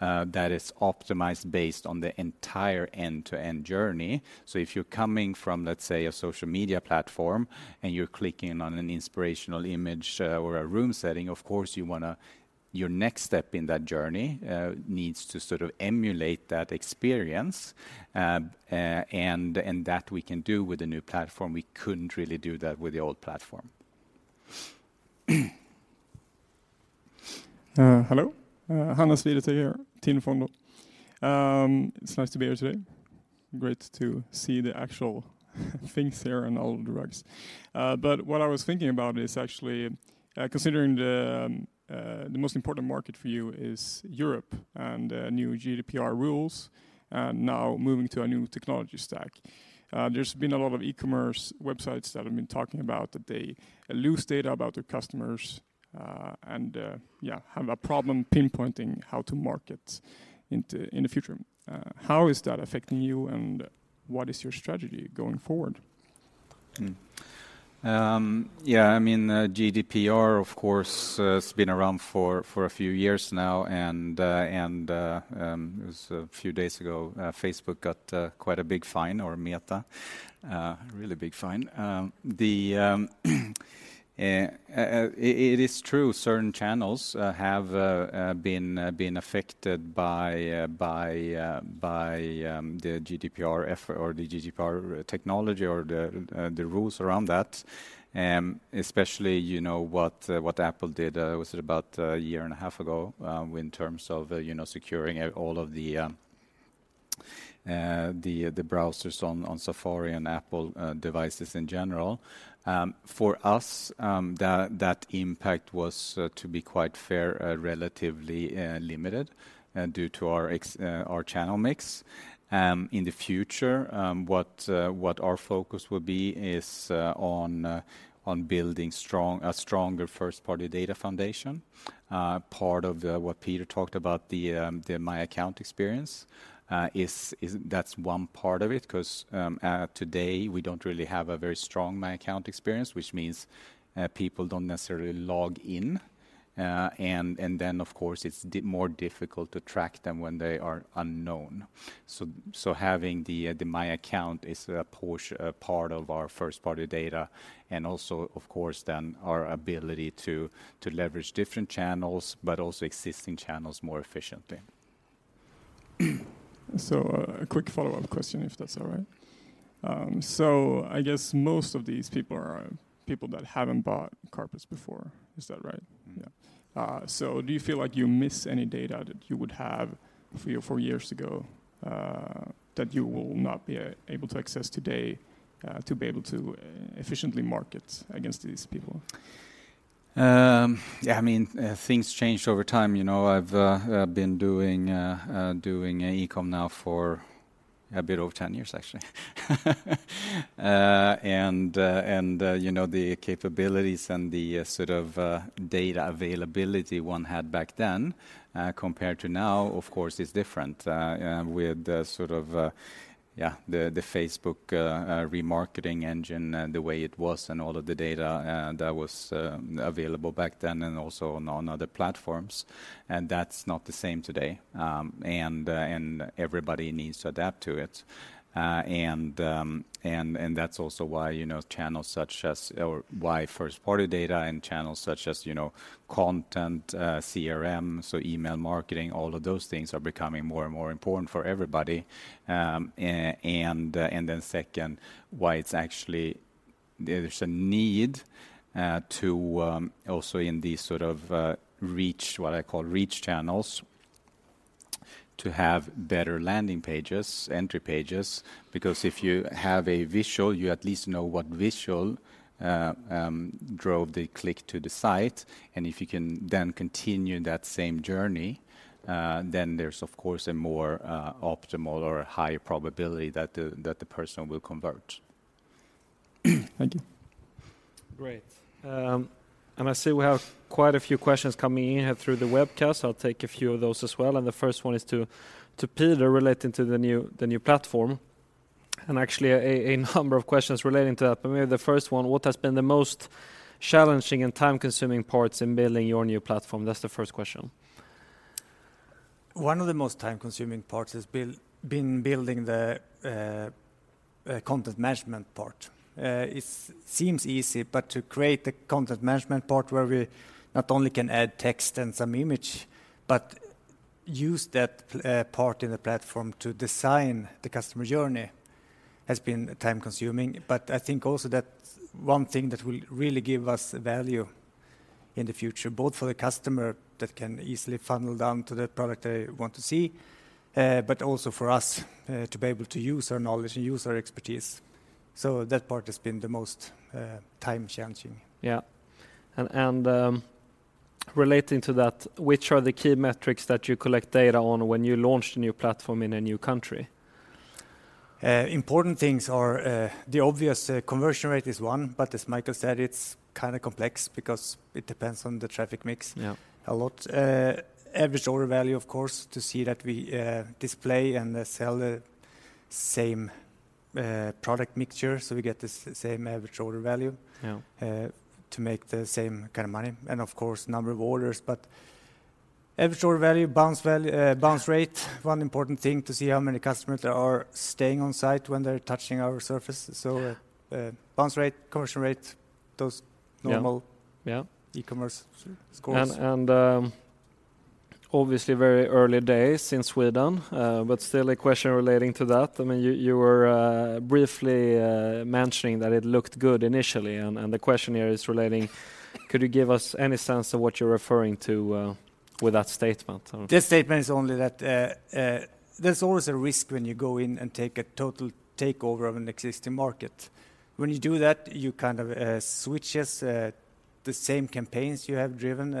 Speaker 2: that is optimized based on the entire end-to-end journey. If you're coming from, let's say, a social media platform, and you're clicking on an inspirational image or a room setting, of course, your next step in that journey, needs to sort of emulate that experience. That we can do with the new platform, we couldn't really do that with the old platform.
Speaker 11: Hello, Handelser here, TIN Fonder. It's nice to be here today. Great to see the actual things here and all the rugs. What I was thinking about is considering the most important market for you is Europe, and new GDPR rules, and now moving to a new technology stack. There's been a lot of e-commerce websites that have been talking about that they lose data about their customers, and have a problem pinpointing how to market into, in the future. How is that affecting you, and what is your strategy going forward?
Speaker 2: Yeah, I mean, GDPR, of course, has been around for a few years now, and it was a few days ago, Facebook got quite a big fine or Meta, a really big fine. It is true, certain channels have been affected by the GDPR technology or the rules around that. Especially, you know, what Apple did was it about a year and a half ago, in terms of, you know, securing all of the browsers on Safari and Apple devices in general. For us, that impact was to be quite fair, relatively limited, due to our channel mix. In the future, what our focus will be is on building a stronger first-party data foundation. Part of what Peter talked about, the My Account experience, is that's one part of it, 'cause today, we don't really have a very strong My Account experience, which means people don't necessarily log in. Of course, it's more difficult to track them when they are unknown. Having the My Account is a push, part of our first-party data, and also, of course, then our ability to leverage different channels, but also existing channels more efficiently.
Speaker 11: A quick follow-up question, if that's all right. I guess most of these people are people that haven't bought carpets before. Is that right?
Speaker 2: Mm-hmm.
Speaker 11: Yeah. Do you feel like you miss any data that you would have three or four years ago, that you will not be able to access today, to be able to efficiently market against these people?
Speaker 2: Yeah, I mean, things changed over time. You know, I've been doing e-com now for a bit over 10 years, actually. You know, the capabilities and the sort of data availability one had back then, compared to now, of course, is different. With the sort of, yeah, the Facebook remarketing engine and the way it was and all of the data that was available back then, and also on other platforms, that's not the same today. Everybody needs to adapt to it. That's also why, you know, channels such as... Why first-party data and channels such as, you know, content, CRM, so email marketing, all of those things are becoming more and more important for everybody. Second, why it's actually there's a need to also in these sort of reach, what I call reach channels, to have better landing pages, entry pages. If you have a visual, you at least know what visual drove the click to the site, and if you can continue that same journey, there's of course, a more optimal or a higher probability that the person will convert. Thank you.
Speaker 1: Great. I see we have quite a few questions coming in through the webcast. I'll take a few of those as well, the first one is to Peter, relating to the new platform, and actually a number of questions relating to that. Maybe the first one, what has been the most challenging and time-consuming parts in building your new platform? That's the first question.
Speaker 5: One of the most time-consuming parts has been building the content management part. It seems easy, but to create the content management part where we not only can add text and some image, but use that part in the platform to design the customer journey, has been time-consuming. I think also that one thing that will really give us value in the future, both for the customer that can easily funnel down to the product they want to see, but also for us to be able to use our knowledge and use our expertise. That part has been the most time challenging.
Speaker 1: Yeah. relating to that, which are the key metrics that you collect data on when you launch a new platform in a new country?
Speaker 5: Important things are, the obvious, conversion rate is 1, but as Michael said, it's kind of complex because it depends on the traffic mix.
Speaker 1: Yeah...
Speaker 5: a lot. average order value, of course, to see that we display and sell the same product mixture, so we get the same average order value.
Speaker 1: Yeah...
Speaker 5: to make the same kind of money, and of course, number of orders. Average order value, bounce value, bounce rate, one important thing to see how many customers are staying on site when they're touching our surface.
Speaker 1: Yeah.
Speaker 5: bounce rate, conversion rate, those normal-
Speaker 1: Yeah, yeah.
Speaker 5: e-commerce scores.
Speaker 1: Obviously, very early days since Sweden, but still a question relating to that. I mean, you were, briefly, mentioning that it looked good initially, and the question here is relating, could you give us any sense of what you're referring to, with that statement?
Speaker 5: The statement is only that there's always a risk when you go in and take a total takeover of an existing market. When you do that, you kind of switches the same campaigns you have driven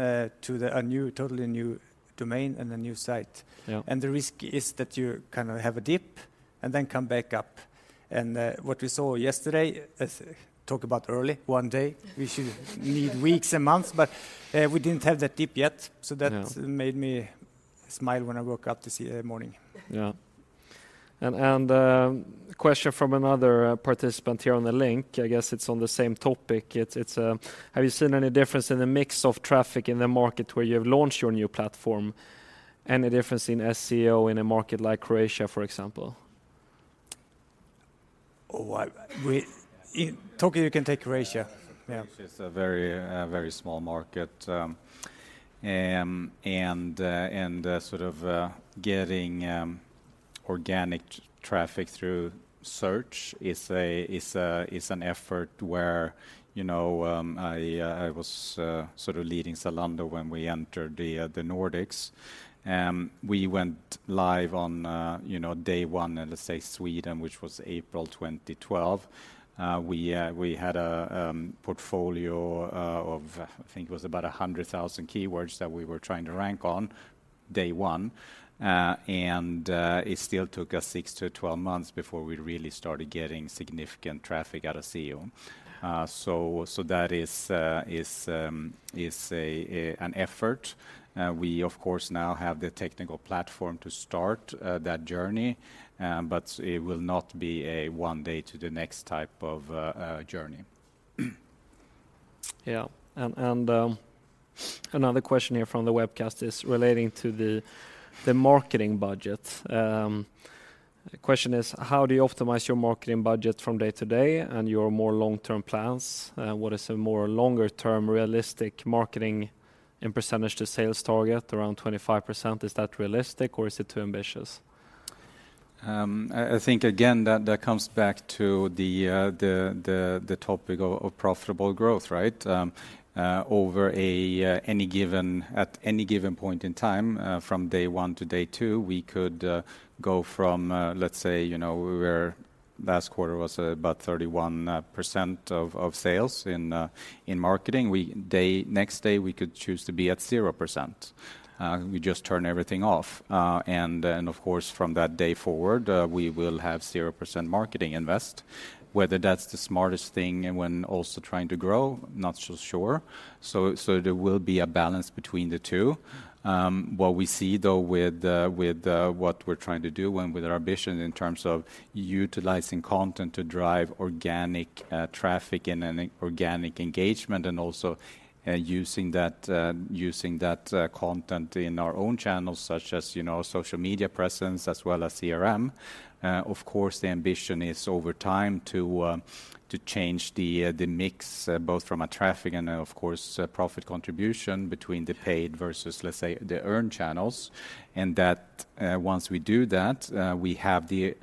Speaker 5: to a new, totally new domain and a new site.
Speaker 1: Yeah.
Speaker 5: The risk is that you kind of have a dip, and then come back up. What we saw yesterday, talk about early, one day, we should need weeks and months, but we didn't have that dip yet.
Speaker 1: Yeah.
Speaker 5: That made me smile when I woke up to see in the morning.
Speaker 1: Yeah. Question from another participant here on the link, I guess it's on the same topic. It's: Have you seen any difference in the mix of traffic in the market where you have launched your new platform? Any difference in SEO in a market like Croatia, for example?
Speaker 5: Oh, I, Toku, you can take Croatia. Yeah.
Speaker 2: Croatia is a very small market, and sort of getting organic traffic through search is an effort where, you know, I was sort of leading Zalando when we entered the Nordics. We went live on, you know, day one in, let's say, Sweden, which was April 2012. We had a portfolio of, I think it was about 100,000 keywords that we were trying to rank on, day one. It still took us 6-12 months before we really started getting significant traffic out of SEO. That is an effort. We, of course, now have the technical platform to start that journey, but it will not be a 1 day to the next type of journey.
Speaker 1: Yeah. Another question here from the webcast is relating to the marketing budget. The question is: How do you optimize your marketing budget from day to day, and your more long-term plans? What is a more longer-term, realistic marketing in percentage to sales target, around 25%, is that realistic, or is it too ambitious?
Speaker 2: I think again, that comes back to the topic of profitable growth, right? Over a, any given, at any given point in time, from day one to day two, we could, go from, let's say, you know, we were, last quarter was about 31% of sales in marketing. Next day, we could choose to be at 0%. We just turn everything off. Then, of course, from that day forward, we will have 0% marketing invest. Whether that's the smartest thing and when also trying to grow, not so sure. There will be a balance between the two. What we see, though, with what we're trying to do and with our ambition in terms of utilizing content to drive organic traffic and an organic engagement, and also using that content in our own channels, such as, you know, social media presence as well as CRM. Of course, the ambition is over time to change the mix, both from a traffic and, of course, profit contribution between the paid versus, let's say, the earned channels. Once we do that, we have the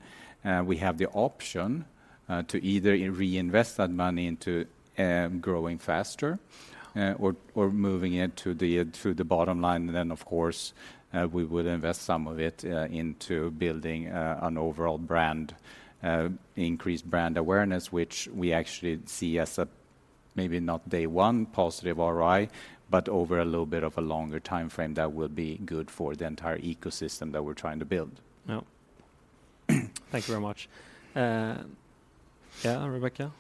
Speaker 2: option to either re-invest that money into growing faster, or moving it to the bottom line. Of course, we would invest some of it, into building an overall brand, increased brand awareness, which we actually see as a maybe not day one positive ROI, but over a little bit of a longer timeframe, that will be good for the entire ecosystem that we're trying to build.
Speaker 1: Yeah. Thank you very much. Yeah, Rebecca?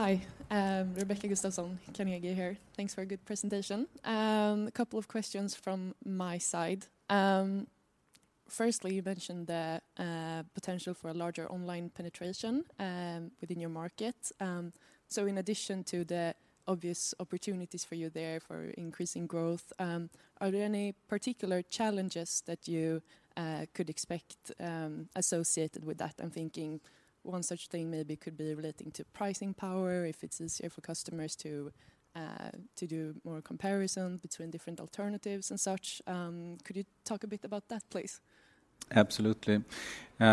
Speaker 12: Hi, Rebecca Gustafsson, Carnegie here. Thanks for a good presentation. A couple of questions from my side. Firstly, you mentioned the potential for a larger online penetration within your market. In addition to the obvious opportunities for you there for increasing growth, are there any particular challenges that you could expect associated with that? I'm thinking one such thing maybe could be relating to pricing power, if it's easier for customers to do more comparison between different alternatives and such. Could you talk a bit about that, please?
Speaker 2: Absolutely. I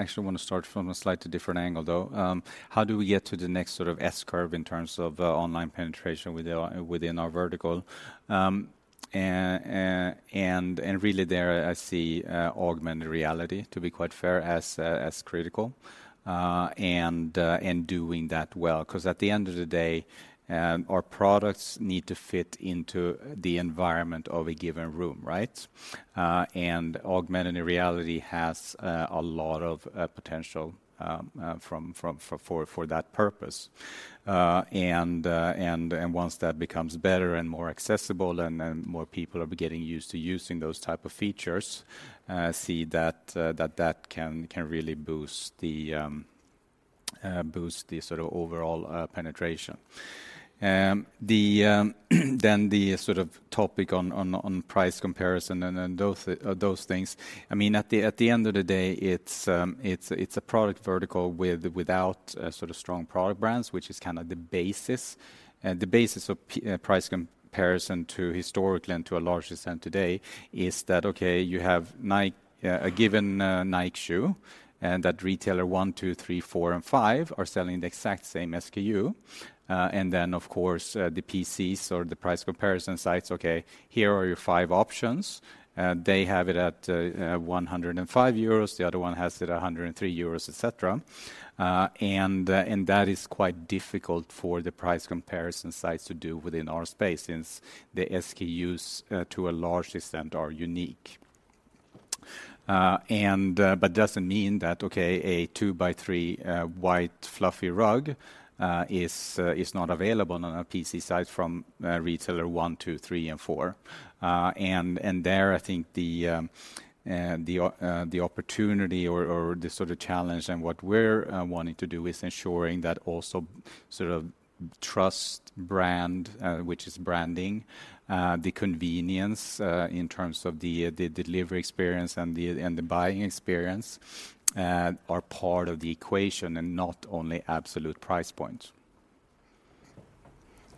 Speaker 2: actually want to start from a slightly different angle, though. How do we get to the next sort of S-curve in terms of online penetration within our vertical? Really there, I see augmented reality to be quite fair, as critical, and doing that well. 'Cause at the end of the day, our products need to fit into the environment of a given room, right? Augmented reality has a lot of potential for that purpose. once that becomes better and more accessible, then more people are getting used to using those type of features, see that that can really boost the sort of overall penetration. The sort of topic on price comparison and those things, I mean, at the end of the day, it's a product vertical without sort of strong product brands, which is kind of the basis. The basis of price comparison to historically and to a large extent today, is that, okay, you have Nike, a given Nike shoe, and that retailer 1, 2, 3, 4, and 5 are selling the exact same SKU. rse, the PCs or the price comparison sites, okay, here are your 5 options. They have it at 105 euros, the other one has it 103 euros, et cetera. And that is quite difficult for the price comparison sites to do within our space, since the SKUs, to a large extent, are unique. But doesn't mean that, okay, a 2-by-3 white, fluffy rug is not available on a PC site from retailer 1, 2, 3, and 4. There, I think the opportunity or the sort of challenge and what we're wanting to do is ensuring that also sort of trust brand, which is branding, the convenience, in terms of the delivery experience and the buying experience, are part of the equation and not only absolute price points.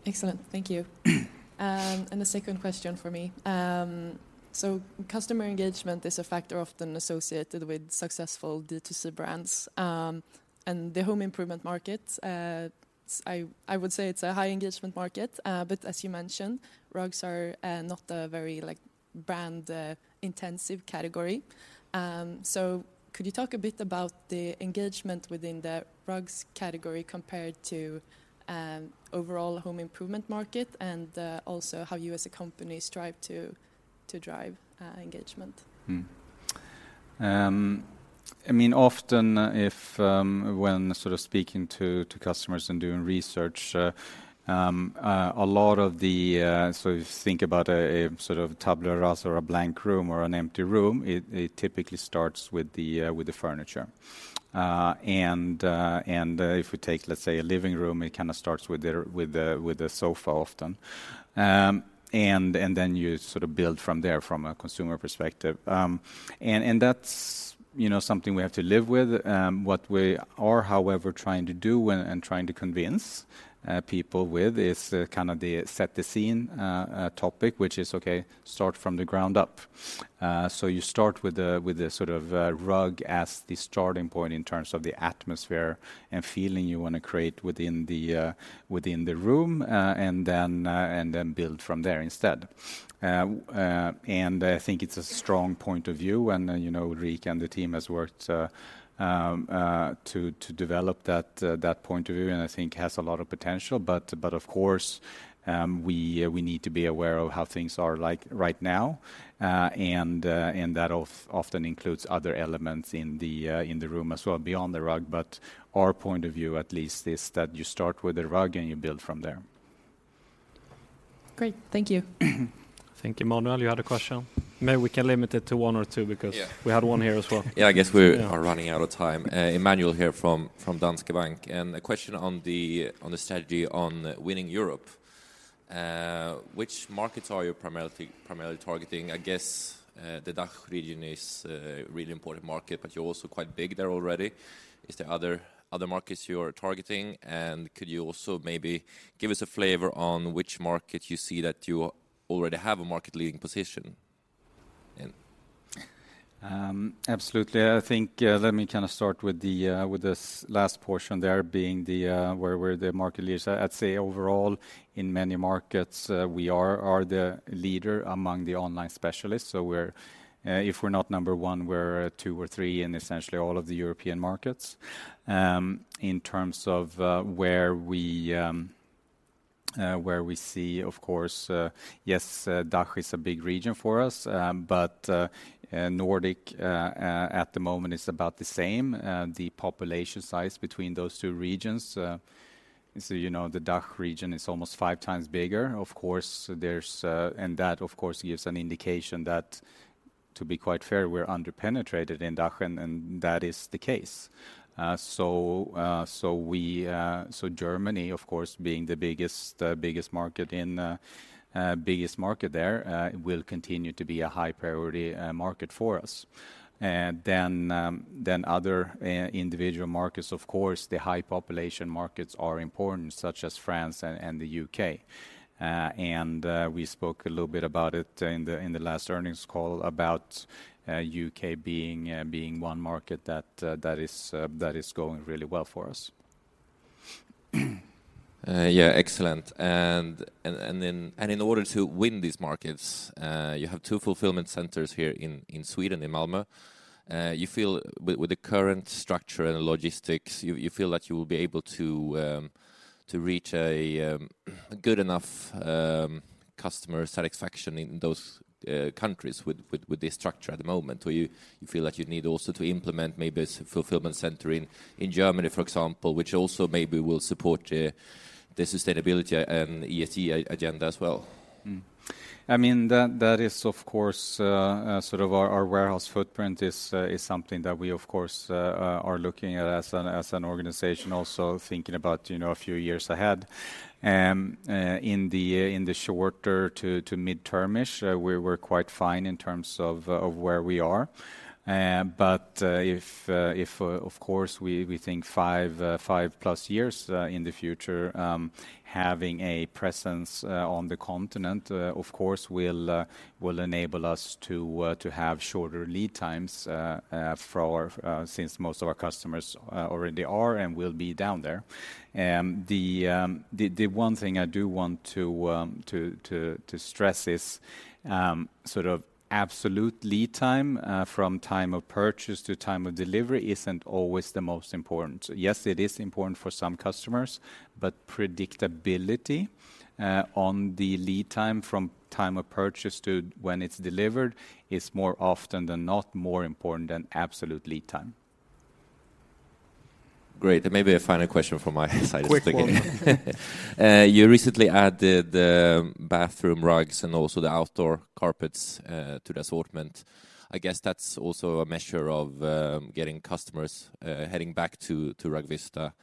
Speaker 12: Excellent. Thank you. The second question for me, customer engagement is a factor often associated with successful D2C brands. The home improvement market, I would say it's a high engagement market, but as you mentioned, rugs are not a very, like, brand intensive category. Could you talk a bit about the engagement within the rugs category compared to overall home improvement market? Also, how you as a company strive to drive engagement?
Speaker 2: I mean, often, when sort of speaking to customers and doing research, a lot of the, so if you think about a sort of tabula rasa or a blank room or an empty room, it typically starts with the furniture. If we take, let's say, a living room, it kind of starts with the sofa often. Then you sort of build from there from a consumer perspective. That's, you know, something we have to live with. What we are, however, trying to do when trying to convince people with, is kind of the set the scene topic, which is, okay, start from the ground up. Uh, so you start with a, with a sort of, uh, rug as the starting point in terms of the atmosphere and feeling you want to create within the, uh, within the room, uh, and then, uh, and then build from there instead. Uh, uh, and I think it's a strong point of view, and, uh, you know, Rik and the team has worked, uh, um, uh, to develop that, uh, that point of view, and I think has a lot of potential. But, but of course, um, we, uh, we need to be aware of how things are like right now, uh, and, uh, and that of- often includes other elements in the, uh, in the room as well, beyond the rug. But our point of view, at least, is that you start with the rug, and you build from there.
Speaker 12: Great. Thank you.
Speaker 1: I think, Emmanuel, you had a question. Maybe we can limit it to one or two, because-
Speaker 13: Yeah...
Speaker 1: we had one here as well.
Speaker 13: Yeah, I guess we are running out of time. Emmanuel here from Danske Bank, a question on the, on the strategy on winning Europe. Which markets are you primarily targeting? I guess, the DACH region is a really important market, but you're also quite big there already. Is there other markets you are targeting? Could you also maybe give us a flavor on which market you see that you already have a market-leading position in?
Speaker 2: Absolutely. I think, let me kind of start with the, with this last portion there, being the, where we're the market leaders. I'd say overall, in many markets, we are the leader among the online specialists. We're, if we're not number 1, we're 2 or 3 in essentially all of the European markets. In terms of where we, where we see, of course, yes, DACH is a big region for us, but Nordic at the moment is about the same. The population size between those two regions, you know, the DACH region is almost 5 times bigger. Of course, there's. That, of course, gives an indication that, to be quite fair, we're under-penetrated in DACH, and that is the case. of course, being the biggest market there, will continue to be a high-priority market for us. Then other individual markets, of course, the high-population markets are important, such as France and the U.K. And we spoke a little bit about it in the last earnings call, about the U.K. being one market that is going really well for us.
Speaker 13: Yeah, excellent. In order to win these markets, you have two fulfillment centers here in Sweden, in Malmö. With the current structure and logistics, you feel that you will be able to reach a good enough customer satisfaction in those countries with this structure at the moment? Or you feel like you need also to implement maybe a fulfillment center in Germany, for example, which also maybe will support the sustainability and ESG agenda as well?
Speaker 2: Mm-hmm. I mean, that is, of course, sort of our warehouse footprint is something that we, of course, are looking at as an organization. Also, thinking about, you know, a few years ahead. In the shorter to midterm-ish, we're quite fine in terms of where we are. But if, of course, we think 5+ years in the future, having a presence on the continent, of course, will enable us to have shorter lead times for our since most of our customers already are and will be down there. The one thing I do want to stress is sort of absolute lead time from time of purchase to time of delivery isn't always the most important. Yes, it is important for some customers, but predictability on the lead time from time of purchase to when it's delivered, is more often than not more important than absolute lead time.
Speaker 13: Great. Maybe a final question from my side.
Speaker 2: Quick one.
Speaker 13: You recently added the bathroom rugs and also the outdoor carpets to the assortment. I guess that's also a measure of getting customers heading back to Rugvista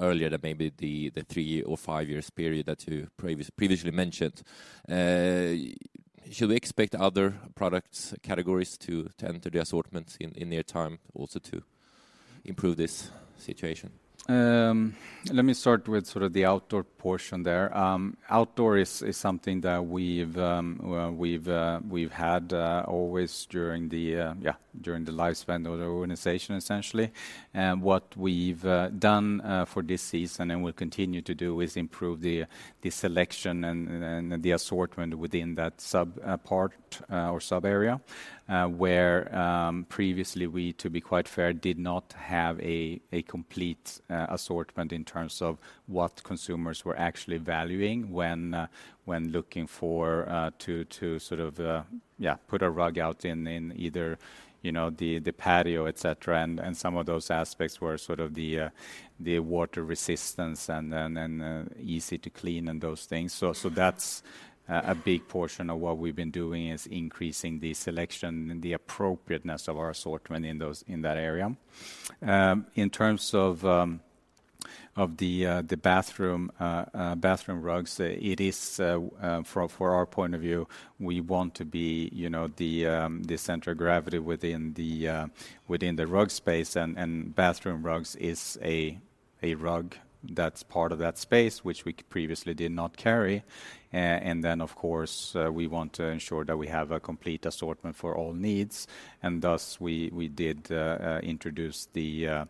Speaker 13: earlier than maybe the 3 or 5 years period that you previously mentioned. Should we expect other products categories to enter the assortments in their time also to improve this situation?
Speaker 2: Let me start with sort of the outdoor portion there. Outdoor is something that we've had always during the lifespan of the organization, essentially. What we've done for this season, and we'll continue to do, is improve the selection and the assortment within that sub part or subarea. Where previously we, to be quite fair, did not have a complete assortment in terms of what consumers were actually valuing when looking for to sort of put a rug out in either, you know, the patio, et cetera. Some of those aspects were sort of the water resistance and easy to clean and those things. That's a big portion of what we've been doing, is increasing the selection and the appropriateness of our assortment in those, in that area. In terms of the bathroom rugs, it is for our point of view, we want to be, you know, the center of gravity within the rug space. Bathroom rugs is a rug that's part of that space, which we previously did not carry. Of course, we want to ensure that we have a complete assortment for all needs, and thus, we did introduce the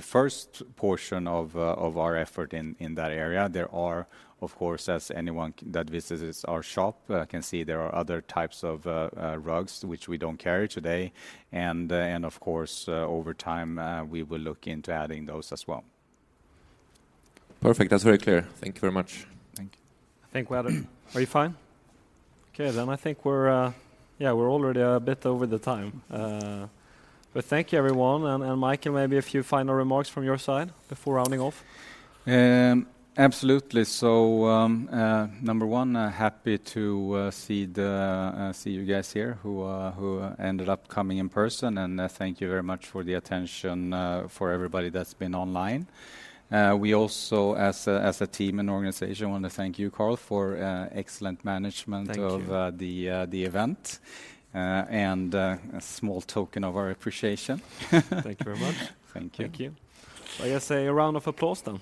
Speaker 2: first portion of our effort in that area. There are, of course, as anyone that visits our shop, can see there are other types of, rugs which we don't carry today. Of course, over time, we will look into adding those as well.
Speaker 13: Perfect. That's very clear. Thank you very much.
Speaker 2: Thank you.
Speaker 1: I think we're... Are you fine? Okay, I think we're, yeah, we're already a bit over the time. Thank you, everyone, and Mike, and maybe a few final remarks from your side before rounding off.
Speaker 2: Absolutely. Number one, happy to see the see you guys here who ended up coming in person, and thank you very much for the attention for everybody that's been online. We also, as a team and organization, want to thank you, Carl, for excellent management.
Speaker 1: Thank you.
Speaker 2: of, the event. A small token of our appreciation.
Speaker 1: Thank you very much.
Speaker 2: Thank you.
Speaker 1: Thank you. I guess, a round of applause, then.